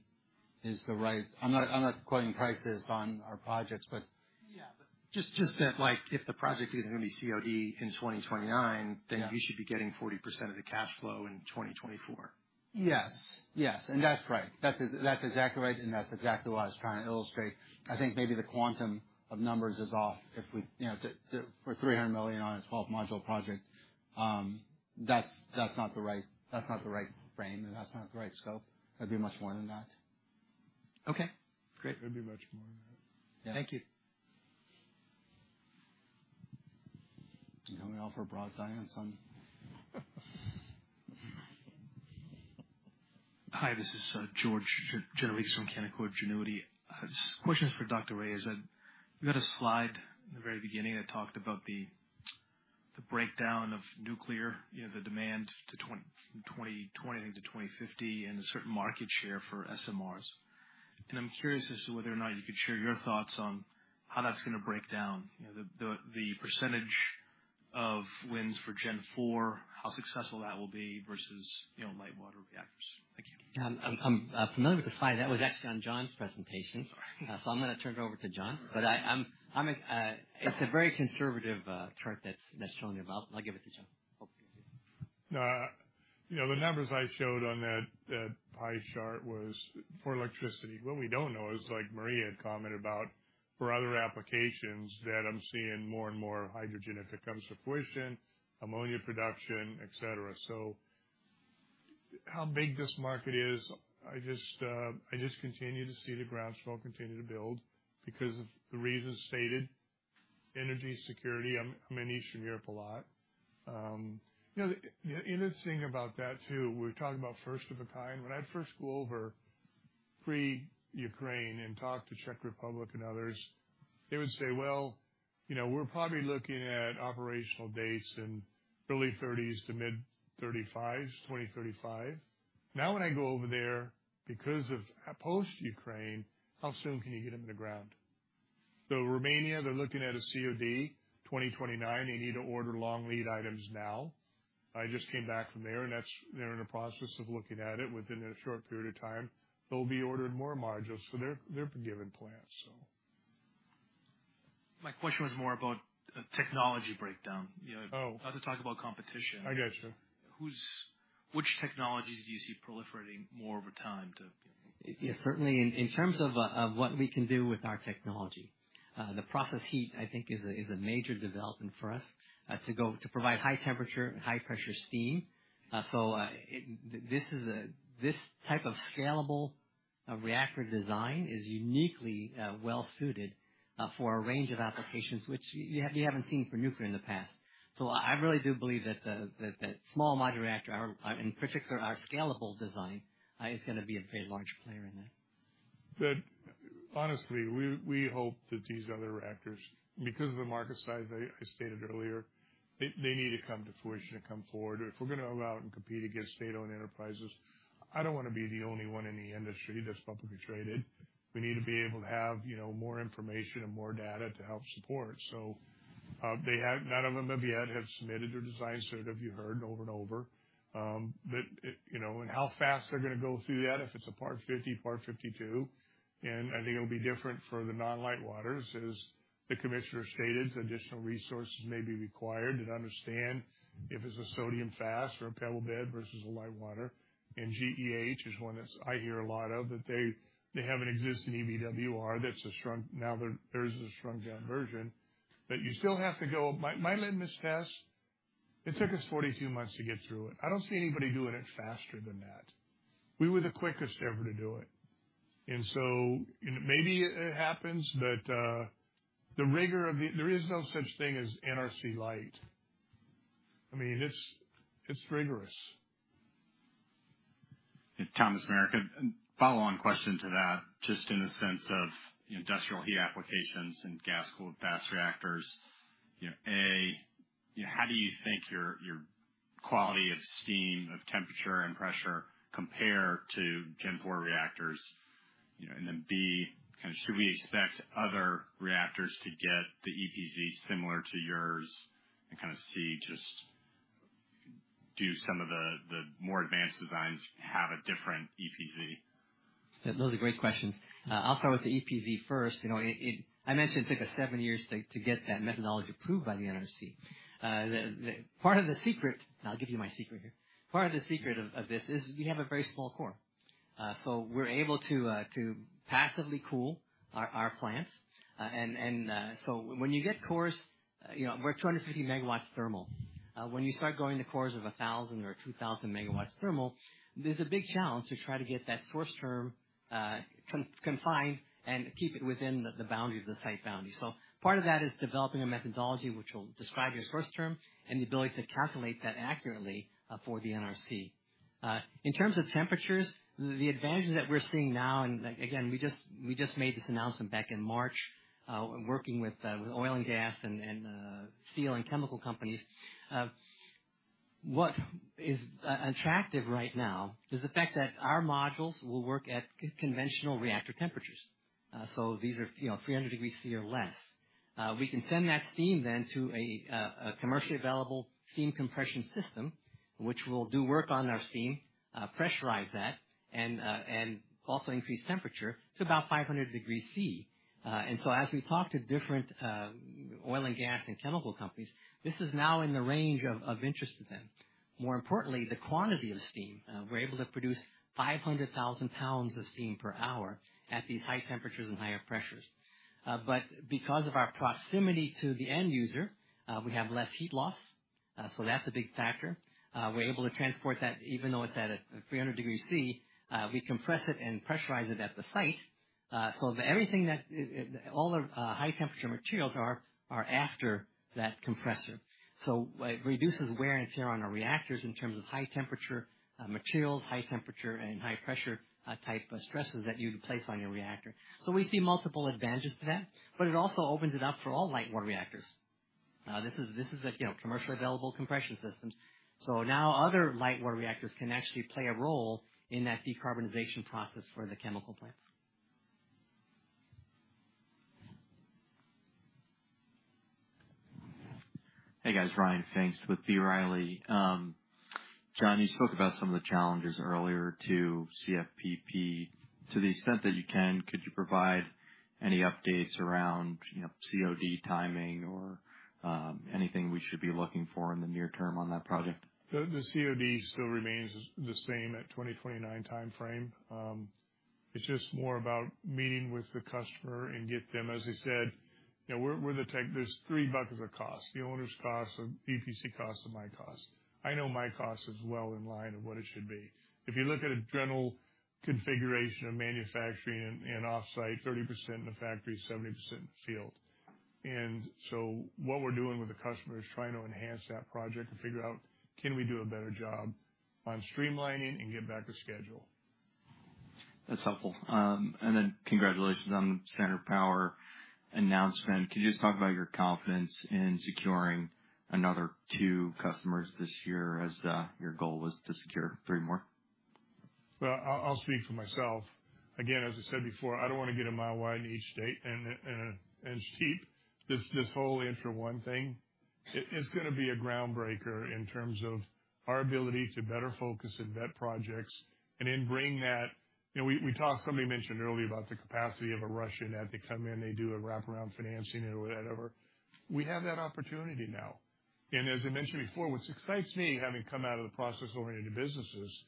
[SPEAKER 12] is the right... I'm not quoting prices on our projects, but-
[SPEAKER 11] Yeah, but just, just that, like, if the project isn't gonna be COD in 2029-
[SPEAKER 12] Yeah.
[SPEAKER 11] You should be getting 40% of the cash flow in 2024.
[SPEAKER 12] Yes. Yes, and that's right. That's exactly right, and that's exactly what I was trying to illustrate. I think maybe the quantum of numbers is off. If we, you know, for $300 million on a 12-module project, that's not the right, that's not the right frame, and that's not the right scope. It'd be much more than that.
[SPEAKER 11] Okay, great.
[SPEAKER 2] It'd be much more than that.
[SPEAKER 12] Yeah.
[SPEAKER 11] Thank you.
[SPEAKER 12] You know, we offer broad guidance on...
[SPEAKER 5] Hi, this is George Gianarikas from Canaccord Genuity. This question is for Dr. Reyes, it's that you had a slide in the very beginning that talked about the breakdown of nuclear, you know, the demand to 20, from 2020 to 2050, and the certain market share for SMRs. And I'm curious as to whether or not you could share your thoughts on how that's gonna break down, you know, the percentage of wins for Gen IV, how successful that will be versus, you know, light-water reactors. Thank you.
[SPEAKER 3] I'm familiar with the slide. That was actually on John's presentation.
[SPEAKER 5] Sorry.
[SPEAKER 3] I'm gonna turn it over to John.
[SPEAKER 5] All right.
[SPEAKER 3] But it's a very conservative chart that's showing you. But I'll give it to John.
[SPEAKER 2] You know, the numbers I showed on that pie chart was for electricity. What we don't know is, like Maria had commented about, for other applications that I'm seeing more and more hydrogen, if it comes to fruition, ammonia production, et cetera. So how big this market is, I just continue to see the groundswell continue to build because of the reasons stated, energy security. I'm in Eastern Europe a lot. You know, interesting about that, too, we're talking about first of a kind. When I'd first go over pre-Ukraine and talk to Czech Republic and others, they would say: Well, you know, we're probably looking at operational dates in early 30s to mid-35s, 2035. Now, when I go over there, because of post-Ukraine, how soon can you get them in the ground? So, Romania, they're looking at a COD 2029. They need to order long lead items now. I just came back from there, and that's, they're in the process of looking at it. Within a short period of time, they'll be ordering more modules for their, their given plan, so.
[SPEAKER 5] My question was more about, technology breakdown, you know-
[SPEAKER 2] Oh.
[SPEAKER 5] Not to talk about competition.
[SPEAKER 2] I got you.
[SPEAKER 5] Which technologies do you see proliferating more over time to-
[SPEAKER 3] Yeah, certainly, in terms of what we can do with our technology, the process heat, I think, is a major development for us to provide high temperature and high pressure steam. So, this type of scalable reactor design is uniquely well suited for a range of applications which you haven't seen for nuclear in the past. So I really do believe that the small modular reactor, our in particular, our scalable design, is gonna be a very large player in that.
[SPEAKER 2] Honestly, we hope that these other reactors, because of the market size, I stated earlier, they need to come to fruition and come forward. If we're gonna go out and compete against state-owned enterprises, I don't wanna be the only one in the industry that's publicly traded. We need to be able to have, you know, more information and more data to help support. They have, none of them have yet submitted their design, so have you heard over and over, that it, you know, and how fast they're gonna go through that, if it's a Part 50, Part 52, and I think it'll be different for the non-light-waters, as the commissioner stated, additional resources may be required and understand if it's a sodium fast or a pebble bed versus a light-water. GEH is one that's I hear a lot of, that they, they have an existing BWR that's a shrunk... Now, there's a shrunk down version, but you still have to go. My, my litmus test, it took us 42 months to get through it. I don't see anybody doing it faster than that. We were the quickest ever to do it. And so maybe it, it happens, but, the rigor of the... There is no such thing as NRC light. I mean, it's, it's rigorous.
[SPEAKER 7] Thomas Meric. A follow-on question to that, just in the sense of industrial heat applications and gas-cooled fast reactors. You know, A, how do you think your, your quality of steam, of temperature and pressure compare to Gen IV reactors? You know, and then, B, kind of should we expect other reactors to get the EPZ similar to yours? And kind of C, just do some of the, the more advanced designs have a different EPZ?
[SPEAKER 3] Those are great questions. I'll start with the EPZ first. You know, it, I mentioned it took us 7 years to get that methodology approved by the NRC. The part of the secret, and I'll give you my secret here, part of the secret of this is you have a very small core. So we're able to passively cool our plants. And so when you get cores, you know, we're 250 MW thermal. When you start going to cores of 1,000 MW or 2,000 MW thermal, there's a big challenge to try to get that source term confined and keep it within the boundary of the site boundary. So part of that is developing a methodology which will describe your source term and the ability to calculate that accurately for the NRC. In terms of temperatures, the advantages that we're seeing now, and again, we just made this announcement back in March, working with oil and gas and steel and chemical companies. What is attractive right now is the fact that our modules will work at conventional reactor temperatures. So these are, you know, 300 degree Celsius or less. We can send that steam then to a commercially available steam compression system, which will do work on our steam, pressurize that, and also increase temperature to about 500 degree Celsius. So as we talk to different, oil and gas and chemical companies, this is now in the range of interest to them. More importantly, the quantity of steam. We're able to produce 500,000 pounds of steam per hour at these high temperatures and higher pressures. But because of our proximity to the end user, we have less heat loss, so that's a big factor. We're able to transport that even though it's at 300 degree C, we compress it and pressurize it at the site, so everything that it all the high temperature materials are after that compressor. So it reduces wear and tear on our reactors in terms of high temperature materials, high temperature, and high pressure type of stresses that you place on your reactor. So we see multiple advantages to that, but it also opens it up for all light-water reactors. This is a, you know, commercially available compression systems. So now other light-water reactors can actually play a role in that decarbonization process for the chemical plants.
[SPEAKER 15] Hey, guys, Ryan Pfingst with B. Riley. John, you spoke about some of the challenges earlier to CFPP. To the extent that you can, could you provide any updates around, you know, COD timing or anything we should be looking for in the near term on that project?
[SPEAKER 2] The COD still remains the same at 2029 timeframe. It's just more about meeting with the customer and get them... As I said, you know, we're the tech- There's three buckets of cost: the owner's cost, the EPC cost, and my cost. I know my cost is well in line of what it should be. If you look at a general configuration of manufacturing and offsite, 30% in the factory, 70% in the field. And so what we're doing with the customer is trying to enhance that project and figure out, can we do a better job on streamlining and get back to schedule?
[SPEAKER 15] That's helpful. And then congratulations on the Standard Power announcement. Could you just talk about your confidence in securing another 2 customers this year as your goal was to secure 3 more?
[SPEAKER 2] Well, I'll speak for myself. Again, as I said before, I don't want to get a mile wide in each state and cheap. This whole ENTRA1 thing, it's gonna be a groundbreaker in terms of our ability to better focus and vet projects and then bring that... You know, we talked, somebody mentioned earlier about the capacity of a Russian, that they come in, they do a wraparound financing or whatever. We have that opportunity now. And as I mentioned before, what excites me, having come out of the process-oriented businesses,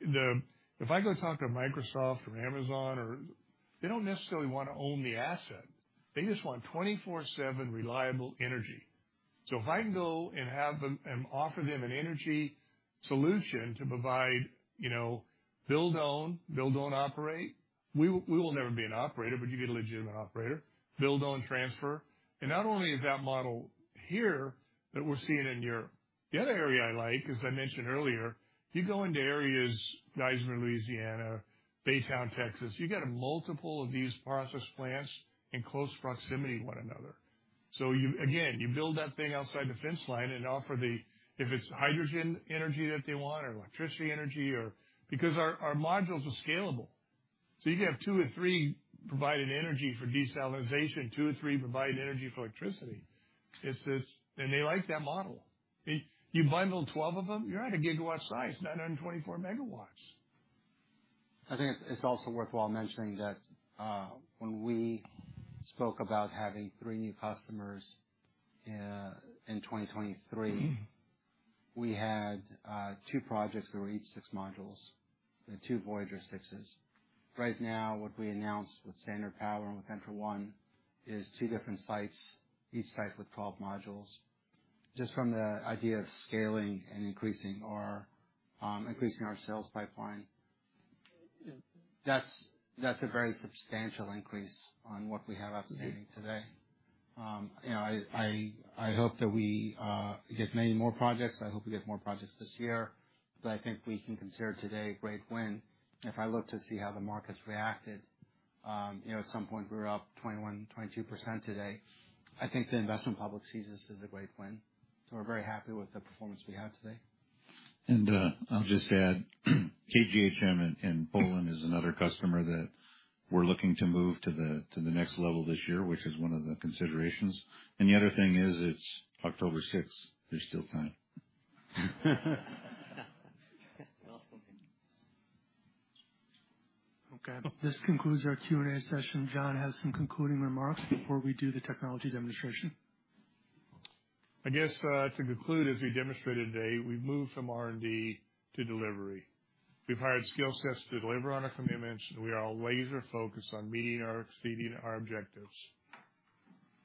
[SPEAKER 2] the... If I go talk to a Microsoft or Amazon or... They don't necessarily want to own the asset, they just want 24/7 reliable energy. So if I can go and have them and offer them an energy solution to provide, you know, build own, build, own, operate, we will, we will never be an operator, but you get a legitimate operator, build, own, transfer. Not only is that model here, but we're seeing it in Europe. The other area I like, as I mentioned earlier, you go into areas, Geismar, Louisiana, Baytown, Texas, you get a multiple of these process plants in close proximity to one another. So you, again, you build that thing outside the fence line and offer the, if it's hydrogen energy that they want or electricity energy or... Because our, our modules are scalable. So you can have two or three provided energy for desalinization, two or three provided energy for electricity. It's this, and they like that model. I mean, you bundle 12 of them, you're at a gigawatt size, 924 MW.
[SPEAKER 12] I think it's also worthwhile mentioning that, when we spoke about having 3 new customers in 2023, we had two projects that were each 6 modules, the two VOYGR Sixes. Right now, what we announced with Standard Power and with ENTRA1 is two different sites, each site with 12 modules. Just from the idea of scaling and increasing our, increasing our sales pipeline, that's a very substantial increase on what we have outstanding today. You know, I hope that we get many more projects. I hope we get more projects this year, but I think we can consider today a great win. If I look to see how the markets reacted, you know, at some point, we were up 21%-22% today. I think the investment public sees this as a great win, so we're very happy with the performance we had today.
[SPEAKER 8] And, I'll just add, KGHM in Poland is another customer that we're looking to move to the next level this year, which is one of the considerations. And the other thing is, it's October 6th. There's still time.
[SPEAKER 12] Awesome.
[SPEAKER 1] Okay, this concludes our Q&A session. John has some concluding remarks before we do the technology demonstration.
[SPEAKER 2] I guess, to conclude, as we demonstrated today, we've moved from R&D to delivery. We've hired skill sets to deliver on our commitments, and we are laser focused on meeting or exceeding our objectives.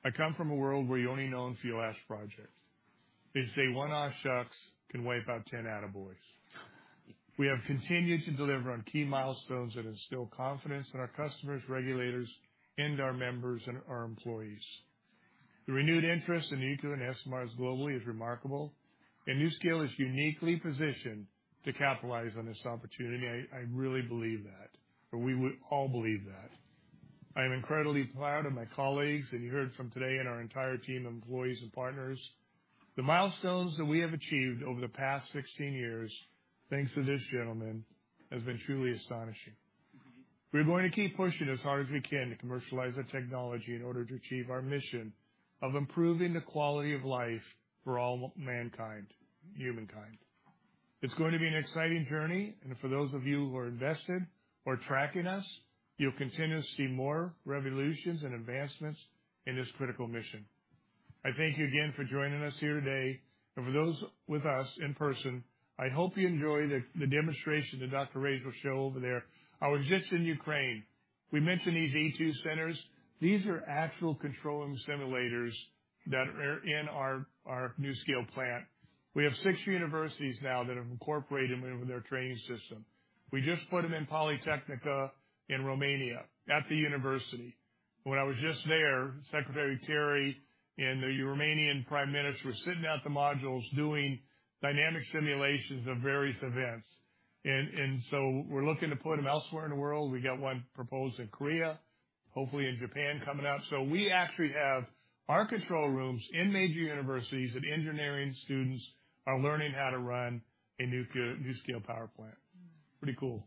[SPEAKER 2] I come from a world where you're only known for your last project. They say 1, "Aw, shucks," can wipe out 10 attaboys. We have continued to deliver on key milestones that instill confidence in our customers, regulators, and our members and our employees. The renewed interest in nukes and SMRs globally is remarkable, and NuScale is uniquely positioned to capitalize on this opportunity. I really believe that, and we all believe that. I am incredibly proud of my colleagues, and you heard from today and our entire team of employees and partners. The milestones that we have achieved over the past 16 years, thanks to this gentleman, has been truly astonishing. We're going to keep pushing as hard as we can to commercialize our technology in order to achieve our mission of improving the quality of life for all mankind, humankind. It's going to be an exciting journey, and for those of you who are invested or tracking us, you'll continue to see more revolutions and advancements in this critical mission. I thank you again for joining us here today, and for those with us in person, I hope you enjoy the demonstration that Dr. Reyes will show over there. I was just in Ukraine. We mentioned these (E2) Centers. These are actual control room simulators that are in our NuScale plant. We have six universities now that have incorporated them in their training system. We just put them in Politehnica in Romania, at the university. When I was just there, Secretary Terry and the Romanian Prime Minister were sitting at the modules doing dynamic simulations of various events. And so we're looking to put them elsewhere in the world. We got one proposed in Korea, hopefully in Japan coming up. So we actually have our control rooms in major universities, and engineering students are learning how to run a nuclear NuScale Power plant. Pretty cool.